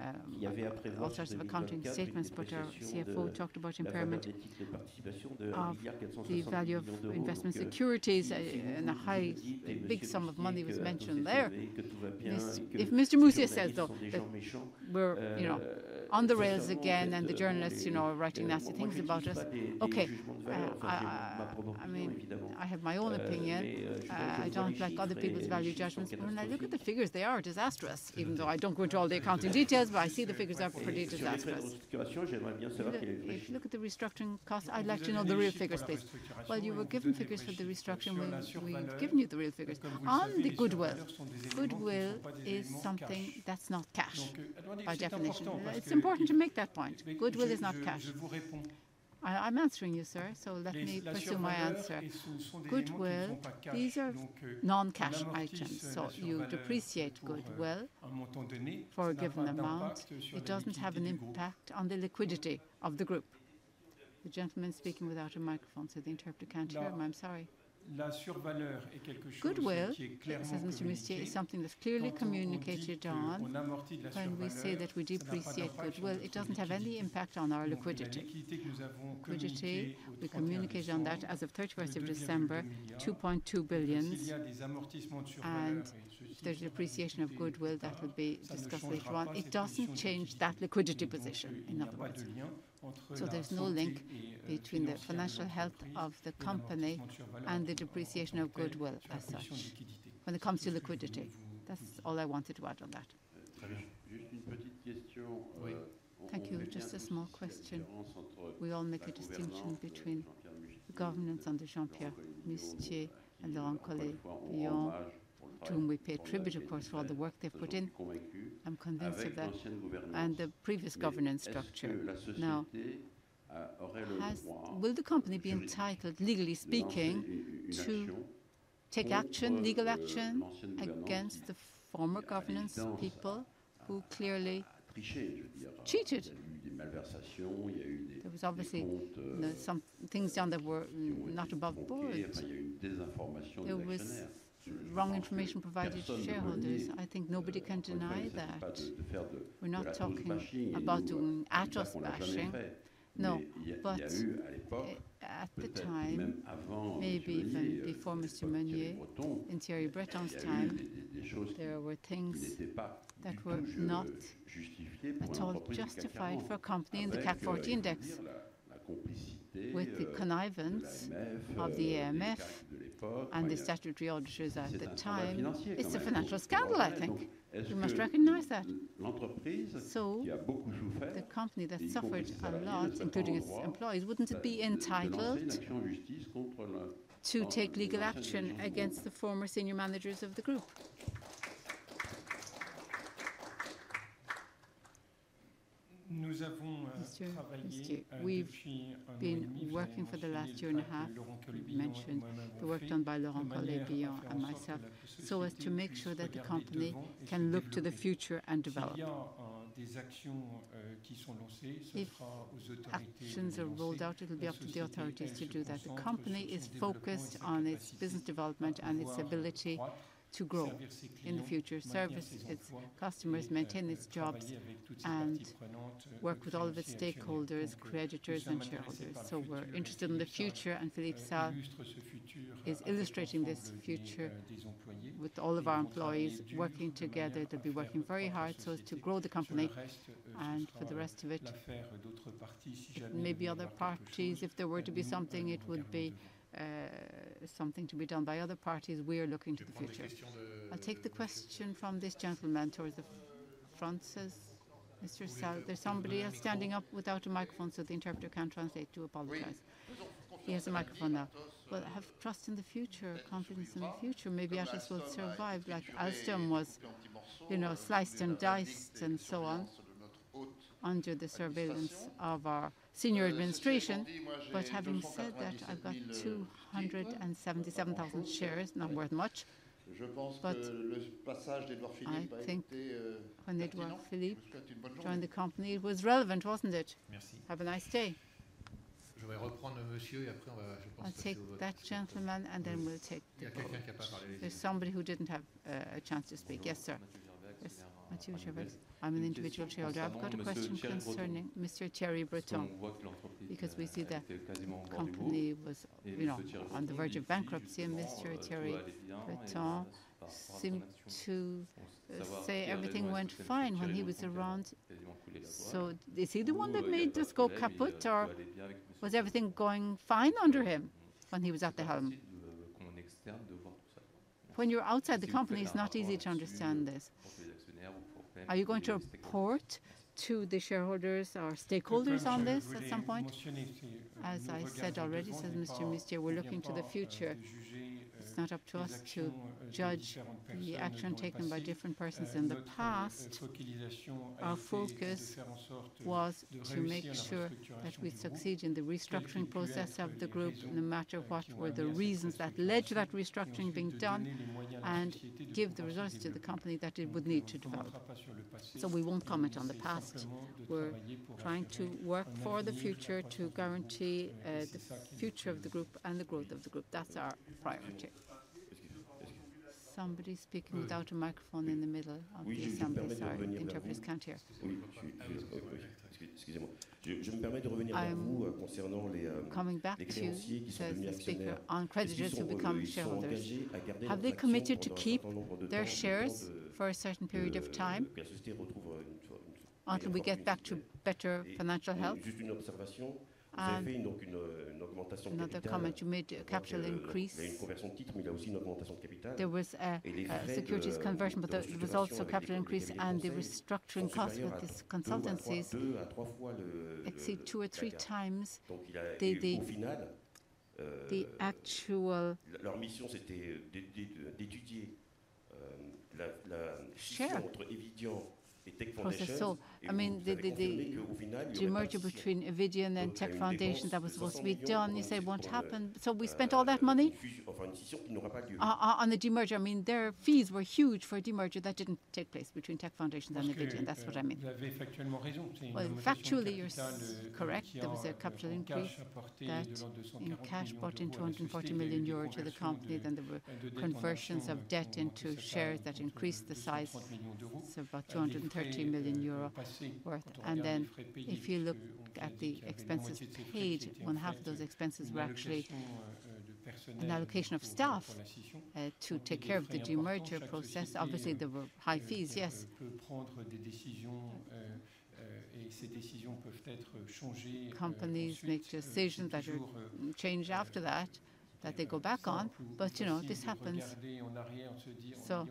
all sorts of accounting statements, but our CFO talked about impairment of the value of investment securities and a high big sum of money was mentioned there. If Mr. Mustier says, though, that we're on the rails again and the journalists are writing nasty things about us, okay, I have my own opinion. I don't like other people's value judgments. But when I look at the figures, they are disastrous, even though I don't go into all the accounting details, but I see the figures are pretty disastrous. If you look at the restructuring costs, I'd like to know the real figures, please. You were given figures for the restructuring. We've given you the real figures. On the goodwill, goodwill is something that's not cash by definition. It's important to make that point. Goodwill is not cash. I'm answering you, sir, so let me pursue my answer. Goodwill, these are non-cash items. So you depreciate goodwill for a given amount. It doesn't have an impact on the liquidity of the group. The gentleman speaking without a microphone, so the interpreter can't hear him. I'm sorry. Goodwill, says Mr. Mustier, is something that's clearly communicated on when we say that we depreciate goodwill. It doesn't have any impact on our liquidity. We communicated on that as of 31st of December, 2.2 billion. And if there's depreciation of goodwill, that will be discussed later on. It doesn't change that liquidity position, in other words. So there's no link between the financial health of the company and the depreciation of goodwill as such when it comes to liquidity. That's all I wanted to add on that. Thank you. Just a small question. We all make a distinction between the governance under Jean-Pierre Mustier and Laurent Collet-Billon, to whom we pay tribute, of course, for all the work they've put in. I'm convinced of that. And the previous governance structure now will the company be entitled, legally speaking, to take action, legal action against the former governance people who clearly cheated? There was obviously some things done that were not above board. There was wrong information provided to shareholders. I think nobody can deny that. We're not talking about doing Atos bashing. No, but at the time, maybe even before Mr. In Thierry Breton's time, there were things that were not at all justified for a company in the CAC 40 index. With the connivance of the AMF and the statutory auditors at the time, it's a financial scandal, I think. You must recognize that. So the company that suffered a lot, including its employees, wouldn't it be entitled to take legal action against the former senior managers of the group? Mr. Mustier, we've been working for the last year and a half, as you mentioned, the work done by Laurent Collet-Billon and myself, so as to make sure that the company can look to the future and develop. If actions are rolled out, it will be up to the authorities to do that. The company is focused on its business development and its ability to grow in the future, service its customers, maintain its jobs, and work with all of its stakeholders, creditors and shareholders. So we're interested in the future, and Philippe Salle is illustrating this future with all of our employees working together. They'll be working very hard to grow the company. And for the rest of it, maybe other parties, if there were to be something, it would be something to be done by other parties. We are looking to the future. I'll take the question from this gentleman towards the front. Mr. Salle, there's somebody else standing up without a microphone, so the interpreter can translate. To apologize. He has a microphone now. Well, I have trust in the future, confidence in the future. Maybe Atos will survive like Alstom was sliced and diced and so on under the surveillance of our senior administration. But having said that, I've got 277,000 shares, not worth much. But when Édouard Philippe joined the company, it was relevant, wasn't it? Have a nice day. Je vais reprendre monsieur et après on va take that gentleman and then we'll take the question. There's somebody who didn't have a chance to speak. Yes, sir. I'm an individual shareholder. I've got a question concerning Mr. Thierry Breton, because we see that the company was on the verge of bankruptcy. Mr. Thierry Breton seemed to say everything went fine when he was around. So is he the one that made this go kaput or was everything going fine under him when he was at the helm? When you're outside the company, it's not easy to understand this. Are you going to report to the shareholders or stakeholders on this at some point? As I said already, says Mr. Mustier, we're looking to the future. It's not up to us to judge the action taken by different persons in the past. Our focus was to make sure that we succeed in the restructuring process of the group, no matter what were the reasons that led to that restructuring being done, and give the results to the company that it would need to develop. So we won't comment on the past. We're trying to work for the future to guarantee the future of the group and the growth of the group. That's our priority. Somebody speaking without a microphone in the middle of the assembly. Sorry, the interpreters can't hear. Coming back to speak on creditors who become shareholders. Have they committed to keep their shares for a certain period of time until we get back to better financial health? Another comment, you made capital increase. There is a conversion of capital, but there was a securities conversion, but there was also capital increase and the restructuring costs with these consultancies exceeded two or three times the actual demerger between Eviden and Tech Foundations. I mean, the demerger between Eviden and Tech Foundations that was supposed to be done, you say, won't happen. So we spent all that money on the demerger. I mean, their fees were huge for a demerger that didn't take place between Tech Foundations and Eviden. That's what I mean. Factually, you're correct. There was a capital increase, cash brought in 240 million euros to the company, then there were conversions of debt into shares that increased the size to about 230 million euro worth. And then if you look at the expenses paid, one half of those expenses were actually an allocation of staff to take care of the demerger process. Obviously, there were high fees, yes. Companies make decisions that change after that, that they go back on. But this happens. So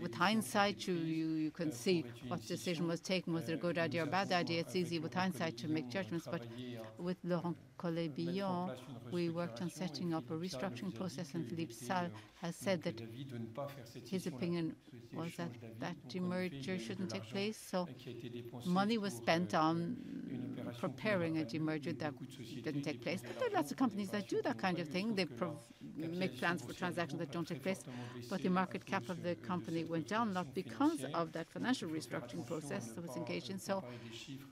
with hindsight, you can see what decision was taken, was it a good idea or a bad idea. It's easy with hindsight to make judgments. But with Laurent Collet-Billon, we worked on setting up a restructuring process, and Philippe Salle has said that his opinion was that that demerger shouldn't take place. So money was spent on preparing a demerger that didn't take place. But there are lots of companies that do that kind of thing. They make plans for transactions that don't take place. But the market cap of the company went down, not because of that financial restructuring process that was engaged in. So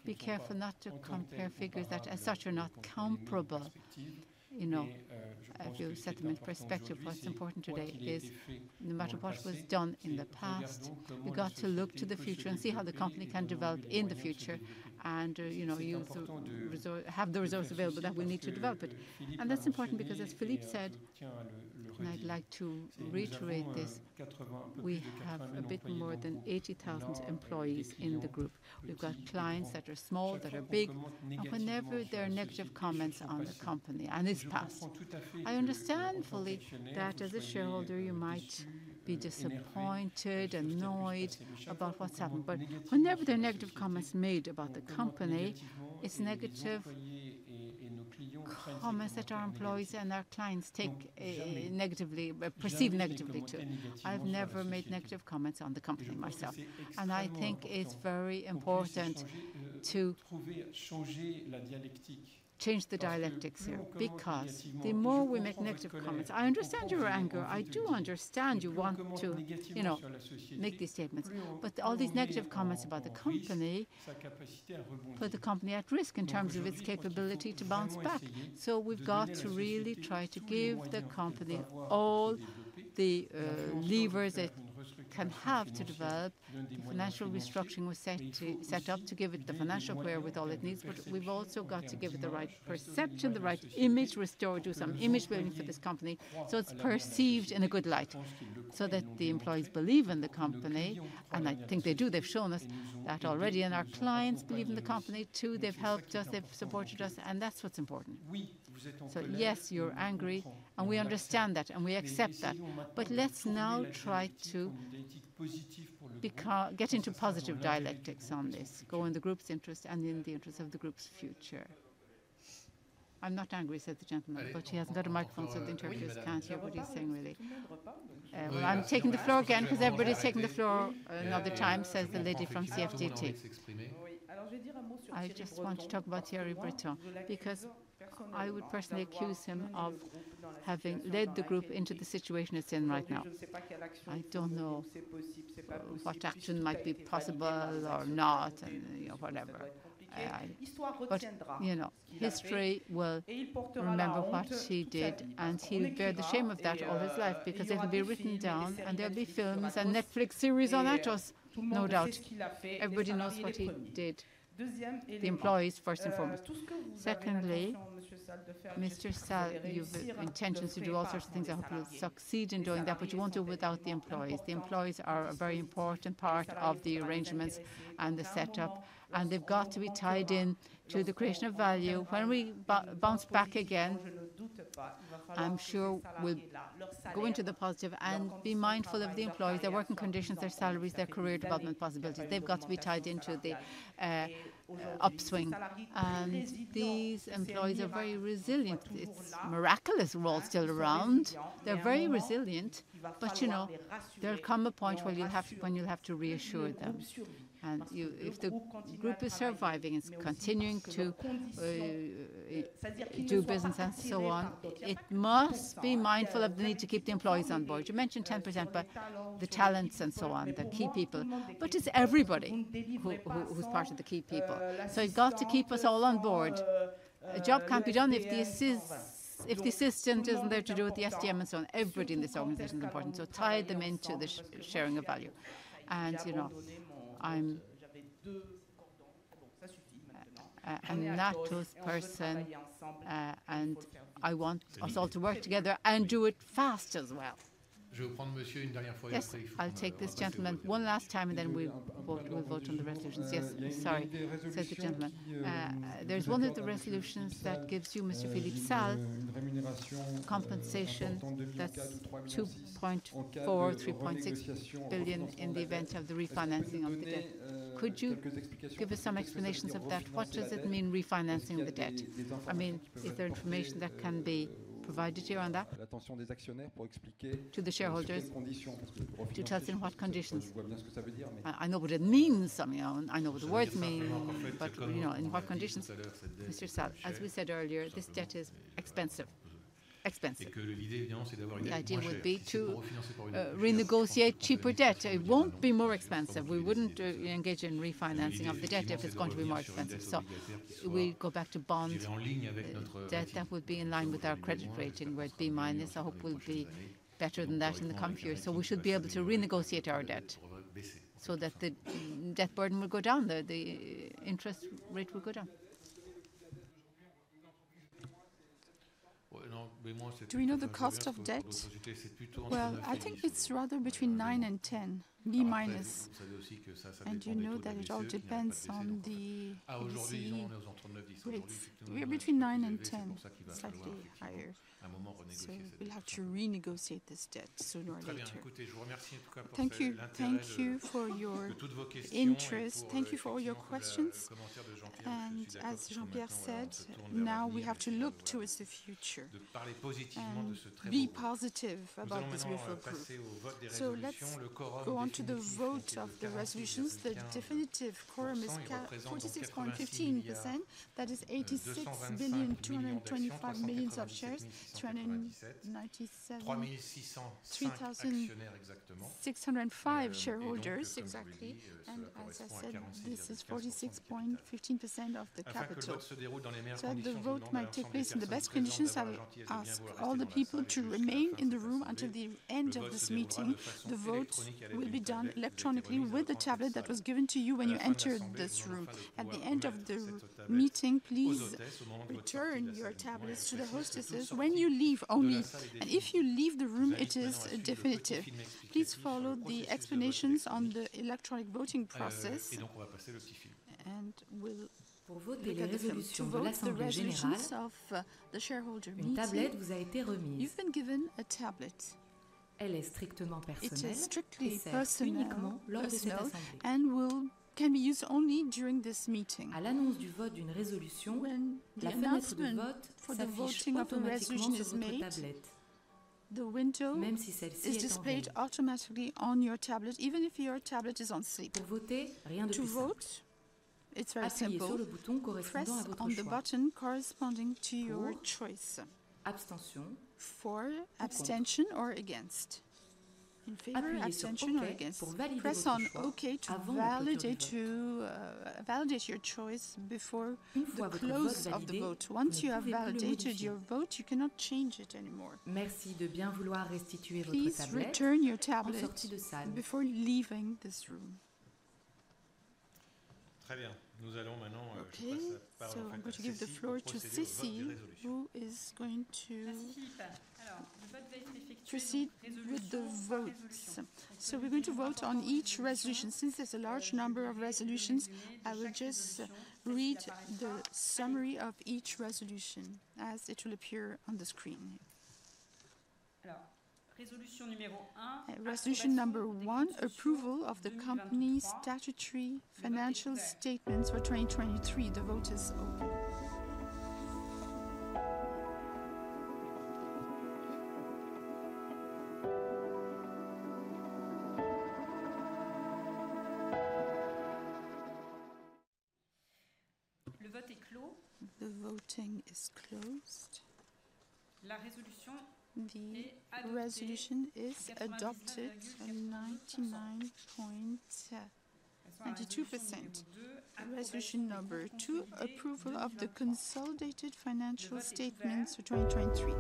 be careful not to compare figures that, as such, are not comparable. If you set them in perspective, what's important today is, no matter what was done in the past, we've got to look to the future and see how the company can develop in the future and have the resources available that we need to develop it. And that's important because, as Philippe said, and I'd like to reiterate this, we have a bit more than 80,000 employees in the group. We've got clients that are small, that are big. Whenever there are negative comments on the company, and it's past, I understand fully that as a shareholder, you might be disappointed, annoyed about what's happened. But whenever there are negative comments made about the company, it's negative comments that our employees and our clients take negatively, perceive negatively too. I've never made negative comments on the company myself. And I think it's very important to change the dialectics here because the more we make negative comments. I understand your anger. I do understand you want to make these statements. But all these negative comments about the company put the company at risk in terms of its capability to bounce back. So we've got to really try to give the company all the levers it can have to develop. The financial restructuring was set up to give it the financial wherewithal it needs, but we've also got to give it the right perception, the right image, restore it to some image building for this company so it's perceived in a good light, so that the employees believe in the company, and I think they do. They've shown us that already, and our clients believe in the company too. They've helped us. They've supported us, and that's what's important, so yes, you're angry, and we understand that, and we accept that. But let's now try to get into positive dialectics on this, go in the group's interest and in the interest of the group's future. "I'm not angry," said the gentleman, but he hasn't got a microphone, so the interpreters can't hear what he's saying, really. I'm taking the floor again because everybody's taking the floor another time, says the lady from CFDT. I just want to talk about Thierry Breton because I would personally accuse him of having led the group into the situation it's in right now. I don't know what action might be possible or not and whatever. But history will remember what he did, and he'll bear the shame of that all his life because it'll be written down, and there'll be films and Netflix series on Atos. No doubt. Everybody knows what he did, the employees first and foremost. Secondly, Mr. Salle, you have intentions to do all sorts of things. I hope you'll succeed in doing that, but you won't do it without the employees. The employees are a very important part of the arrangements and the setup, and they've got to be tied in to the creation of value. When we bounce back again, I'm sure we'll go into the positive and be mindful of the employees, their working conditions, their salaries, their career development possibilities. They've got to be tied into the upswing. And these employees are very resilient. It's a miraculous role still around. They're very resilient, but there'll come a point when you'll have to reassure them. And if the group is surviving and continuing to do business and so on, it must be mindful of the need to keep the employees on board. You mentioned 10%, but the talents and so on, the key people. But it's everybody who's part of the key people. So you've got to keep us all on board. A job can't be done if the assistant isn't there to do with the SDM and so on. Everybody in this organization is important. So tie them into the sharing of value. I'm an Atos person, and I want us all to work together and do it fast as well. Yes, I'll take this gentleman one last time, and then we'll vote on the resolutions. Yes, sorry, says the gentleman. There's one of the resolutions that gives you, Mr. Philippe Salle, compensation that's 2.4-3.6 billion in the event of the refinancing of the debt. Could you give us some explanations of that? What does it mean, refinancing the debt? I mean, is there information that can be provided here on that to the shareholders? To tell us in what conditions? I know what it means. I know what the words mean, but in what conditions? Mr. Salle, as we said earlier, this debt is expensive. The idea would be to renegotiate cheaper debt. It won't be more expensive. We wouldn't engage in refinancing of the debt if it's going to be more expensive, so we go back to bond debt that would be in line with our credit rating, where B minus, I hope, will be better than that in the coming few years, so we should be able to renegotiate our debt so that the debt burden will go down, the interest rate will go down. Do we know the cost of debt? Well, I think it's rather between 9 and 10, B minus, and you know that it all depends on the... Aujourd'hui, we'll have to renegotiate this debt sooner or later. Thank you for your interest. Thank you for all your questions, and as Jean-Pierre said, now we have to look towards the future, be positive about this group of groups, so let's go on to the vote of the resolutions. The definitive quorum is at 46.15%. That is 86,225 millions of shares, 397,305 shareholders, exactly. And as I said, this is 46.15% of the capital. So the vote might take place in the best conditions. I ask all the people to remain in the room until the end of this meeting. The vote will be done electronically with the tablet that was given to you when you entered this room. At the end of the meeting, please return your tablets to the hostesses when you leave only. And if you leave the room, it is definitive. Please follow the explanations on the electronic voting process. And we'll vote the resolution to vote the resolution of the shareholder meeting. You've been given a tablet. Elle est strictement personnelle. It is strictly personal. It is uniquement personal. And will can be used only during this meeting. À l'annonce du vote d'une résolution, la fenêtre de vote s'affiche automatiquement sur votre tablette. Même si celle-ci est displayed automatically on your tablet, even if your tablet is on sleep. Pour voter, rien de plus. To vote, it's very simple. On the button corresponding to your choice. Abstention or against. In favor or against. Press on okay to validate your choice before the close of the vote. Once you have validated your vote, you cannot change it anymore. Merci de bien vouloir restituer votre tablette. Please return your tablet before leaving this room. Très bien. Nous allons maintenant passer à la présentation de la résolution. To give the floor to Cécile, who is going to proceed with the vote. So we're going to vote on each resolution. Since there's a large number of resolutions, I will just read the summary of each resolution as it will appear on the screen. Resolution number 1, approval of the company's statutory financial statements for 2023. The vote is open. Le vote is closed. The resolution is adopted 99.92%. Resolution number 2, approval of the consolidated financial statements for 2023.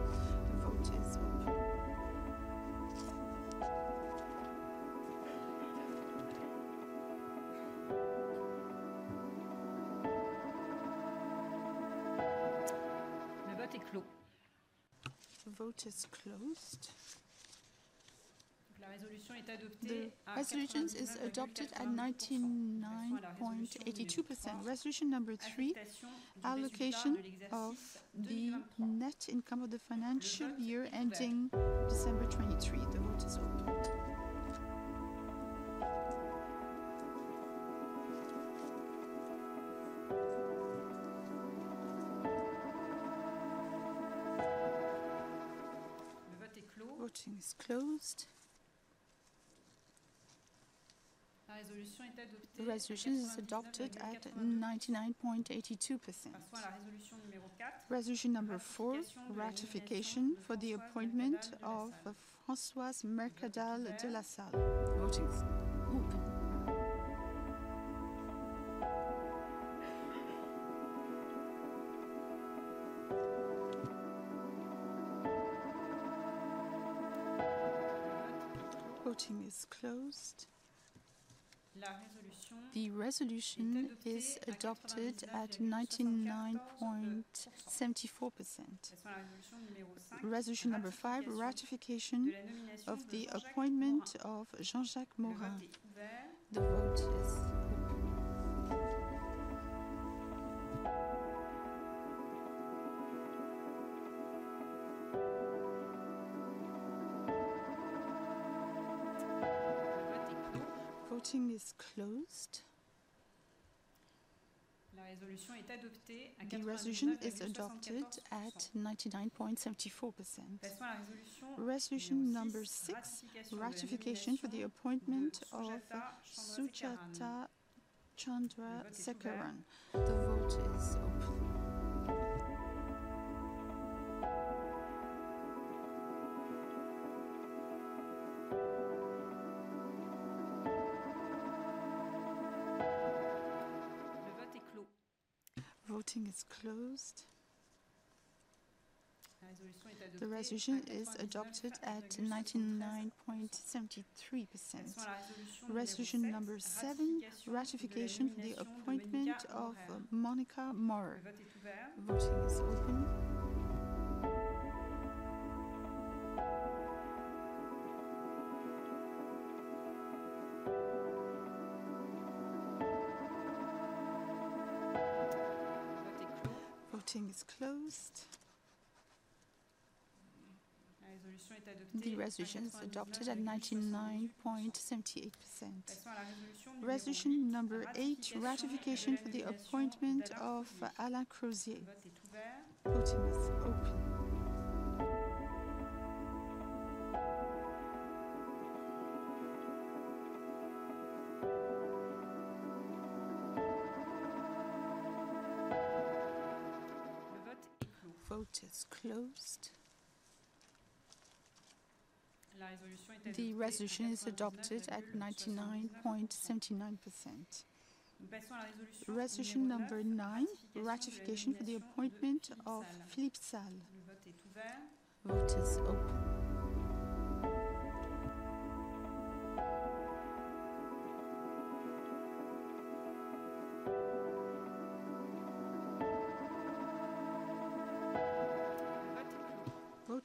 The vote is open. Le vote est clos. The vote is closed. The resolution is adopted at 99.82%. Resolution number 3, allocation of the net income of the financial year ending December 2023. The vote is open. The vote is closed. The resolution is adopted at 99.82%. Resolution number 4, ratification for the appointment of Françoise Mercadal-Delasalles. The vote is open. The resolution is adopted at 99.74%. Resolution number 5, ratification of the appointment of Jean-Jacques Morin. The vote is open. The vote is closed. The resolution is adopted at 99.74%. Resolution number 6, ratification for the appointment of Sujatha Chandrasekaran. The vote is open. The vote is closed. The resolution is adopted at 99.73%. Resolution is closed. The resolution is adopted at 99.73%. Resolution number 7, ratification for the appointment of Monika Maurer. The vote is open. The resolution is adopted at 99.78%. Resolution number 8, ratification for the appointment of Alain Crozier. The vote is open. The vote is closed. The resolution is adopted at 99.79%. Resolution number 9, ratification for the appointment of Philippe Salle.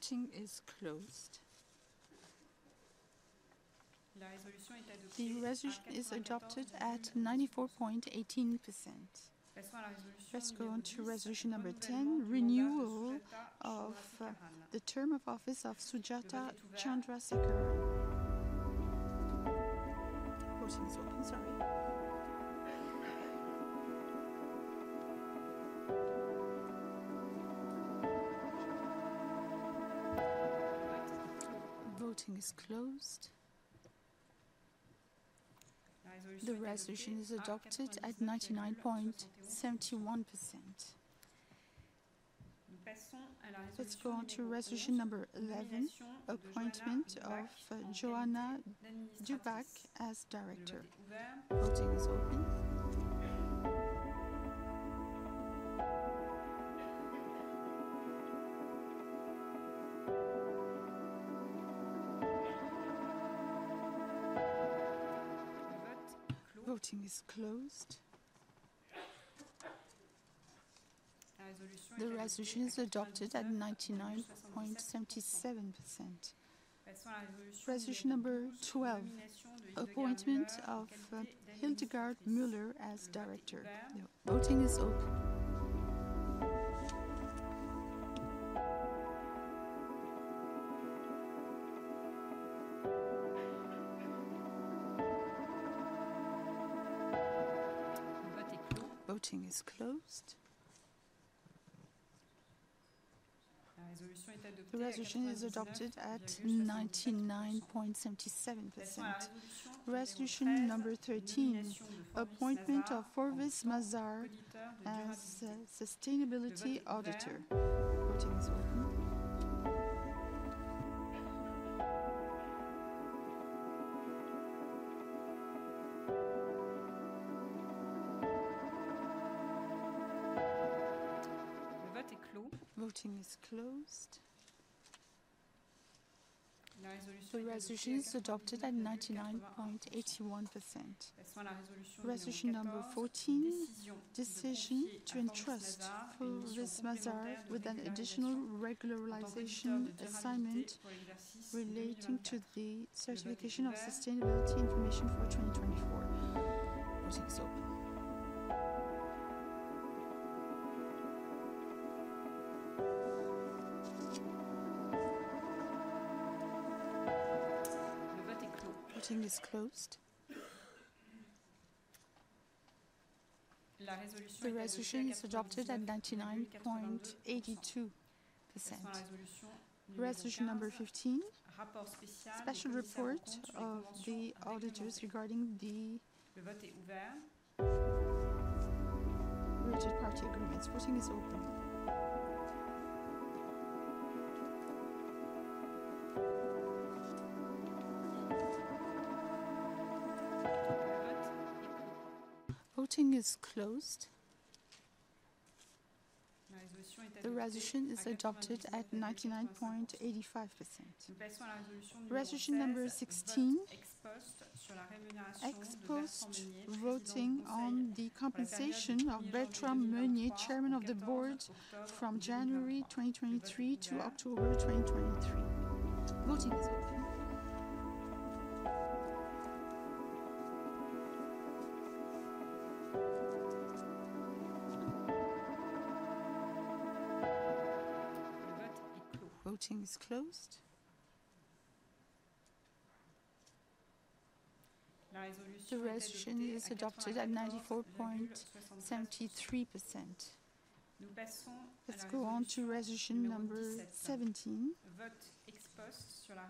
The vote is open. The vote is closed. The resolution is adopted at 94.18%. Let's go on to resolution number 10, renewal of the term of office of Sujatha Chandrasekaran. The vote is closed. The resolution is adopted at 99.71%. Let's go on to resolution number 11, appointment of Joanna Dziubak as director. The vote is open. The vote is closed. The resolution is adopted at 99.77%. Resolution number 12, appointment of Hildegard Müller as director. The voting is open. The voting is closed. The resolution is adopted at 99.77%. Resolution number 13, appointment of Forvis Mazars as sustainability auditor. The voting is open. The voting is closed. The resolution is adopted at 99.81%. Resolution number 14, decision to entrust Forvis Mazars with an additional regularization assignment relating to the certification of sustainability information for 2024. The voting is open. The voting is closed. The resolution is adopted at 99.82%. Resolution number 15, special report of the auditors regarding the party agreements. Voting is open. The voting is closed. The resolution is adopted at 99.85%. Resolution number 16, exposed voting on the compensation of Bertrand Meunier, chairman of the board, from January 2023 to October 2023. The voting is open. The voting is closed. The resolution is adopted at 94.73%. Let's go on to resolution number 17,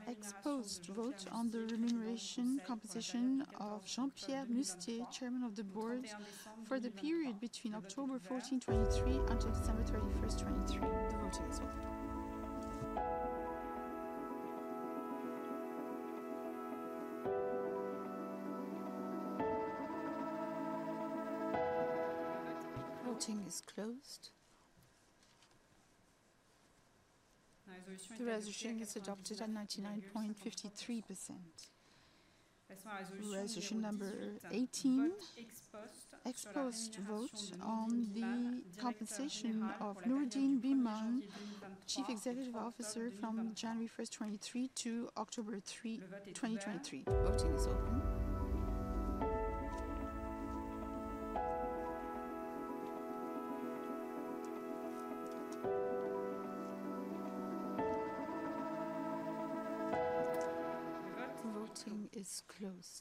exposed vote on the remuneration composition of Jean-Pierre Mustier, chairman of the board, for the period between October 14, 2023, until December 31, 2023. The voting is open. The voting is closed. The resolution is adopted at 99.53%. Resolution number 18, exposed vote on the compensation of Nourdine Bihmane, chief executive officer from January 1, 2023, to October 3, 2023. The voting is open. The voting is closed.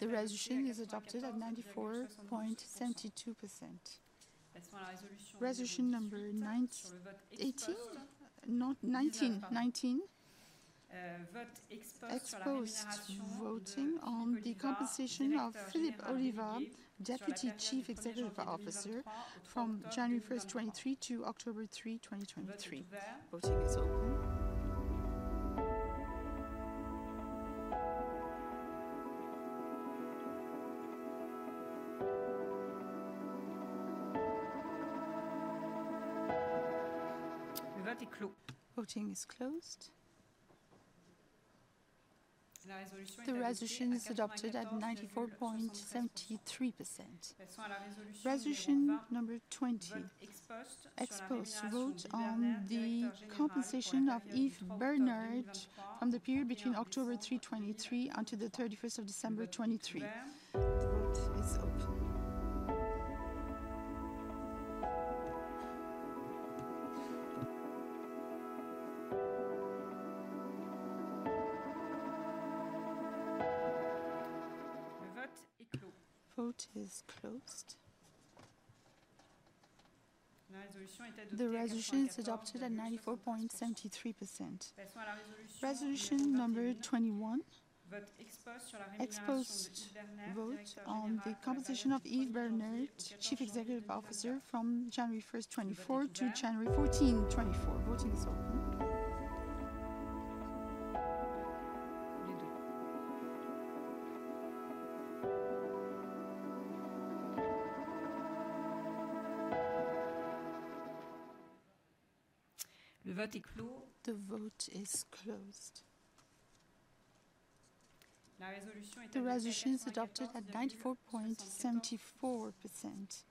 The resolution is adopted at 94.72%. Resolution number 18, not 19, 19. Exposed voting on the compensation of Philippe Oliva, deputy chief executive officer, from January 1, 2023, to October 3, 2023. The voting is open. The voting is closed. The resolution is adopted at 94.73%. Resolution number 20, exposed vote on the compensation of Yves Bernaert from the period between October 3, 2023, until the 31st of December 2023. The vote is open. The voting is closed. The resolution is adopted at 94.73%. Resolution number 21, exposed vote on the compensation of Yves Bernaert, Chief Executive Officer, from January 1, 2024, to January 14, 2024. The voting is open. The vote is closed. The resolution is adopted at 94.74%.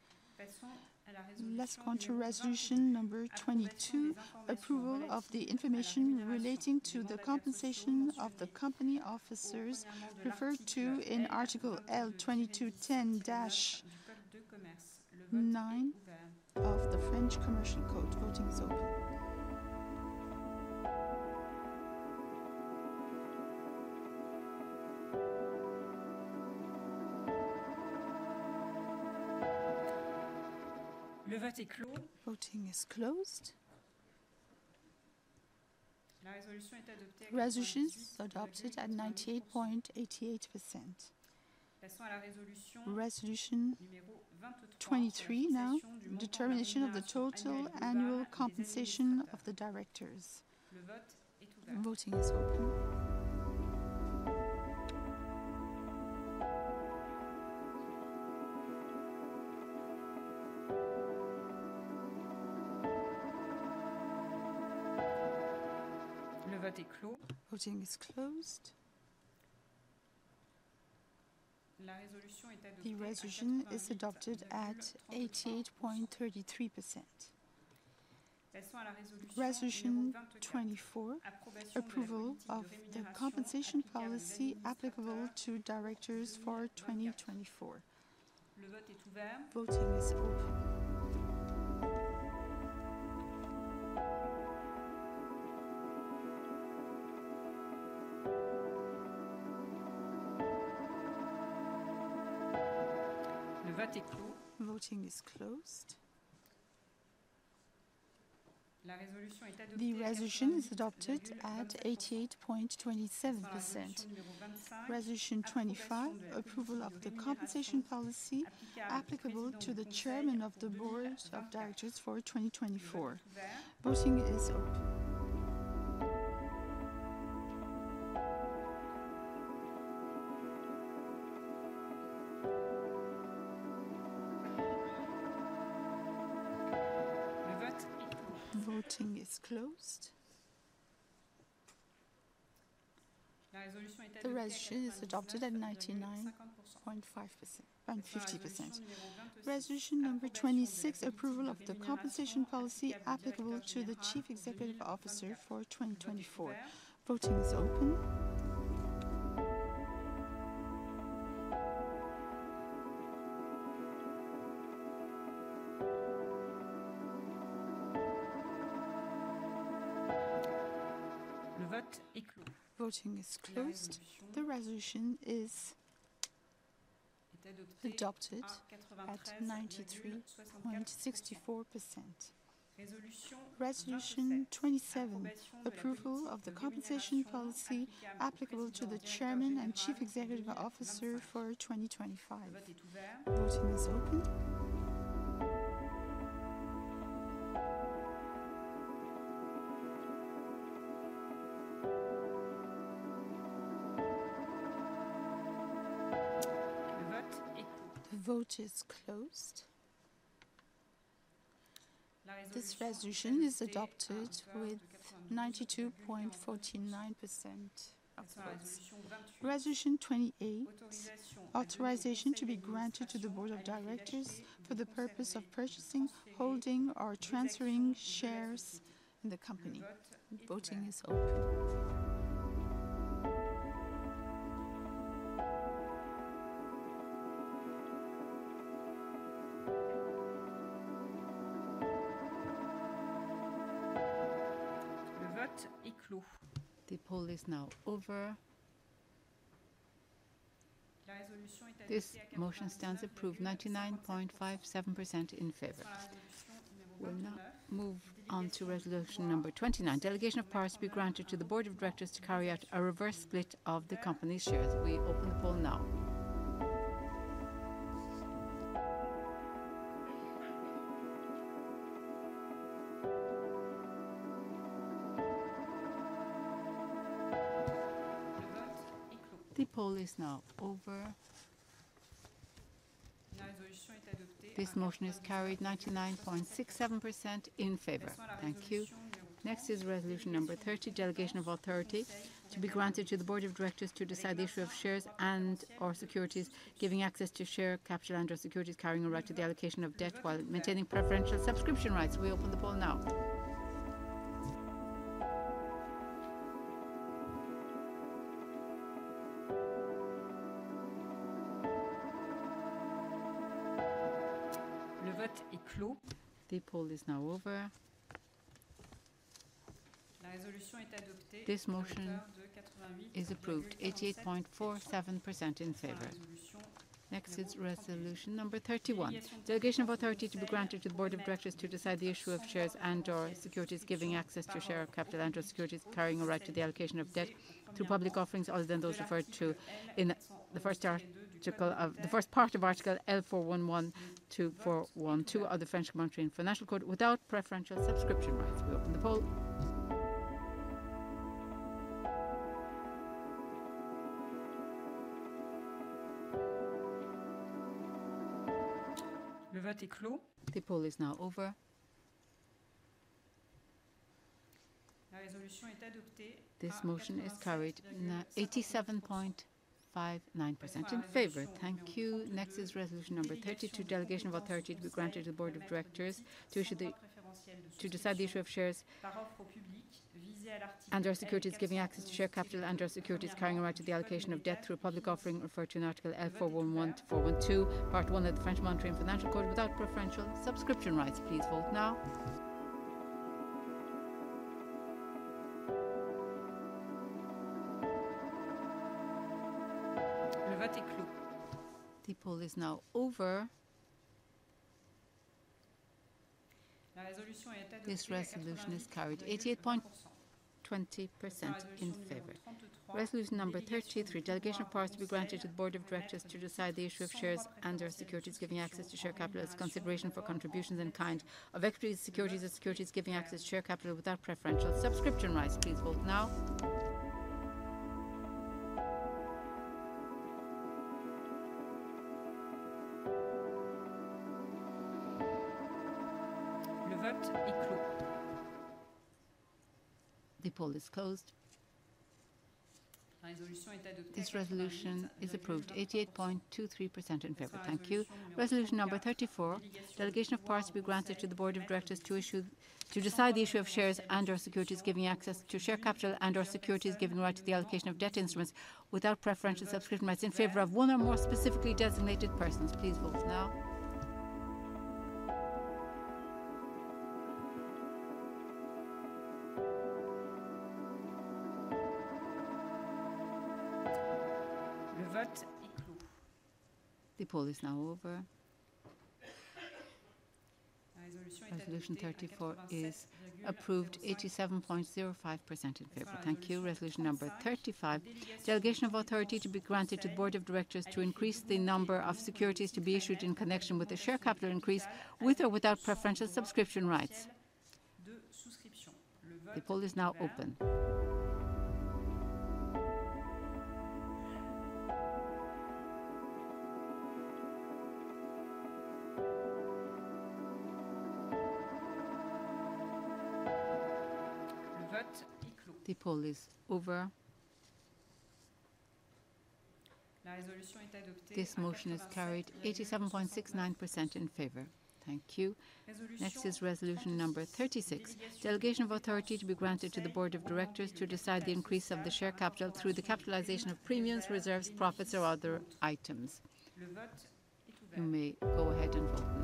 Let's go on to resolution number 22, approval of the information relating to the compensation of the company officers referred to in Article L2210-9 of the French Commercial Code. The voting is open. The voting is closed. The resolution is adopted at 98.88%. Resolution number 23, now determination of the total annual compensation of the directors. The voting is open. The voting is closed. The resolution is adopted at 88.33%. Resolution 24, approval of the compensation policy applicable to directors for 2024. The voting is open. The voting is closed. The resolution is adopted at 88.27%. Resolution 25, approval of the compensation policy applicable to the Chairman of the Board of Directors for 2024. The voting is open. The voting is closed. The resolution is adopted at 99.50%. Resolution number 26, approval of the compensation policy applicable to the Chief Executive Officer for 2024. The voting is open. The voting is closed. The resolution is adopted at 93.64%. Resolution 27, approval of the compensation policy applicable to the Chairman and Chief Executive Officer for 2025. The voting is open. The voting is closed. This resolution is adopted with 92.49%. Resolution 28, authorization to be granted to the Board of Directors for the purpose of purchasing, holding, or transferring shares in the company. The voting is open. The vote is closed. The poll is now over. This motion stands approved, 99.57% in favor. We will now move on to resolution number 29, delegation of powers to be granted to the board of directors to carry out a reverse split of the company's shares. We open the poll now. The poll is now over. This motion is carried, 99.67% in favor. Thank you. Next is resolution number 30, delegation of authority to be granted to the board of directors to decide the issue of shares and/or securities giving access to share capital and/or securities carrying a right to the allocation of debt while maintaining preferential subscription rights. We open the poll now. The vote is closed. The poll is now over. This motion is approved, 88.47% in favor. Next is resolution number 31, delegation of authority to be granted to the Board of Directors to decide the issue of shares and/or securities giving access to share capital and/or securities carrying a right to the allocation of debt through public offerings other than those referred to in the first paragraph of Article L. 411-2 of the French Monetary and Financial Code without preferential subscription rights. We open the poll. The vote is closed. The poll is now over. This motion is carried, 87.59% in favor. Thank you. Next is resolution number 32, delegation of authority to be granted to the Board of Directors to decide the issue of shares and/or securities giving access to share capital and/or securities carrying a right to the allocation of debt through public offering referred to in Article L. 411-2, paragraph 1 of the French Monetary and Financial Code without preferential subscription rights. Please vote now. The poll is now over. This resolution is carried, 88.20% in favor. Resolution number 33, delegation of powers to be granted to the board of directors to decide the issue of shares and/or securities giving access to share capital as consideration for contributions in kind of equity securities and securities giving access to share capital without preferential subscription rights. Please vote now. The poll is closed. This resolution is approved, 88.23% in favor. Thank you. Resolution number 34, delegation of powers to be granted to the board of directors to decide the issue of shares and/or securities giving access to share capital and/or securities giving a right to the allocation of debt instruments without preferential subscription rights in favor of one or more specifically designated persons. Please vote now. The poll is now over. Resolution 34 is approved, 87.05% in favor. Thank you. Resolution number 35, delegation of authority to be granted to the board of directors to increase the number of securities to be issued in connection with the share capital increase with or without preferential subscription rights. The poll is now open. The poll is over. This motion is carried, 87.69% in favor. Thank you. Next is resolution number 36, delegation of authority to be granted to the board of directors to decide the increase of the share capital through the capitalization of premiums, reserves, profits, or other items. You may go ahead and vote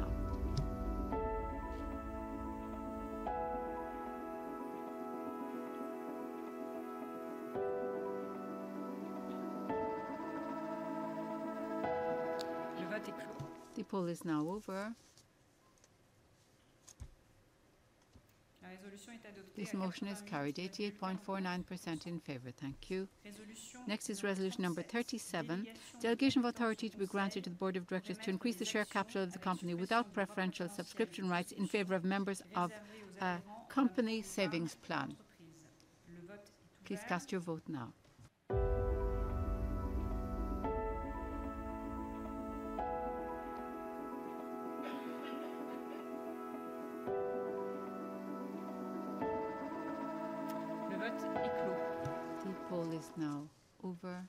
now. The poll is now over. This motion is carried, 88.49% in favor. Thank you. Next is resolution number 37, delegation of authority to be granted to the board of directors to increase the share capital of the company without preferential subscription rights in favor of members of a company savings plan. Please cast your vote now. The poll is now over.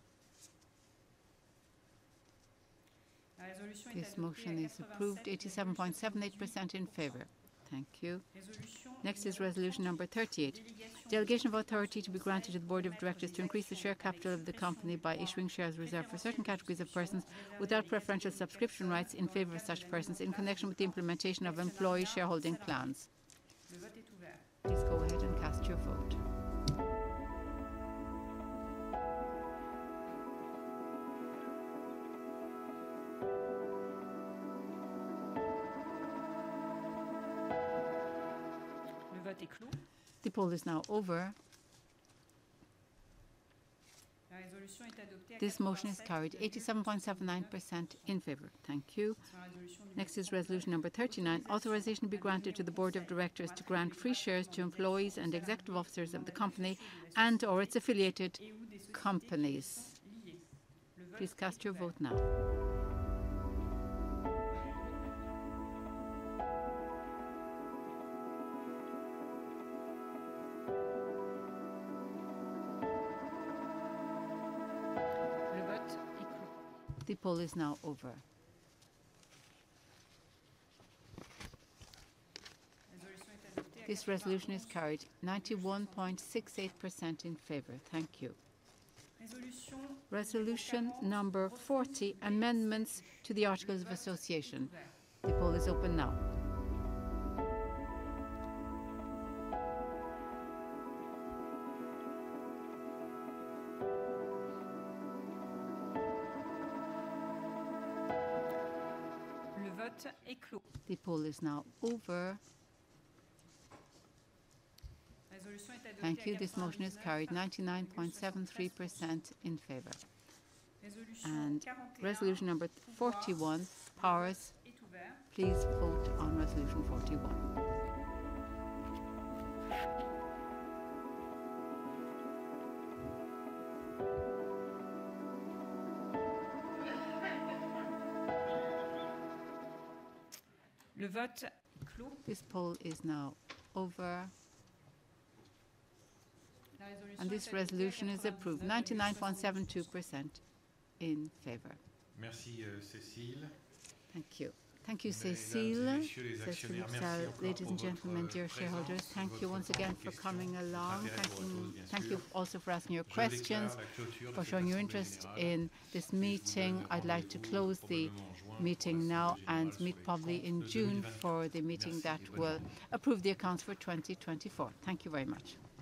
This motion is approved, 87.78% in favor. Thank you. Next is resolution number 38, delegation of authority to be granted to the board of directors to increase the share capital of the company by issuing shares reserved for certain categories of persons without preferential subscription rights in favor of such persons in connection with the implementation of employee shareholding plans. Please go ahead and cast your vote. The poll is now over. This motion is carried, 87.79% in favor. Thank you. Next is resolution number 39, authorization to be granted to the board of directors to grant free shares to employees and executive officers of the company and/or its affiliated companies. Please cast your vote now. The poll is now over. This resolution is carried, 91.68% in favor. Thank you. Resolution number 40, amendments to the Articles of Association. The poll is open now. The poll is now over. Thank you. This motion is carried, 99.73% in favor, and resolution number 41, powers. Please vote on resolution 41. This poll is now over, and this resolution is approved, 99.72% in favor. Thank you. Thank you, Cécile. Ladies and gentlemen, dear shareholders, thank you once again for coming along. Thank you also for asking your questions, for showing your interest in this meeting. I'd like to close the meeting now and meet probably in June for the meeting that will approve the accounts for 2024. Thank you very much.